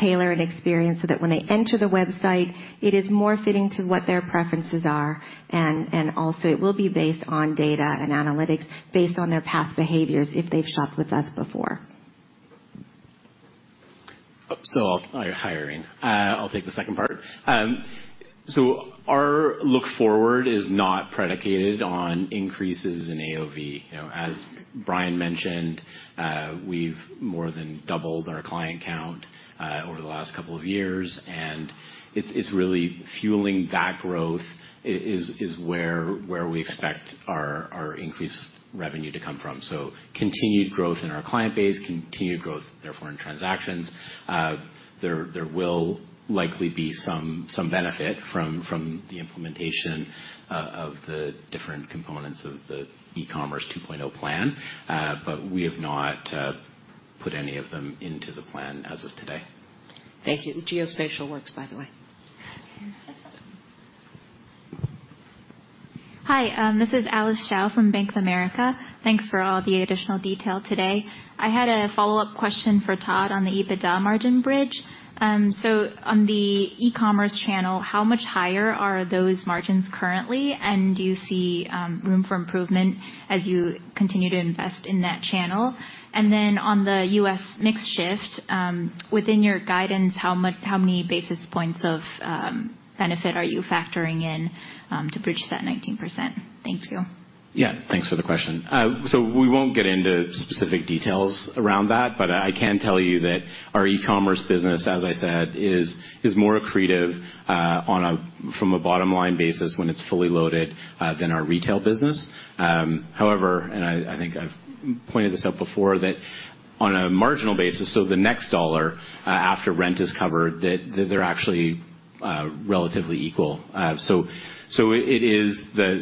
tailor an experience so that when they enter the website, it is more fitting to what their preferences are. And also it will be based on data and analytics based on their past behaviors if they've shopped with us before. Hi, Irene. I'll take the second part. Our outlook is not predicated on increases in AOV. You know, as Brian mentioned, we've more than doubled our client count over the last couple of years, and it's really fueling that growth is where we expect our increased revenue to come from. Continued growth in our client base, continued growth, therefore, in transactions. There will likely be some benefit from the implementation of the different components of the eCommerce 2.0 plan. But we have not put any of them into the plan as of today. Thank you. The geospatial works, by the way. Hi, this is Alice Xiao from Bank of America. Thanks for all the additional detail today. I had a follow-up question for Todd on the EBITDA margin bridge. On the eCommerce channel, how much higher are those margins currently, and do you see room for improvement as you continue to invest in that channel? On the U.S. mix shift, within your guidance, how many basis points of benefit are you factoring in to bridge that 19%? Thank you. Yeah. Thanks for the question. We won't get into specific details around that, but I can tell you that our eCommerce business, as I said, is more accretive on a bottom-line basis when it's fully loaded than our retail business. However, I think I've pointed this out before that on a marginal basis, the next dollar after rent is covered, they're actually relatively equal. It is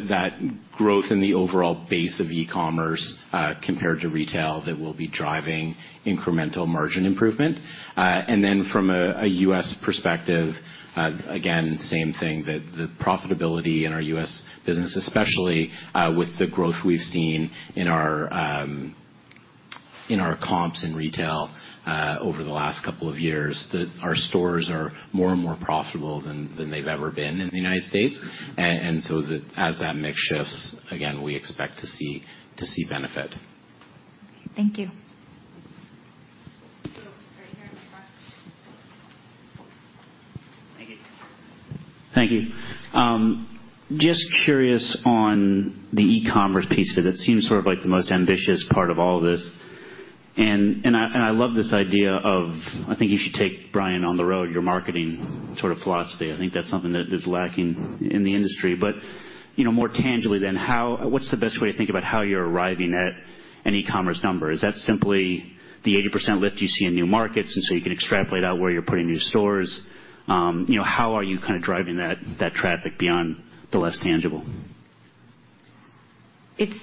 that growth in the overall base of eCommerce compared to retail that will be driving incremental margin improvement. From a U.S. perspective, again, same thing, the profitability in our U.S. business, especially with the growth we've seen in our comps in retail over the last couple of years, that our stores are more and more profitable than they've ever been in the United States. As that mix shifts, again, we expect to see benefit. Thank you. Right here in the front. Thank you. Just curious on the eCommerce piece 'cause it seems sort of like the most ambitious part of all this. I love this idea of, I think you should take Brian on the road, your marketing sort of philosophy. I think that's something that is lacking in the industry. You know, more tangibly than how, what's the best way to think about how you're arriving at an eCommerce number? Is that simply the 80% lift you see in new markets, so you can extrapolate out where you're putting new stores? You know, how are you kinda driving that traffic beyond the less tangible? It's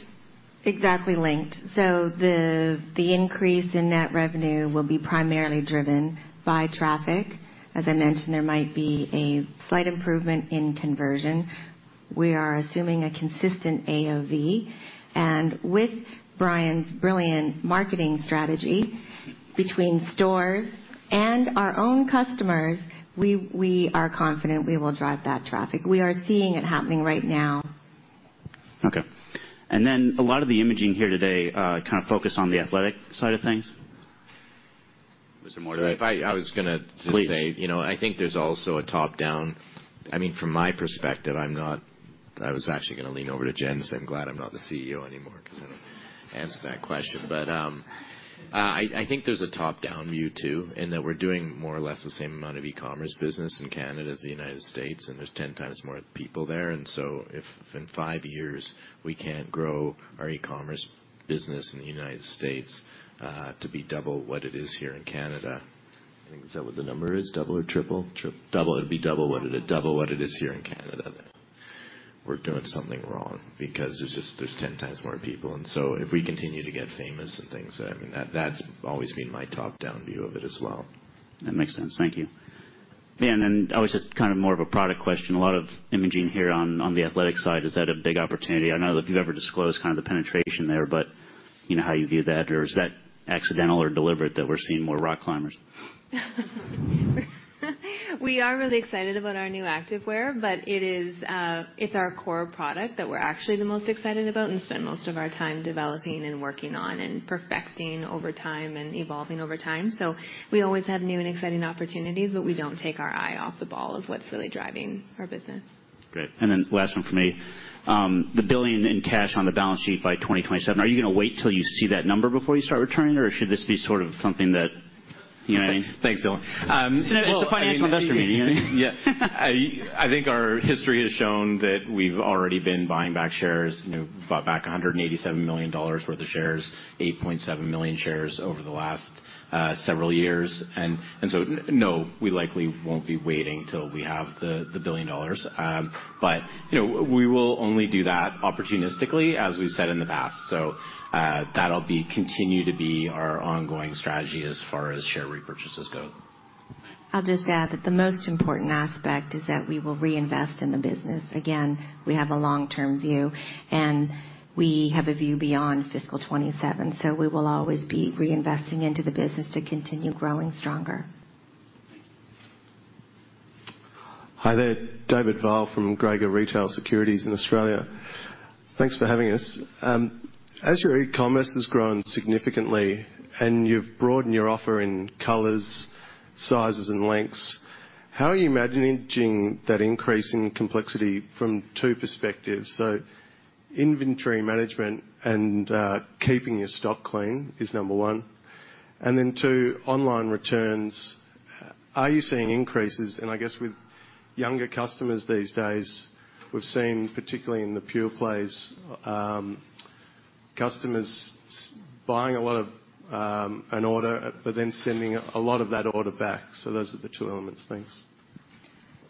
exactly linked. The increase in net revenue will be primarily driven by traffic. As I mentioned, there might be a slight improvement in conversion. We are assuming a consistent AOV. With Brian's brilliant marketing strategy between stores and our own customers, we are confident we will drive that traffic. We are seeing it happening right now. Okay. A lot of the imagery here today kind of focus on the athletic side of things. Mr. Morton, I was gonna just say. Please. You know, I think there's also a top-down view. I mean, from my perspective, I was actually gonna lean over to Jen and say, "I'm glad I'm not the CEO anymore," 'cause I don't wanna answer that question. I think there's a top-down view too, in that we're doing more or less the same amount of eCommerce business in Canada as the United States, and there's 10 times more people there. If in five years we can't grow our eCommerce business in the United States to be double what it is here in Canada, I think, is that what the number is, double or triple? Double. It'd be double what it is here in Canada, then we're doing something wrong because there's just 10 times more people. If we continue to get famous and things, I mean, that's always been my top-down view of it as well. That makes sense. Thank you. Yeah, I was just kind of more of a product question. A lot of imaging here on the athletic side, is that a big opportunity? I don't know if you've ever disclosed kind of the penetration there, but you know, how you view that? Or is that accidental or deliberate that we're seeing more rock climbers? We are really excited about our new activewear, but it is, it's our core product that we're actually the most excited about and spend most of our time developing and working on and perfecting over time and evolving over time. We always have new and exciting opportunities, but we don't take our eye off the ball of what's really driving our business. Great. Last one from me. The billion in cash on the balance sheet by 2027, are you gonna wait till you see that number before you start returning, or should this be sort of something that, you know what I mean? Thanks, Brian. Well, I mean, It's a financial investor meeting. Yeah. I think our history has shown that we've already been buying back shares. You know, bought back 187 million dollars worth of shares, 8.7 million shares over the last several years. No, we likely won't be waiting till we have the 1 billion dollars. But you know, we will only do that opportunistically, as we've said in the past. That'll continue to be our ongoing strategy as far as share repurchases go. Thanks. I'll just add that the most important aspect is that we will reinvest in the business. Again, we have a long-term view, and we have a view beyond fiscal 2027, so we will always be reinvesting into the business to continue growing stronger. Thank you. Hi here. David Vile from Greiger Retail Securities in Australia. Thanks for having us. As your eCommerce has grown significantly and you've broadened your offer in colors, sizes, and lengths, how are you managing that increase in complexity from two perspectives? Inventory management and keeping your stock clean is number one. Then two, online returns, are you seeing increases? I guess with younger customers these days, we've seen, particularly in the pure plays, customers buying a lot of an order, but then sending a lot of that order back. Those are the two elements. Thanks.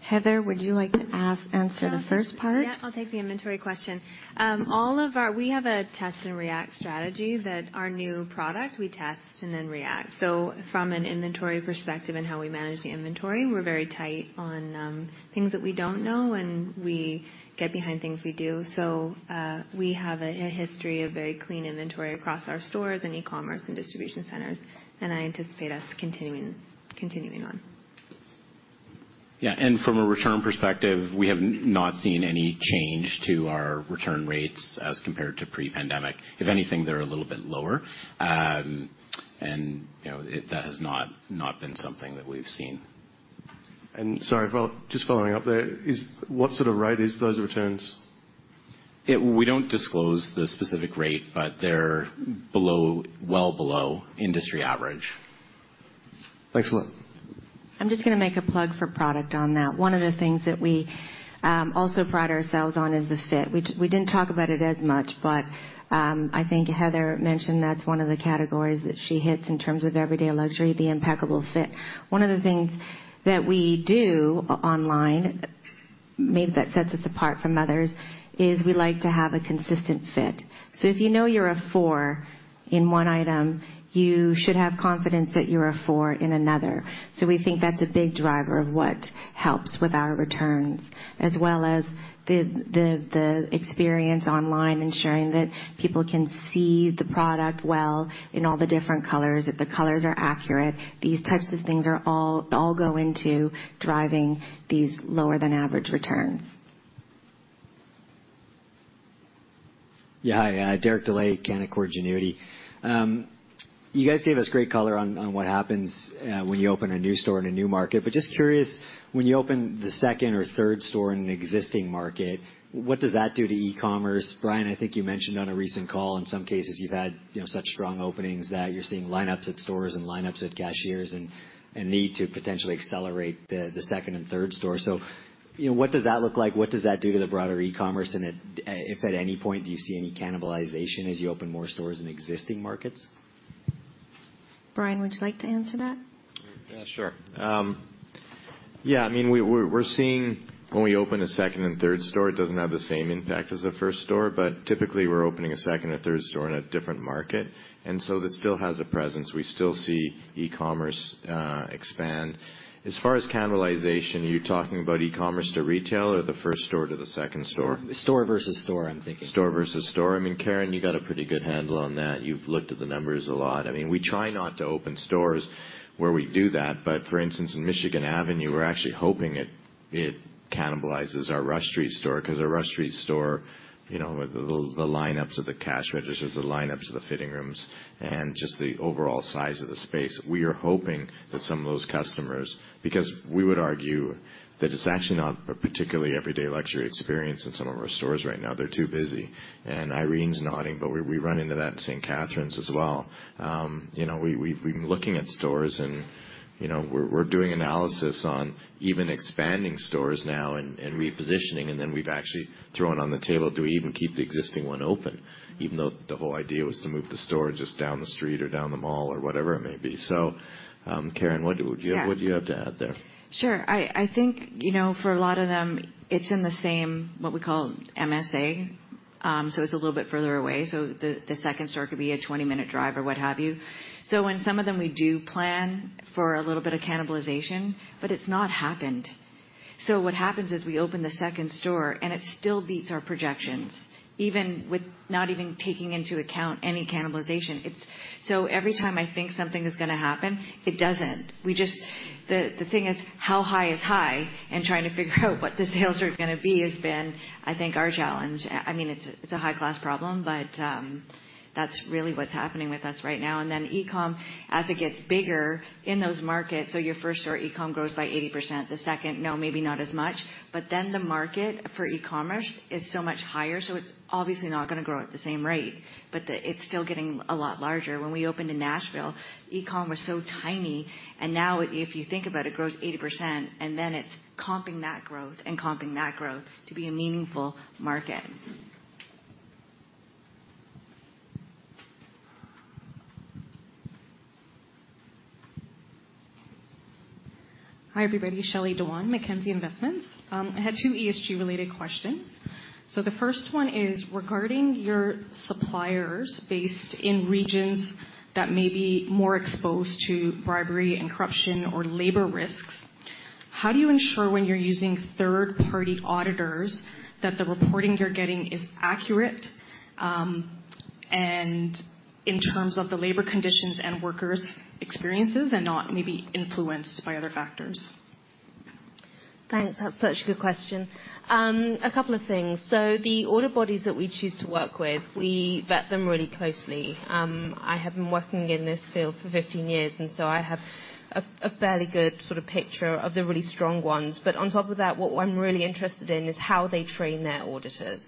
Heather, would you like to answer the first part? Yeah. I'll take the inventory question. We have a test-and-react strategy that our new product we test and then react. From an inventory perspective and how we manage the inventory, we're very tight on things that we don't know, and we get behind things we do. We have a history of very clean inventory across our stores and eCommerce and distribution centers, and I anticipate us continuing on. Yeah. From a return perspective, we have not seen any change to our return rates as compared to pre-pandemic. If anything, they're a little bit lower. You know, that has not been something that we've seen. Sorry, well, just following up there, what sort of rate is those returns? Yeah. We don't disclose the specific rate, but they're below, well below industry average. Thanks a lot. I'm just gonna make a plug for product on that. One of the things that we also pride ourselves on is the fit. We didn't talk about it as much, but I think Heather mentioned that's one of the categories that she hits in terms of Everyday Luxury, the impeccable fit. One of the things that we do online, maybe that sets us apart from others, is we like to have a consistent fit. So if you know you're a four in one item, you should have confidence that you're a four in another. So we think that's a big driver of what helps with our returns, as well as the experience online, ensuring that people can see the product well in all the different colors, that the colors are accurate. These types of things are all go into driving these lower than average returns. Yeah. Hi, Derek Dley, Canaccord Genuity. You guys gave us great color on what happens when you open a new store in a new market. Just curious, when you open the second or third store in an existing market, what does that do to eCommerce? Brian, I think you mentioned on a recent call, in some cases you've had, you know, such strong openings that you're seeing lineups at stores and lineups at cashiers and need to potentially accelerate the second and third store. You know, what does that look like? What does that do to the broader eCommerce? If at any point, do you see any cannibalization as you open more stores in existing markets? Brian, would you like to answer that? Yeah, sure. We're seeing when we open a second and third store, it doesn't have the same impact as a first store. Typically, we're opening a second or third store in a different market, and so this still has a presence. We still see eCommerce expand. As far as cannibalization, are you talking about eCommerce to retail or the first store to the second store? Store versus store, I'm thinking. Store versus store. I mean, Karen, you got a pretty good handle on that. You've looked at the numbers a lot. I mean, we try not to open stores where we do that. But for instance, in Michigan Avenue, we're actually hoping it cannibalizes our Rush Street store, 'cause our Rush Street store, you know, the lineups at the cash registers, the lineups at the fitting rooms, and just the overall size of the space, we are hoping that some of those customers. Because we would argue that it's actually not a particularly Everyday Luxury experience in some of our stores right now. They're too busy. Irene's nodding, but we run into that in Ste-Catherine's as well. You know, we've been looking at stores and, you know, we're doing analysis on even expanding stores now and repositioning, and then we've actually thrown on the table, do we even keep the existing one open? Even though the whole idea was to move the store just down the street or down the mall or whatever it may be. Karen, what would you have- Yeah. What do you have to add there? Sure. I think, you know, for a lot of them, it's in the same, what we call MSA, so it's a little bit further away. The second store could be a 20-minute drive or what have you. In some of them, we do plan for a little bit of cannibalization, but it's not happened. What happens is we open the second store and it still beats our projections, even with not even taking into account any cannibalization. It's. Every time I think something is gonna happen, it doesn't. We just. The thing is how high is high and trying to figure out what the sales are gonna be has been, I think, our challenge. I mean, it's a high-class problem, but that's really what's happening with us right now. eCom, as it gets bigger in those markets, so your first store eCom grows by 80%. The second, no, maybe not as much. But then the market for eCommerce is so much higher, so it's obviously not gonna grow at the same rate, but it's still getting a lot larger. When we opened in Nashville, eCom was so tiny, and now if you think about it grows 80%, and then it's comping that growth to be a meaningful market. Hi, everybody. Shelly Dewan, Mackenzie Investments. I had two ESG related questions. The first one is regarding your suppliers based in regions that may be more exposed to bribery and corruption or labor risks. How do you ensure when you're using third-party auditors that the reporting you're getting is accurate, and in terms of the labor conditions and workers' experiences and not maybe influenced by other factors? Thanks. That's such a good question. A couple of things. The audit bodies that we choose to work with, we vet them really closely. I have been working in this field for 15 years, and so I have a fairly good sort of picture of the really strong ones. On top of that, what I'm really interested in is how they train their auditors.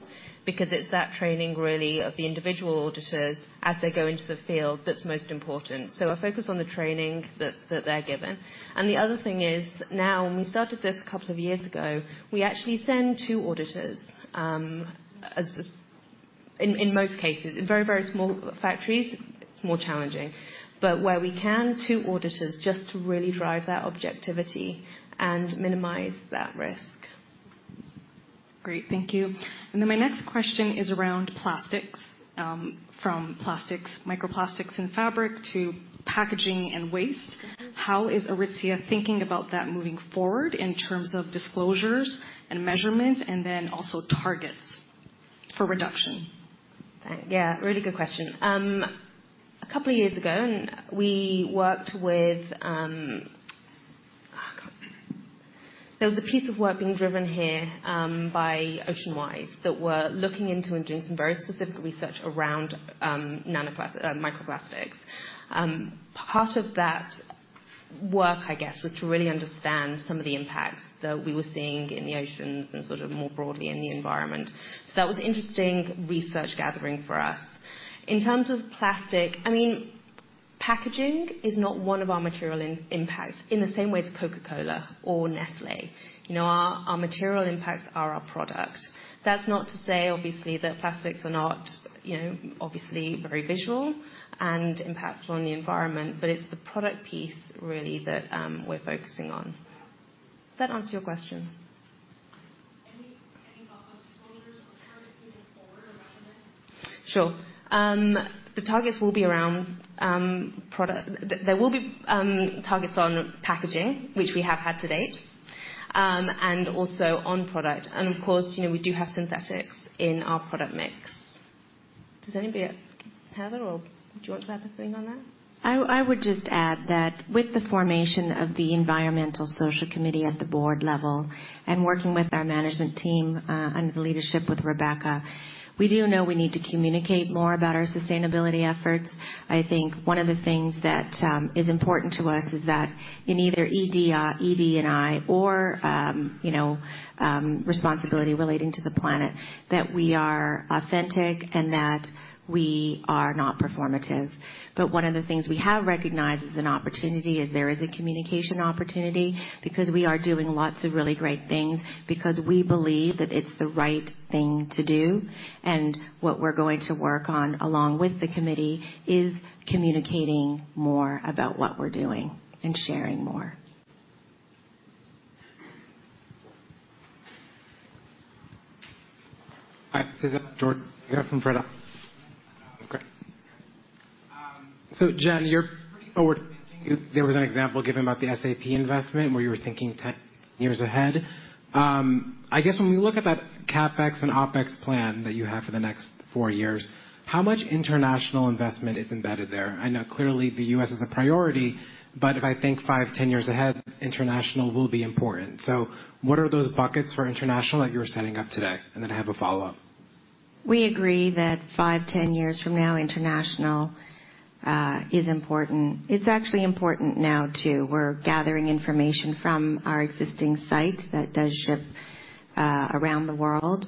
Because it's that training really of the individual auditors as they go into the field that's most important. I focus on the training that they're given. The other thing is, now when we started this a couple of years ago, we actually send two auditors in most cases. In very, very small factories, it's more challenging. Where we can, two auditors just to really drive that objectivity and minimize that risk. Great. Thank you. My next question is around plastics, from plastics, microplastics in fabric to packaging and waste. How is Aritzia thinking about that moving forward in terms of disclosures and measurements and then also targets for reduction? Yeah, really good question. A couple of years ago, we worked with... Oh, God. There was a piece of work being driven here by Ocean Wise that were looking into and doing some very specific research around microplastics. Part of that work, I guess, was to really understand some of the impacts that we were seeing in the oceans and sort of more broadly in the environment. That was interesting research gathering for us. In terms of plastic, I mean, packaging is not one of our material impacts in the same way as Coca-Cola or Nestlé. You know, our material impacts are our product. That's not to say, obviously, that plastics are not, you know, obviously very visual and impactful on the environment, but it's the product piece really that we're focusing on. Does that answer your question? Any other disclosures or targets moving forward around them? Sure. The targets will be around product. There will be targets on packaging, which we have had to date, and also on product. Of course, you know, we do have synthetics in our product mix. Does anybody, Heather or, do you want to add a thing on that? I would just add that with the formation of the environmental social committee at the board level and working with our management team, under the leadership with Rebecca, we do know we need to communicate more about our sustainability efforts. I think one of the things that is important to us is that in either ED&I or, you know, responsibility relating to the planet, that we are authentic and that we are not performative. One of the things we have recognized as an opportunity is there is a communication opportunity because we are doing lots of really great things because we believe that it's the right thing to do. What we're going to work on along with the committee is communicating more about what we're doing and sharing more. Hi, this is Jordan. Here from Fiera. Great. Jennifer, you're pretty forward-thinking. There was an example given about the SAP investment where you were thinking 10 years ahead. I guess when we look at that CapEx and OpEx plan that you have for the next four years, how much international investment is embedded there? I know clearly the U.S. is a priority, but if I think five, 10 years ahead, international will be important. What are those buckets for international that you're setting up today? Then I have a follow-up. We agree that five, 10 years from now, international is important. It's actually important now, too. We're gathering information from our existing site that does ship around the world.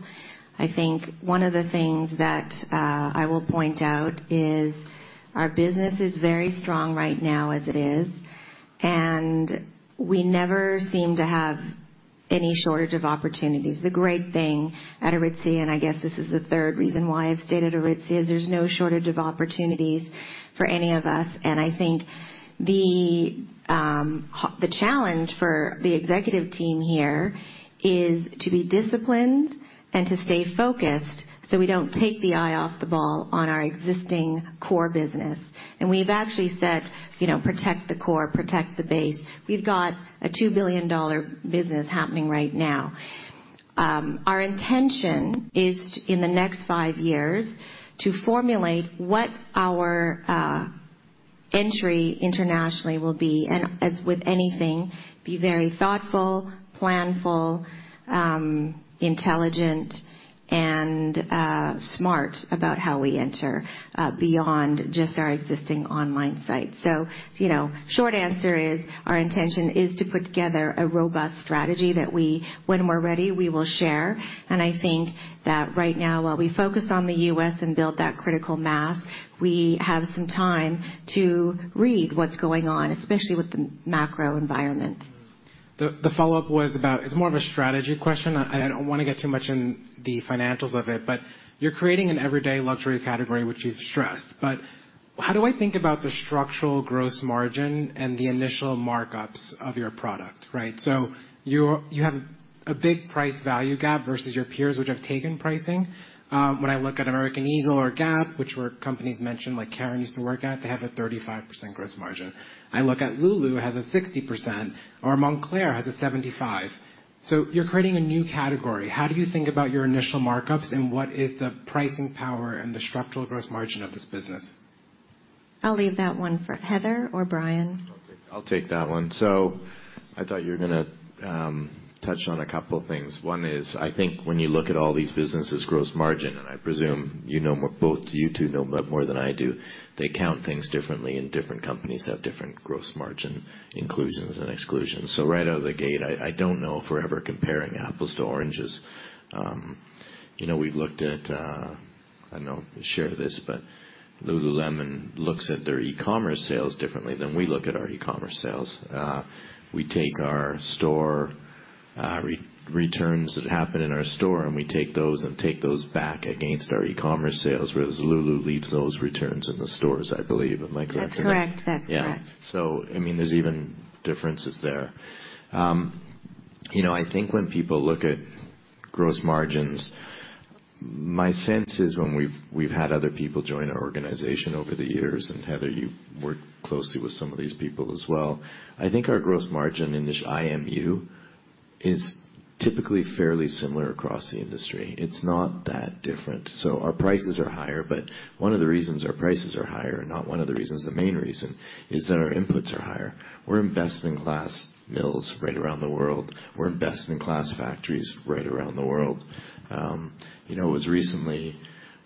I think one of the things that I will point out is our business is very strong right now as it is, and we never seem to have any shortage of opportunities. The great thing at Aritzia, and I guess this is the third reason why I've stayed at Aritzia, there's no shortage of opportunities for any of us. I think the challenge for the executive team here is to be disciplined and to stay focused, so we don't take the eye off the ball on our existing core business. We've actually said, you know, "Protect the core, protect the base." We've got a 2 billion dollar business happening right now. Our intention is in the next five years to formulate what our entry internationally will be, and as with anything, be very thoughtful, planful, intelligent and smart about how we enter beyond just our existing online site. You know, short answer is our intention is to put together a robust strategy that when we're ready, we will share. I think that right now, while we focus on the U.S. and build that critical mass, we have some time to read what's going on, especially with the macro environment. It's more of a strategy question. I don't wanna get too much in the financials of it, but you're creating an Everyday Luxury category, which you've stressed. How do I think about the structural gross margin and the initial markups of your product, right? You have a big price value gap versus your peers, which have taken pricing. When I look at American Eagle or Gap, which were companies mentioned, like Karen used to work at, they have a 35% gross margin. I look at Lulu has a 60%, or Moncler has a 75%. You're creating a new category. How do you think about your initial markups and what is the pricing power and the structural gross margin of this business? I'll leave that one for Heather or Brian. I'll take that one. I thought you were gonna touch on a couple of things. One is, I think when you look at all these businesses' gross margin, and I presume you know more, both you two know more than I do, they count things differently, and different companies have different gross margin inclusions and exclusions. Right out of the gate, I don't know if we're ever comparing apples to oranges. You know, we've looked at, I don't know if we share this, but Lululemon looks at their eCommerce sales differently than we look at our eCommerce sales. We take our store returns that happen in our store, and we take those back against our eCommerce sales, whereas Lulu leaves those returns in the stores, I believe. Am I correct? That's correct. That's correct. Yeah. I mean, there's even differences there. You know, I think when people look at gross margins, my sense is when we've had other people join our organization over the years, and Heather, you've worked closely with some of these people as well. I think our gross margin in this IMU is typically fairly similar across the industry. It's not that different. Our prices are higher, but one of the reasons our prices are higher, not one of the reasons, the main reason, is that our inputs are higher. We're investing in world-class mills right around the world. We're investing in world-class factories right around the world. You know, it was recently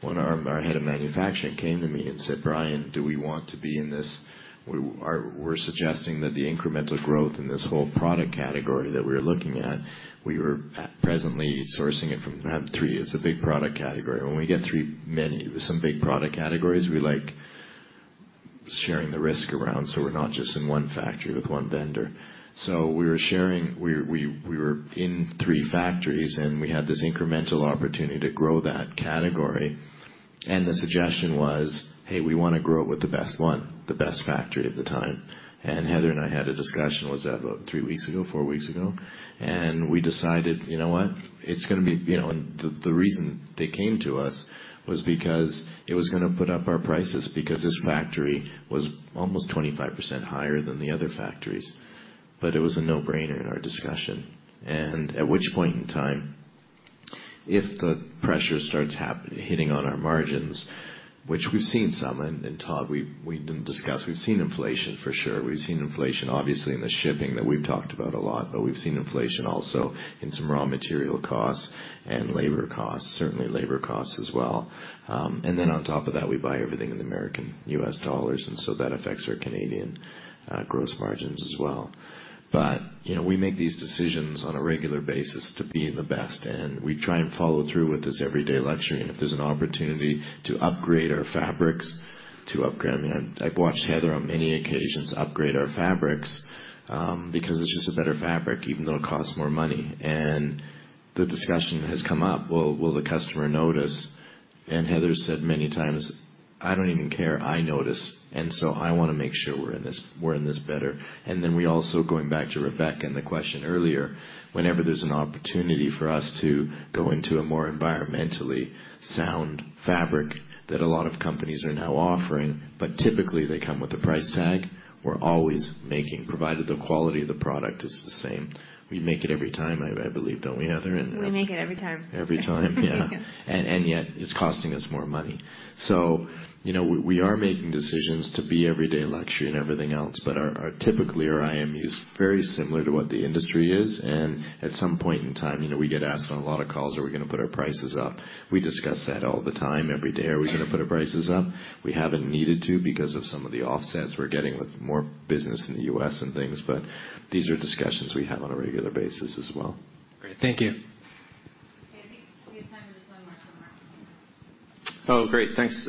when our head of manufacturing came to me and said, "Brian, do we want to be in this? We're suggesting that the incremental growth in this whole product category that we're looking at, we were presently sourcing it from three. It's a big product category. When we get three, many, with some big product categories, we like sharing the risk around, so we're not just in one factory with one vendor. We were sharing. We were in three factories, and we had this incremental opportunity to grow that category. The suggestion was, "Hey, we wanna grow it with the best one," the best factory at the time. Heather and I had a discussion. Was that about three weeks ago, four weeks ago? We decided, you know what? It's gonna be. The reason they came to us was because it was gonna put up our prices because this factory was almost 25% higher than the other factories. It was a no-brainer in our discussion. At which point in time, if the pressure starts hitting on our margins, which we've seen some, and Todd, we didn't discuss. We've seen inflation for sure. We've seen inflation obviously in the shipping that we've talked about a lot, but we've seen inflation also in some raw material costs and labor costs, certainly labor costs as well. Then on top of that, we buy everything in American U.S. dollars, and so that affects our Canadian gross margins as well. We make these decisions on a regular basis to be the best, and we try and follow through with this Everyday Luxury. If there's an opportunity to upgrade our fabrics, I mean, I've watched Heather on many occasions upgrade our fabrics, because it's just a better fabric, even though it costs more money. The discussion has come up, "Well, will the customer notice?" Heather said many times, "I don't even care. I notice. And so I wanna make sure we're in this, we're in this better." We also, going back to Rebecca and the question earlier, whenever there's an opportunity for us to go into a more environmentally sound fabric that a lot of companies are now offering, but typically they come with a price tag, we're always making, provided the quality of the product is the same, we make it every time, I believe. Don't we, Heather? We make it every time. Every time, yeah. Yet it's costing us more money. You know, we are making decisions to be Everyday Luxury and everything else, but our typical IMU is very similar to what the industry is. At some point in time, you know, we get asked on a lot of calls, are we gonna put our prices up? We discuss that all the time. Every day, are we gonna put our prices up? We haven't needed to because of some of the offsets we're getting with more business in the U.S. and things, but these are discussions we have on a regular basis as well. Great. Thank you. Okay. I think we have time for just one more turn around. Oh, great. Thanks.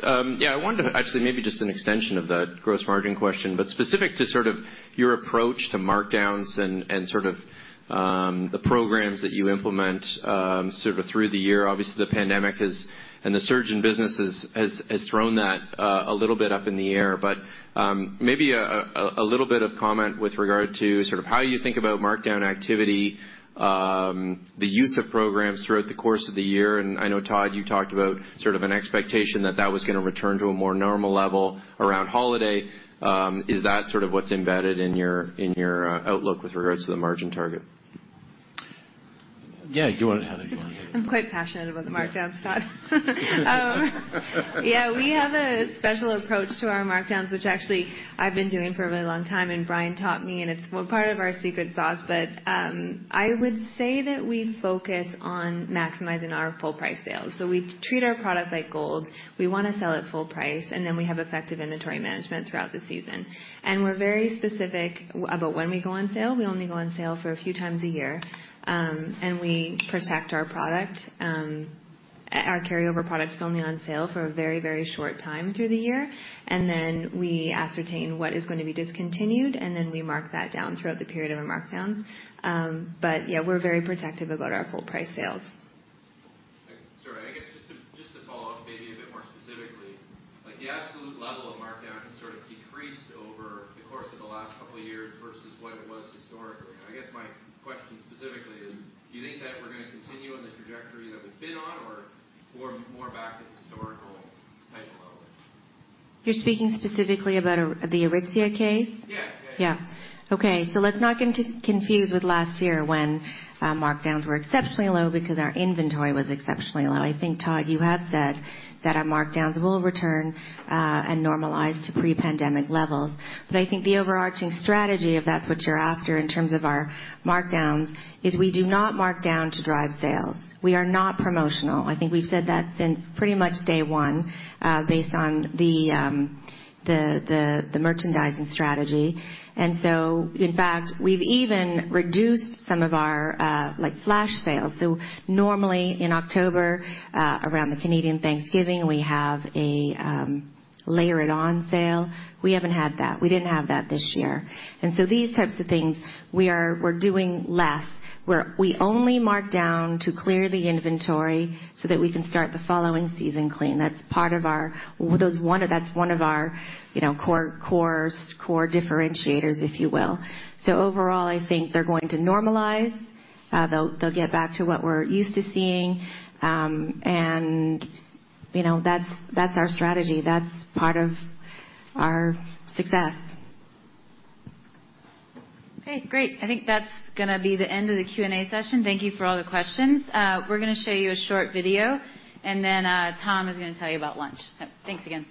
Yeah, actually maybe just an extension of that gross margin question, but specific to sort of your approach to markdowns and sort of the programs that you implement sort of through the year. Obviously, the pandemic has, and the surge in business has thrown that a little bit up in the air. But maybe a little bit of comment with regard to sort of how you think about markdown activity, the use of programs throughout the course of the year. I know, Todd, you talked about sort of an expectation that that was gonna return to a more normal level around holiday. Is that sort of what's embedded in your outlook with regards to the margin target? Yeah. Heather, do you wanna hit it? I'm quite passionate about the markdowns, Todd. We have a special approach to our markdowns, which actually I've been doing for a really long time, and Brian taught me, and it's part of our secret sauce. I would say that we focus on maximizing our full price sales. We treat our product like gold. We wanna sell at full price, and then we have effective inventory management throughout the season. We're very specific about when we go on sale. We only go on sale for a few times a year. We protect our product. Our carryover product is only on sale for a very, very short time through the year, and then we ascertain what is gonna be discontinued, and then we mark that down throughout the period of a markdown. Yeah, we're very protective about our full price sales. Sorry. I guess, just to follow up maybe a bit more specifically. Like, the absolute level of markdown has sort of decreased over the course of the last couple of years versus what it was historically. I guess my question specifically is, do you think that we're gonna continue on the trajectory that we've been on or more back to historical type level? You're speaking specifically about Aritzia case? Yeah. Yeah, yeah. Yeah. Okay. Let's not get confused with last year when markdowns were exceptionally low because our inventory was exceptionally low. I think, Todd, you have said that our markdowns will return and normalize to pre-pandemic levels. I think the overarching strategy, if that's what you're after in terms of our markdowns, is we do not mark down to drive sales. We are not promotional. I think we've said that since pretty much day one based on the merchandising strategy. In fact, we've even reduced some of our like flash sales. Normally in October around the Canadian Thanksgiving, we have a Layer It On sale. We haven't had that. We didn't have that this year. These types of things we're doing less. We only mark down to clear the inventory so that we can start the following season clean. That's one of our, you know, core differentiators, if you will. Overall, I think they're going to normalize. They'll get back to what we're used to seeing. You know, that's our strategy. That's part of our success. Okay, great. I think that's gonna be the end of the Q&A session. Thank you for all the questions. We're gonna show you a short video, and then Tom is gonna tell you about lunch. Thanks again.